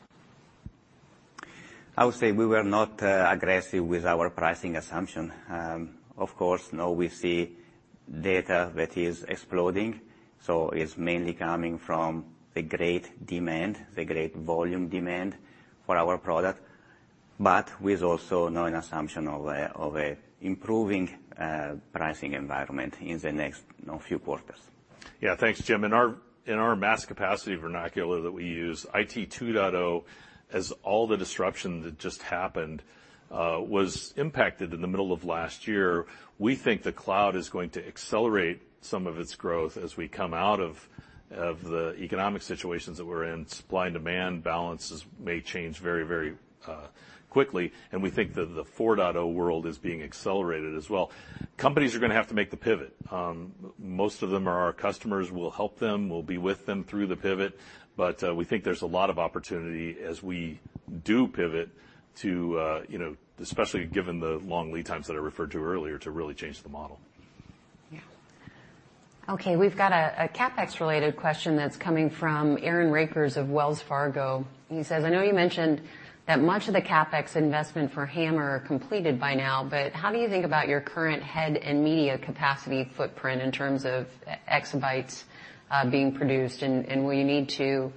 [SPEAKER 12] I would say we were not aggressive with our pricing assumption. Of course, now we see data that is exploding, so it's mainly coming from the great demand, the great volume demand for our product, but with also now an assumption of improving pricing environment in the next few quarters.
[SPEAKER 3] Yeah. Thanks, Jim. In our mass capacity vernacular that we use, IT 2.0 as all the disruption that just happened, was impacted in the middle of last year. We think the cloud is going to accelerate some of its growth as we come out of the economic situations that we're in. Supply and demand balances may change very quickly. We think that the 4.0 world is being accelerated as well. Companies are going to have to make the pivot. Most of them are our customers. We'll help them. We'll be with them through the pivot. We think there's a lot of opportunity as we do pivot to, especially given the long lead times that I referred to earlier, to really change the model.
[SPEAKER 1] Yeah. Okay, we've got a CapEx-related question that's coming from Aaron Rakers of Wells Fargo. He says, "I know you mentioned that much of the CapEx investment for HAMR are completed by now, but how do you think about your current head and media capacity footprint in terms of exabytes being produced, and will you need to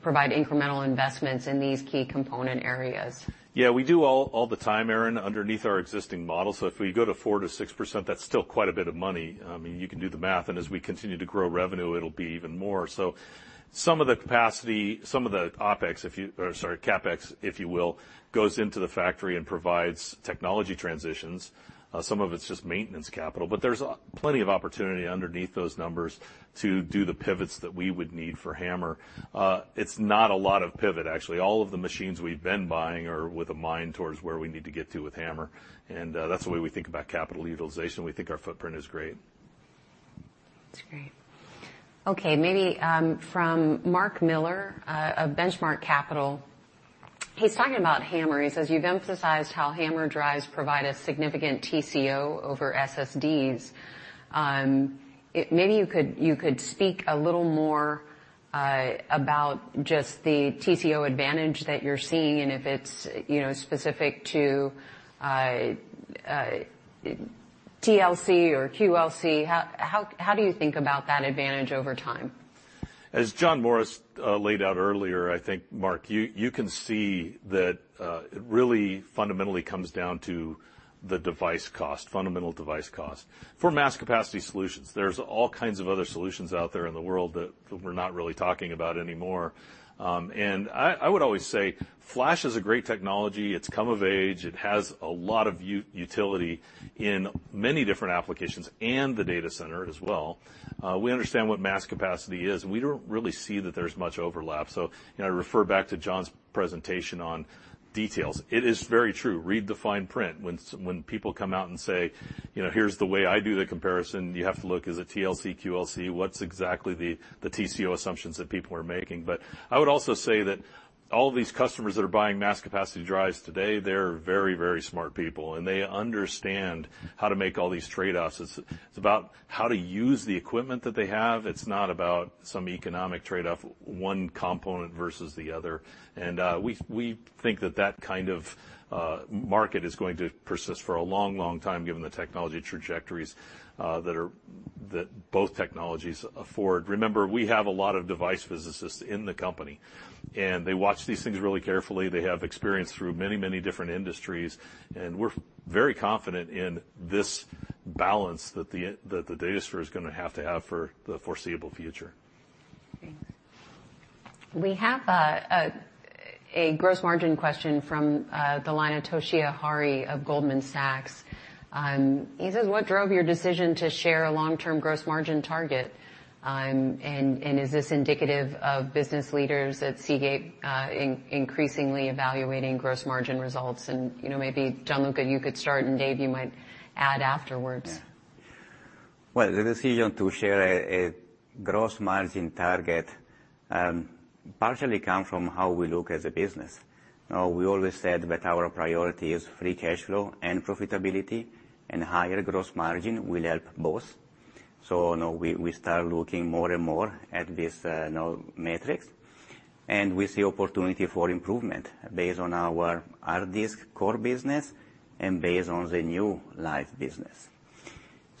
[SPEAKER 1] provide incremental investments in these key component areas?
[SPEAKER 3] Yeah, we do all the time, Aaron, underneath our existing model. If we go to 4%-6%, that's still quite a bit of money. You can do the math, and as we continue to grow revenue, it'll be even more. Some of the CapEx, if you will, goes into the factory and provides technology transitions. Some of it's just maintenance capital, but there's plenty of opportunity underneath those numbers to do the pivots that we would need for HAMR. It's not a lot of pivot, actually. All of the machines we've been buying are with a mind towards where we need to get to with HAMR, and that's the way we think about capital utilization. We think our footprint is great.
[SPEAKER 1] That's great. Okay. Maybe from Mark Miller of Benchmark Capital. He's talking about HAMR. He says, "You've emphasized how HAMR drives provide a significant TCO over SSDs." Maybe you could speak a little more about just the TCO advantage that you're seeing, and if it's specific to TLC or QLC. How do you think about that advantage over time?
[SPEAKER 3] As John Morris laid out earlier, I think, Mark, you can see that it really fundamentally comes down to the device cost, fundamental device cost. For mass capacity solutions, there's all kinds of other solutions out there in the world that we're not really talking about anymore. I would always say flash is a great technology. It's come of age. It has a lot of utility in many different applications and the data center as well. We understand what mass capacity is, and we don't really see that there's much overlap. I refer back to John's presentation on details. It is very true. Read the fine print. When people come out and say, "Here's the way I do the comparison," you have to look, is it TLC, QLC? What's exactly the TCO assumptions that people are making? I would also say that all these customers that are buying mass capacity drives today, they're very, very smart people, and they understand how to make all these trade-offs. It's about how to use the equipment that they have. It's not about some economic trade-off, one component versus the other. We think that that kind of market is going to persist for a long, long time given the technology trajectories that both technologies afford. Remember, we have a lot of device physicists in the company, and they watch these things really carefully. They have experience through many, many different industries, and we're very confident in this balance that the data store is going to have to have for the foreseeable future.
[SPEAKER 1] Thanks. We have a gross margin question from the line of Toshiya Hari of Goldman Sachs. He says, "What drove your decision to share a long-term gross margin target? Is this indicative of business leaders at Seagate increasingly evaluating gross margin results?" Maybe, Gianluca, you could start, and Dave, you might add afterwards.
[SPEAKER 12] The decision to share a gross margin target partially come from how we look as a business. We always said that our priority is free cash flow and profitability, and higher gross margin will help both. Now we start looking more and more at this metrics, and we see opportunity for improvement based on our hard disk core business and based on the new Lyve business.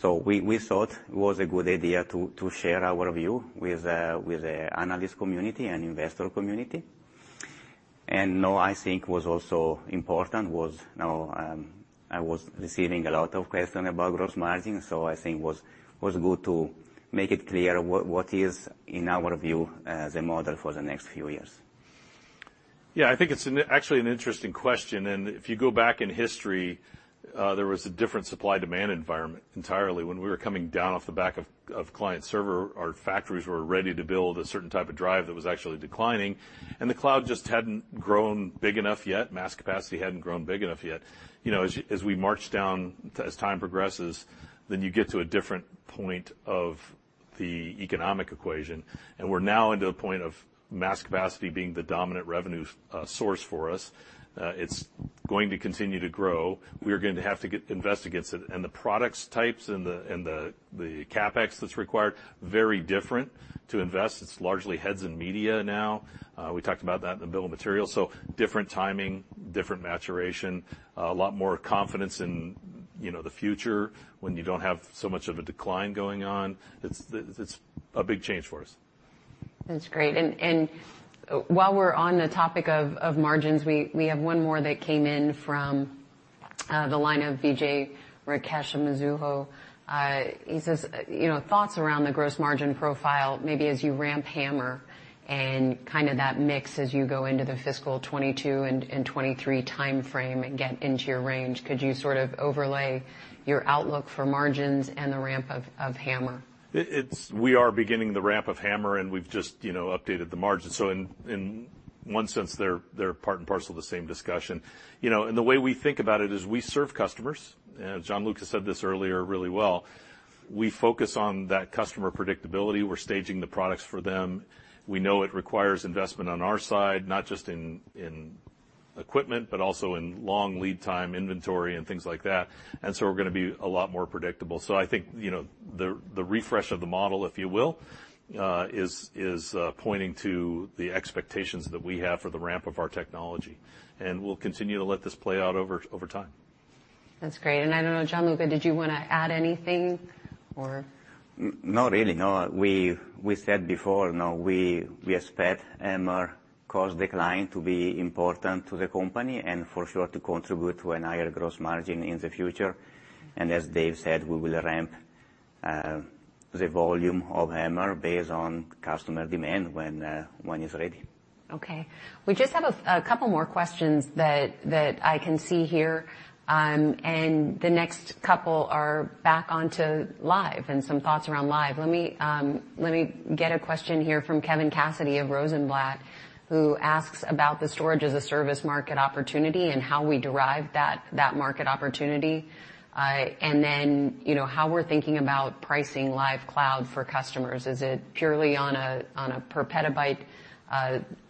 [SPEAKER 12] We thought it was a good idea to share our view with the analyst community and investor community. Now, I think was also important was now I was receiving a lot of question about gross margin, I think was good to make it clear what is, in our view, the model for the next few years.
[SPEAKER 3] Yeah. I think it's actually an interesting question. If you go back in history, there was a different supply-demand environment entirely. When we were coming down off the back of client server, our factories were ready to build a certain type of drive that was actually declining, and the cloud just hadn't grown big enough yet, Mass Capacity hadn't grown big enough yet. As we march down, as time progresses, then you get to a different point of the economic equation, and we're now into a point of Mass Capacity being the dominant revenue source for us. It's going to continue to grow. We are going to have to invest against it. The products types and the CapEx that's required, very different to invest. It's largely heads and media now. We talked about that in the bill of materials. Different timing, different maturation, a lot more confidence in the future when you don't have so much of a decline going on. It's a big change for us.
[SPEAKER 1] That's great. While we're on the topic of margins, we have one more that came in from the line of Vijay Rakesh of Mizuho. He says, "Thoughts around the gross margin profile, maybe as you ramp HAMR and that mix as you go into the fiscal 2022 and 2023 time frame and get into your range. Could you overlay your outlook for margins and the ramp of HAMR?
[SPEAKER 3] We are beginning the ramp of HAMR, and we've just updated the margin. In one sense, they're part and parcel of the same discussion. The way we think about it is we serve customers. Gianluca said this earlier really well. We focus on that customer predictability. We're staging the products for them. We know it requires investment on our side, not just in equipment, but also in long lead time inventory and things like that. We're going to be a lot more predictable. I think the refresh of the model, if you will, is pointing to the expectations that we have for the ramp of our technology. We'll continue to let this play out over time.
[SPEAKER 1] That's great. I don't know, Gianluca, did you want to add anything or?
[SPEAKER 12] Not really, no. We said before, now we expect HAMR cost decline to be important to the company and for sure to contribute to a higher gross margin in the future. As Dave said, we will ramp the volume of HAMR based on customer demand when it's ready.
[SPEAKER 1] Okay. We just have a couple more questions that I can see here. The next couple are back onto Lyve and some thoughts around Lyve. Let me get a question here from Kevin Cassidy of Rosenblatt, who asks about the storage-as-a-service market opportunity and how we derive that market opportunity. How we're thinking about pricing Lyve Cloud for customers. Is it purely on a per petabyte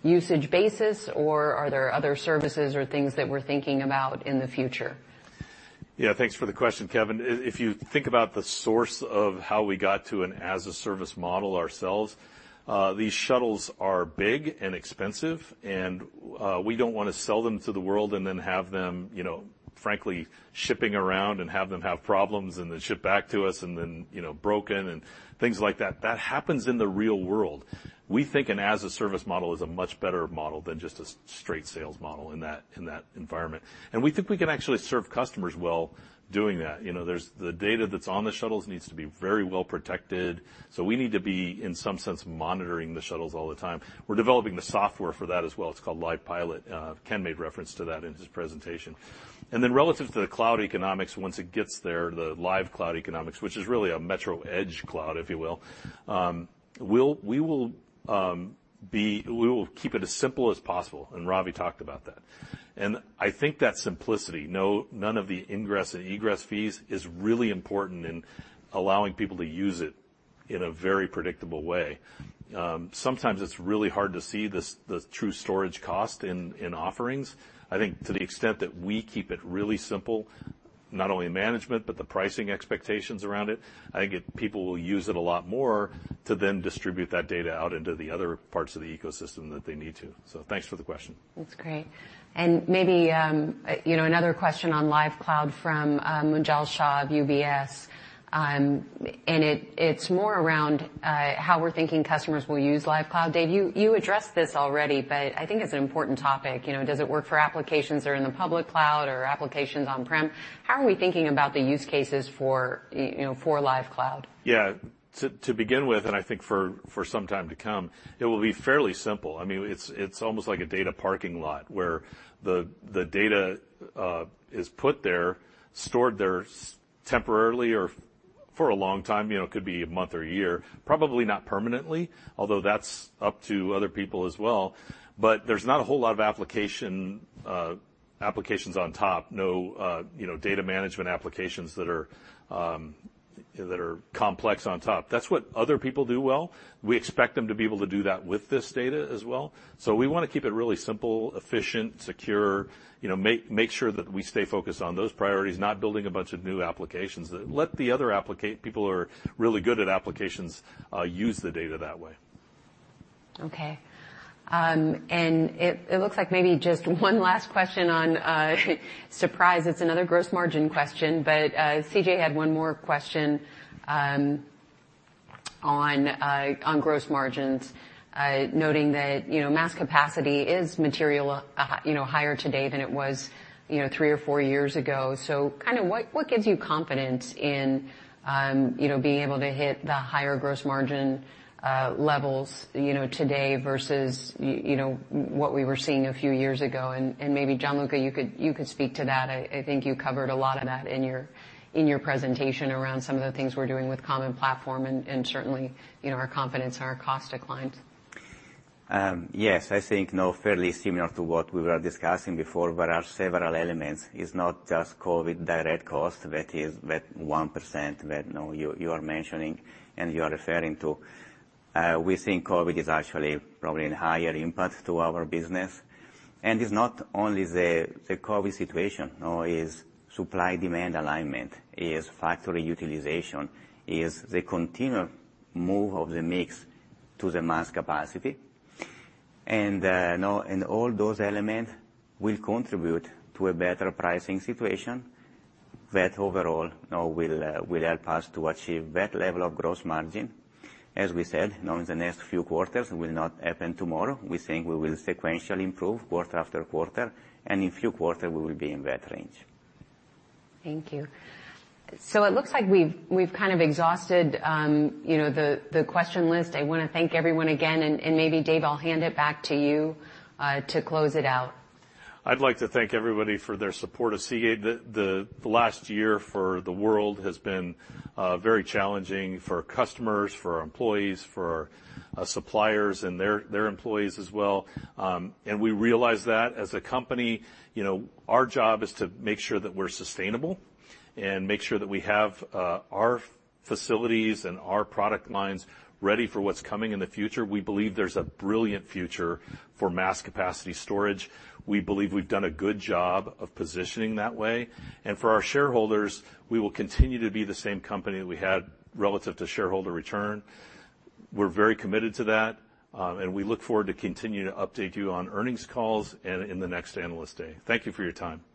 [SPEAKER 1] usage basis, or are there other services or things that we're thinking about in the future?
[SPEAKER 3] Yeah, thanks for the question, Kevin. If you think about the source of how we got to an as-a-service model ourselves, these shuttles are big and expensive, and we don't want to sell them to the world and then have them, frankly, shipping around and have them have problems and then ship back to us and then broken and things like that. That happens in the real world. We think an as-a-service model is a much better model than just a straight sales model in that environment. We think we can actually serve customers well doing that. There's the data that's on the shuttles needs to be very well protected. We need to be, in some sense, monitoring the shuttles all the time. We're developing the software for that as well. It's called Lyve Pilot. Ken made reference to that in his presentation. Then relative to the Cloud economics, once it gets there, the Lyve Cloud economics, which is really a metro edge cloud, if you will, we will keep it as simple as possible, and Ravi talked about that. I think that simplicity, none of the ingress and egress fees is really important in allowing people to use it in a very predictable way. Sometimes it's really hard to see the true storage cost in offerings. To the extent that we keep it really simple, not only management, but the pricing expectations around it, I get people will use it a lot more to then distribute that data out into the other parts of the ecosystem that they need to. Thanks for the question.
[SPEAKER 1] That's great. Maybe, another question on Lyve Cloud from Munjal Shah of UBS. It's more around how we're thinking customers will use Lyve Cloud. Dave, you addressed this already, but I think it's an important topic. Does it work for applications that are in the public cloud or applications on-prem? How are we thinking about the use cases for Lyve Cloud?
[SPEAKER 3] Yeah. To begin with, and I think for some time to come, it will be fairly simple. It is almost like a data parking lot where the data is put there, stored there temporarily or for a long time, it could be a month or a year, probably not permanently, although that is up to other people as well. There is not a whole lot of applications on top, no data management applications that are complex on top. That is what other people do well. We expect them to be able to do that with this data as well. We want to keep it really simple, efficient, secure, make sure that we stay focused on those priorities, not building a bunch of new applications. Let the other people who are really good at applications use the data that way.
[SPEAKER 1] Okay. It looks like maybe just one last question on surprise, it's another gross margin question. C.J. had one more question on gross margins, noting that mass capacity is material higher today than it was three or four years ago. What gives you confidence in being able to hit the higher gross margin levels today versus what we were seeing a few years ago? Maybe, Gianluca, you could speak to that. I think you covered a lot of that in your presentation around some of the things we're doing with common platform and certainly, our confidence in our cost declines.
[SPEAKER 12] Yes. I think now fairly similar to what we were discussing before, there are several elements. It's not just COVID direct cost, that is that 1% that you are mentioning and you are referring to. We think COVID is actually probably in higher impact to our business. It's not only the COVID situation, no, is supply-demand alignment, is factory utilization, is the continued move of the mix to the mass capacity. All those elements will contribute to a better pricing situation that overall now will help us to achieve that level of gross margin. As we said, now in the next few quarters, it will not happen tomorrow. We think we will sequentially improve quarter after quarter, and in few quarter, we will be in that range.
[SPEAKER 1] Thank you. It looks like we've exhausted the question list. I want to thank everyone again, and maybe Dave, I'll hand it back to you to close it out.
[SPEAKER 3] I'd like to thank everybody for their support of Seagate. The last year for the world has been very challenging for our customers, for our employees, for our suppliers, and their employees as well. We realize that as a company, our job is to make sure that we're sustainable and make sure that we have our facilities and our product lines ready for what's coming in the future. We believe there's a brilliant future for mass capacity storage. We believe we've done a good job of positioning that way. For our shareholders, we will continue to be the same company we had relative to shareholder return. We're very committed to that, and we look forward to continue to update you on earnings calls and in the next Analyst Day. Thank you for your time.